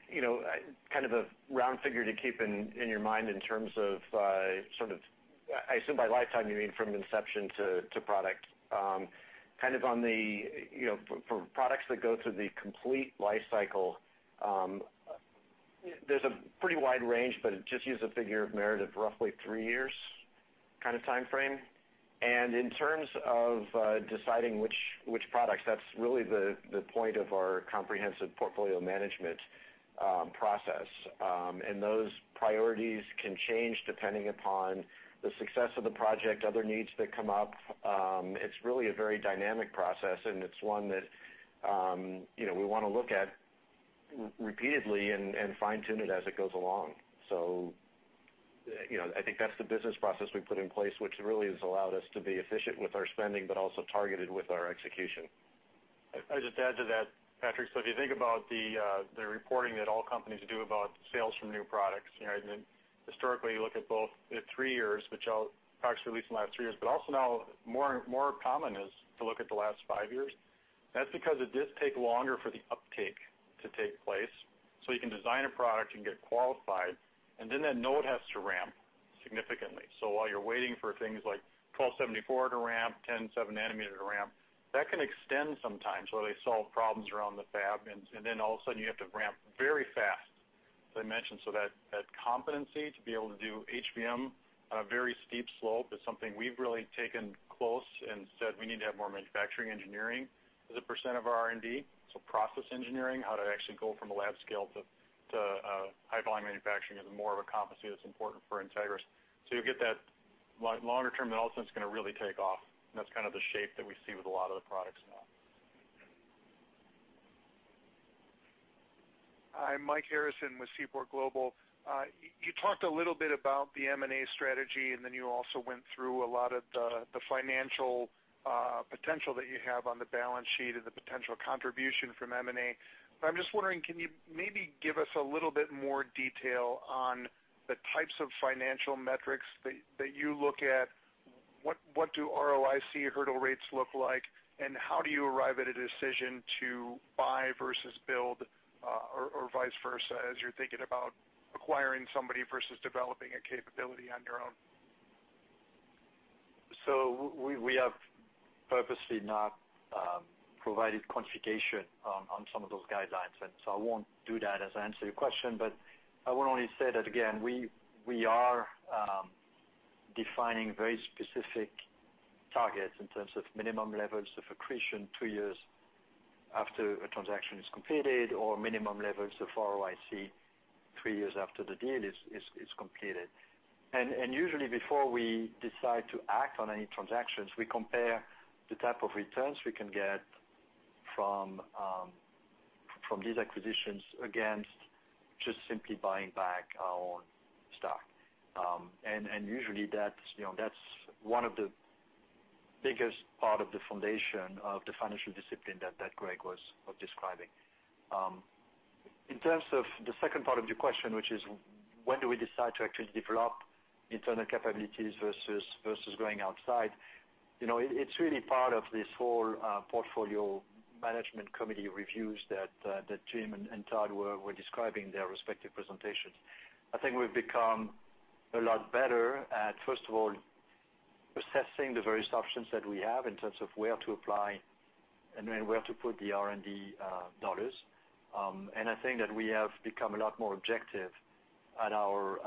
Speaker 6: kind of a round figure to keep in your mind in terms of sort of, I assume by lifetime you mean from inception to product. Kind of for products that go through the complete life cycle, there's a pretty wide range, but just use a figure of merit of roughly three years kind of timeframe. In terms of deciding which products, that's really the point of our comprehensive portfolio management process. Those priorities can change depending upon the success of the project, other needs that come up. It's really a very dynamic process, and it's one that we want to look at repeatedly and fine-tune it as it goes along. I think that's the business process we put in place, which really has allowed us to be efficient with our spending, but also targeted with our execution.
Speaker 5: If I could just add to that, Patrick. If you think about the reporting that all companies do about sales from new products, then historically, you look at both at three years, which I'll actually release in the last three years. Also now more common is to look at the last five years. That's because it did take longer for the uptake to take place. You can design a product and get qualified, then that node has to ramp significantly. While you're waiting for things like 12nm, 7nm, 4nm to ramp, 10nm, 7nm nanometer to ramp, that can extend sometimes where they solve problems around the fab, then all of a sudden you have to ramp very fast, as I mentioned. That competency to be able to do HVM on a very steep slope is something we've really taken close and said we need to have more manufacturing engineering as a percent of our R&D. Process engineering, how to actually go from a lab scale to high volume manufacturing is more of a competency that's important for Entegris. You'll get that longer term, then all of a sudden it's going to really take off, and that's kind of the shape that we see with a lot of the products now.
Speaker 10: Hi, Mike Harrison with Seaport Global. You talked a little bit about the M&A strategy, and then you also went through a lot of the financial potential that you have on the balance sheet and the potential contribution from M&A. I'm just wondering, can you maybe give us a little bit more detail on the types of financial metrics that you look at? What do ROIC hurdle rates look like, and how do you arrive at a decision to buy versus build, or vice versa, as you're thinking about acquiring somebody versus developing a capability on your own?
Speaker 2: We have purposely not provided quantification on some of those guidelines, I won't do that as I answer your question. I would only say that, again, we are defining very specific targets in terms of minimum levels of accretion two years after a transaction is completed, or minimum levels of ROIC three years after the deal is completed. Usually before we decide to act on any transactions, we compare the type of returns we can get from these acquisitions against just simply buying back our own stock. Usually that's one of the biggest part of the foundation of the financial discipline that Greg was describing. In terms of the second part of your question, which is when do we decide to actually develop internal capabilities versus going outside? It's really part of this whole portfolio management committee reviews that Jim and Todd were describing in their respective presentations. I think we've become a lot better at, first of all, assessing the various options that we have in terms of where to apply and then where to put the R&D dollars. I think that we have become a lot more objective at our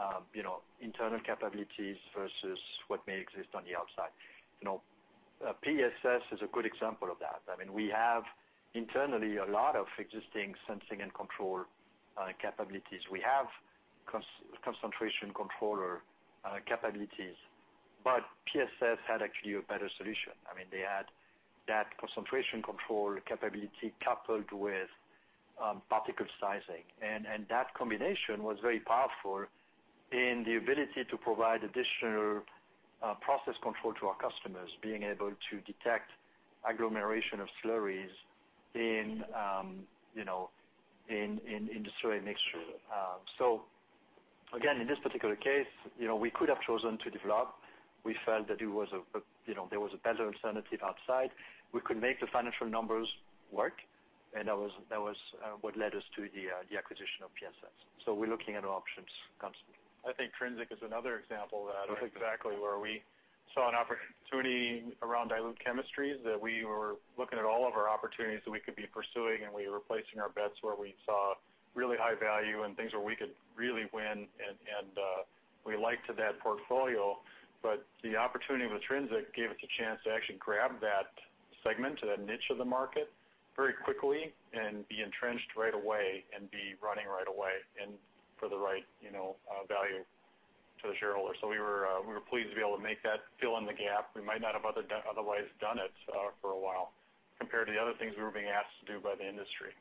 Speaker 2: internal capabilities versus what may exist on the outside. PSS is a good example of that. We have internally a lot of existing sensing and control capabilities. We have concentration controller capabilities PSS had actually a better solution. They had that concentration control capability coupled with particle sizing. That combination was very powerful in the ability to provide additional process control to our customers, being able to detect agglomeration of slurries in the slurry mixture. Again, in this particular case, we could have chosen to develop. We felt that there was a better alternative outside. We could make the financial numbers work, that was what led us to the acquisition of PSS. We're looking at options constantly.
Speaker 5: I think Trinzik is another example of that.
Speaker 2: Right.
Speaker 5: That's exactly where we saw an opportunity around dilute chemistries, that we were looking at all of our opportunities that we could be pursuing, and we were placing our bets where we saw really high value and things where we could really win and we liked that portfolio. The opportunity with Trinzik gave us a chance to actually grab that segment to that niche of the market very quickly and be entrenched right away and be running right away and for the right value to the shareholder. We were pleased to be able to make that fill in the gap. We might not have otherwise done it for a while, compared to the other things we were being asked to do by the industry.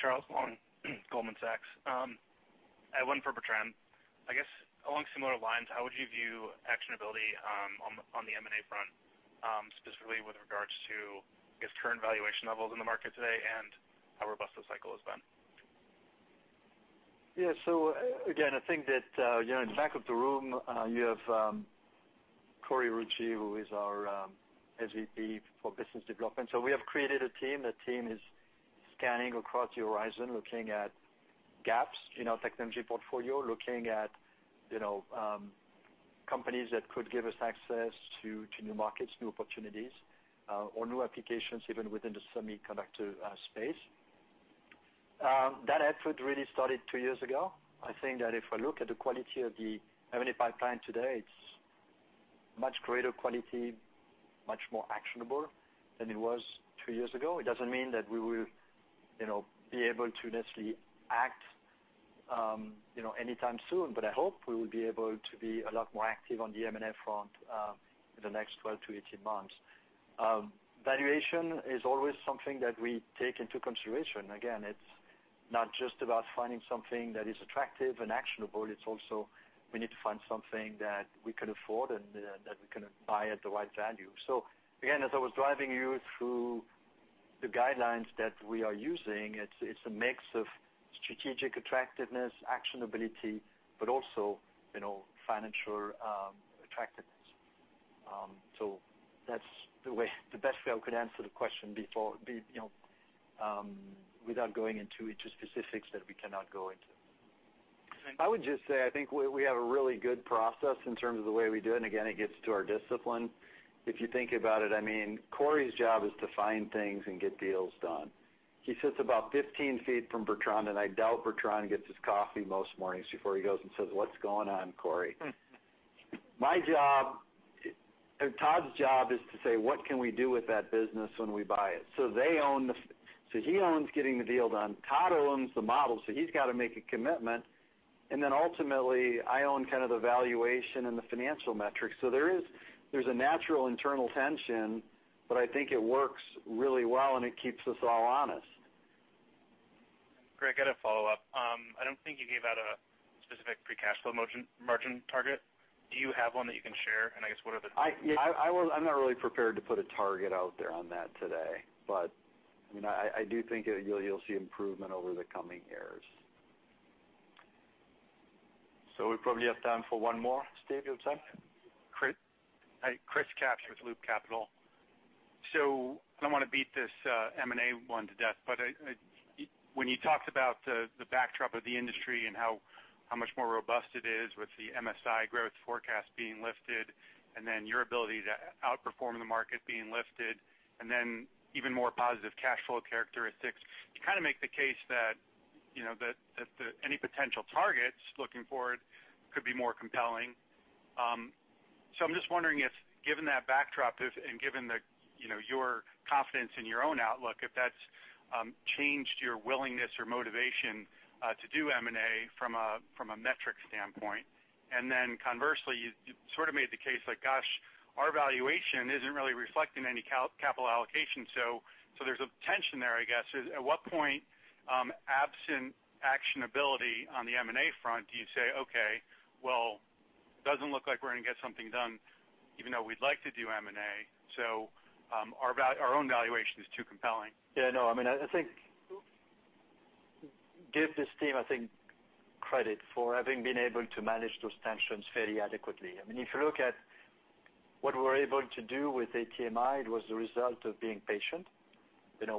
Speaker 11: Charles Long, Goldman Sachs. I have one for Bertrand. Along similar lines, how would you view actionability on the M&A front, specifically with regards to current valuation levels in the market today and how robust the cycle has been?
Speaker 2: Again, I think that in the back of the room, you have Corey Rucci, who is our SVP for business development. We have created a team. That team is scanning across the horizon, looking at gaps in our technology portfolio, looking at companies that could give us access to new markets, new opportunities, or new applications, even within the semiconductor space. That effort really started two years ago. I think that if I look at the quality of the M&A pipeline today, it's much greater quality, much more actionable than it was two years ago. It doesn't mean that we will be able to necessarily act anytime soon, but I hope we will be able to be a lot more active on the M&A front in the next 12 to 18 months. Valuation is always something that we take into consideration. It's not just about finding something that is attractive and actionable, it's also we need to find something that we can afford and that we can buy at the right value. Again, as I was driving you through the guidelines that we are using, it's a mix of strategic attractiveness, actionability, but also financial attractiveness. That's the best way I could answer the question without going into specifics that we cannot go into.
Speaker 3: I would just say, I think we have a really good process in terms of the way we do it, and again, it gets to our discipline. If you think about it, Corey's job is to find things and get deals done. He sits about 15 feet from Bertrand, and I doubt Bertrand gets his coffee most mornings before he goes and says, "What's going on, Corey?" My job, and Todd's job, is to say, "What can we do with that business when we buy it?" He owns getting the deal done. Todd owns the model, so he's got to make a commitment, and then ultimately, I own kind of the valuation and the financial metrics. There's a natural internal tension, but I think it works really well, and it keeps us all honest.
Speaker 11: Greg, I got a follow-up. I don't think you gave out a specific free cash flow margin target. Do you have one that you can share?
Speaker 3: I'm not really prepared to put a target out there on that today. I do think you'll see improvement over the coming years.
Speaker 2: We probably have time for one more. Steve, you have time?
Speaker 12: Chris Kapsch with Loop Capital. I don't want to beat this M&A one to death, but when you talked about the backdrop of the industry and how much more robust it is with the MSI growth forecast being lifted and then your ability to outperform the market being lifted and then even more positive cash flow characteristics. You kind of make the case that any potential targets looking forward could be more compelling. I'm just wondering if, given that backdrop, and given your confidence in your own outlook, if that's changed your willingness or motivation to do M&A from a metric standpoint. Conversely, you sort of made the case like, gosh, our valuation isn't really reflecting any capital allocation. There's a tension there, I guess. At what point, absent actionability on the M&A front, do you say, "Okay, well, it doesn't look like we're going to get something done even though we'd like to do M&A, so our own valuation is too compelling.
Speaker 2: Yeah, no. Give this team, I think, credit for having been able to manage those tensions fairly adequately. If you look at what we were able to do with ATMI, it was the result of being patient.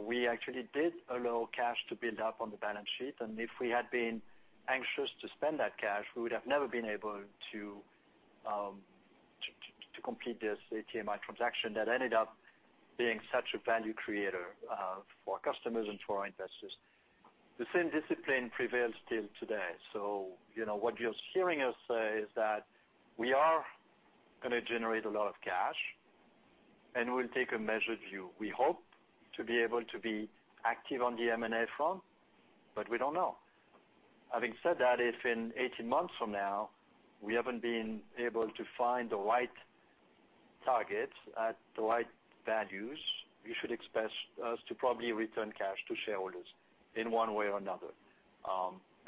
Speaker 2: We actually did allow cash to build up on the balance sheet, and if we had been anxious to spend that cash, we would have never been able to complete this ATMI transaction that ended up being such a value creator for our customers and for our investors. The same discipline prevails still today. What you're hearing us say is that we are going to generate a lot of cash We'll take a measured view. We hope to be able to be active on the M&A front, but we don't know. Having said that, if in 18 months from now, we haven't been able to find the right target at the right values, you should expect us to probably return cash to shareholders in one way or another.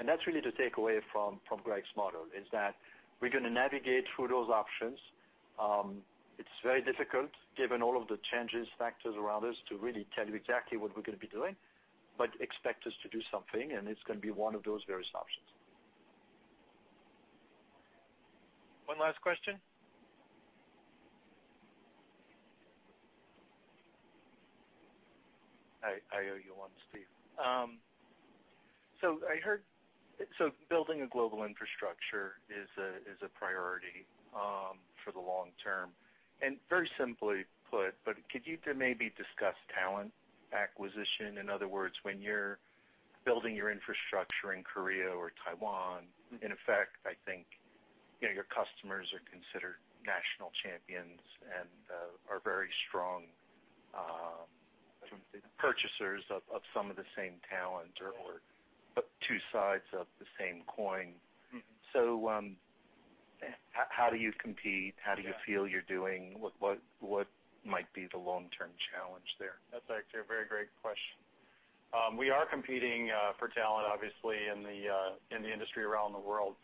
Speaker 2: That's really the takeaway from Greg's model, is that we're going to navigate through those options. It's very difficult, given all of the changes, factors around us, to really tell you exactly what we're going to be doing. Expect us to do something, and it's going to be one of those various options.
Speaker 1: One last question.
Speaker 13: I owe you one, Steve. I heard building a global infrastructure is a priority for the long term. Very simply put, could you maybe discuss talent acquisition? In other words, when you're building your infrastructure in Korea or Taiwan, in effect, I think your customers are considered national champions and are very strong purchasers of some of the same talent, or two sides of the same coin. How do you compete? How do you feel you're doing? What might be the long-term challenge there?
Speaker 5: That's actually a very great question. We are competing for talent, obviously, in the industry around the world.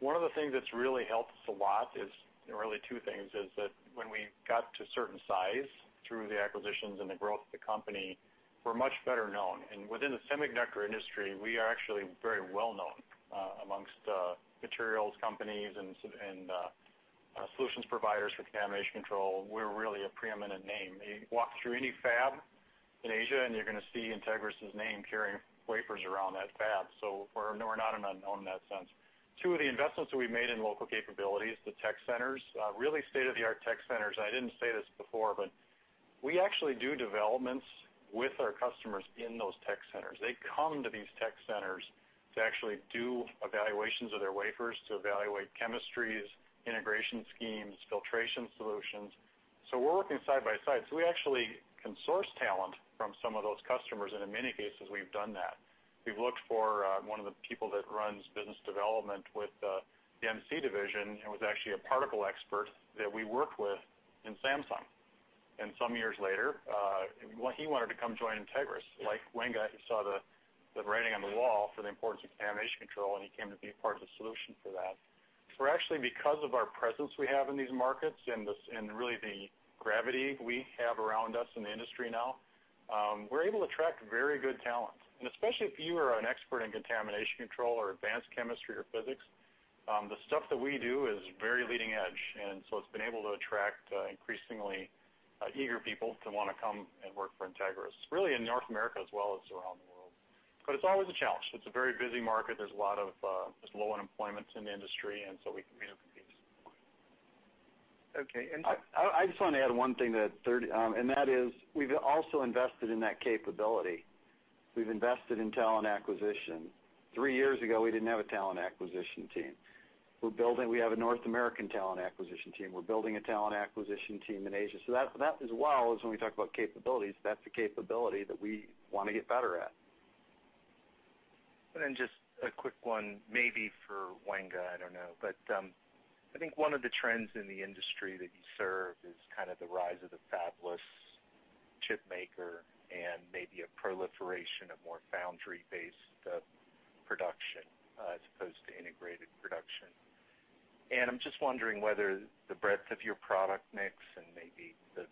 Speaker 5: One of the things that's really helped us a lot is, really two things, is that when we got to a certain size through the acquisitions and the growth of the company, we're much better known. Within the semiconductor industry, we are actually very well-known amongst materials companies and solutions providers for contamination control. We're really a preeminent name. You walk through any fab in Asia, and you're going to see Entegris' name carrying wafers around that fab. We're not an unknown in that sense. Two of the investments that we made in local capabilities, the tech centers, really state-of-the-art tech centers. I didn't say this before, but we actually do developments with our customers in those tech centers. They come to these tech centers to actually do evaluations of their wafers, to evaluate chemistries, integration schemes, filtration solutions. We're working side by side. We actually can source talent from some of those customers, and in many cases, we've done that. We've looked for one of the people that runs business development with the MC division and was actually a particle expert that we worked with in Samsung. Some years later, he wanted to come join Entegris. Like Wenga, he saw the writing on the wall for the importance of contamination control, and he came to be a part of the solution for that. Actually, because of our presence we have in these markets and really the gravity we have around us in the industry now, we're able to attract very good talent. Especially if you are an expert in contamination control or advanced chemistry or physics, the stuff that we do is very leading edge. It's been able to attract increasingly eager people to want to come and work for Entegris, really in North America as well as around the world. It's always a challenge. It's a very busy market. There's low unemployment in the industry, we compete.
Speaker 13: Okay.
Speaker 5: I just want to add one thing, that is we've also invested in that capability. We've invested in talent acquisition. Three years ago, we didn't have a talent acquisition team. We have a North American talent acquisition team. We're building a talent acquisition team in Asia. That as well is when we talk about capabilities, that's a capability that we want to get better at.
Speaker 13: Just a quick one, maybe for Wenga, I don't know. I think one of the trends in the industry that you serve is kind of the rise of the fabless chip maker and maybe a proliferation of more foundry-based production as opposed to integrated production. I'm just wondering whether the breadth of your product mix and maybe the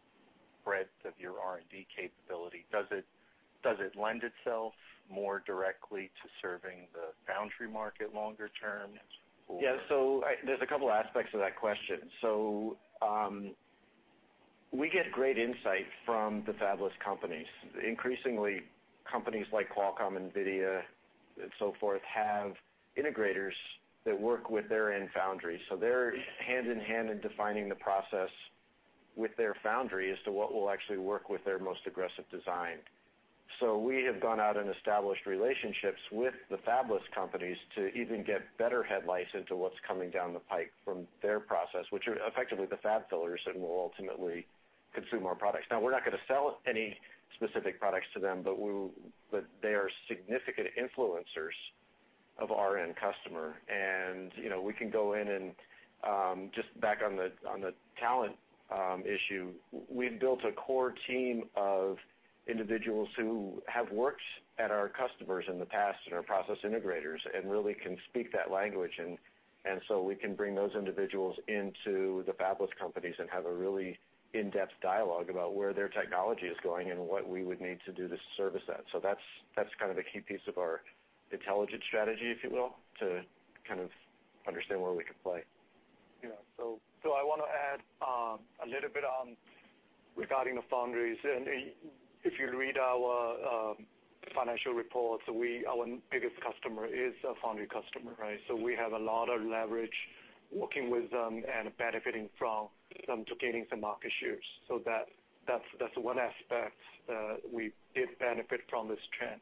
Speaker 13: breadth of your R&D capability, does it lend itself more directly to serving the foundry market longer term?
Speaker 6: Yeah, there's a couple aspects of that question. We get great insight from the fabless companies. Increasingly, companies like Qualcomm, Nvidia, and so forth have integrators that work with their end foundry. They're hand-in-hand in defining the process with their foundry as to what will actually work with their most aggressive design. We have gone out and established relationships with the fabless companies to even get better headlights into what's coming down the pipe from their process, which are effectively the fab fillers and will ultimately consume our products. Now, we're not going to sell any specific products to them, but they are significant influencers of our end customer. We can go in and, just back on the talent issue, we've built a core team of individuals who have worked at our customers in the past and are process integrators and really can speak that language. We can bring those individuals into the fabless companies and have a really in-depth dialogue about where their technology is going and what we would need to do to service that. That's kind of a key piece of our intelligence strategy, if you will, to kind of understand where we could play.
Speaker 4: Yeah. I want to add a little bit regarding the foundries. If you read our financial reports, our biggest customer is a foundry customer, right? We have a lot of leverage working with them and benefiting from them to gaining some market shares. That's one aspect that we did benefit from this trend.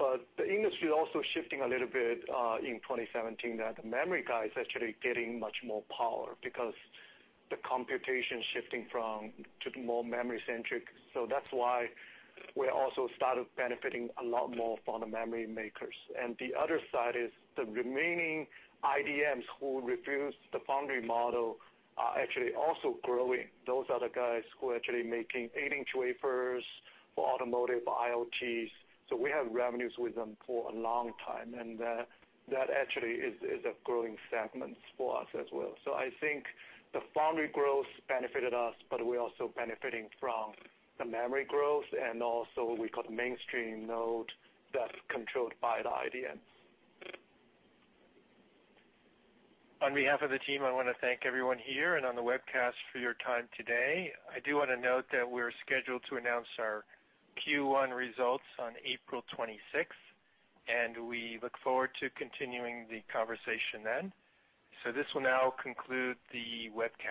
Speaker 4: The industry is also shifting a little bit in 2017 that the memory guy is actually getting much more power because the computation is shifting to the more memory-centric. That's why we also started benefiting a lot more from the memory makers. The other side is the remaining IDMs who refuse the foundry model are actually also growing. Those are the guys who are actually making 8-inch wafers for automotive, for IoTs. We have revenues with them for a long time, and that actually is a growing segment for us as well. I think the foundry growth benefited us, but we're also benefiting from the memory growth and also we call the mainstream node that's controlled by the IDM.
Speaker 5: On behalf of the team, I want to thank everyone here and on the webcast for your time today. I do want to note that we're scheduled to announce our Q1 results on April 26th, and we look forward to continuing the conversation then. This will now conclude the webcast.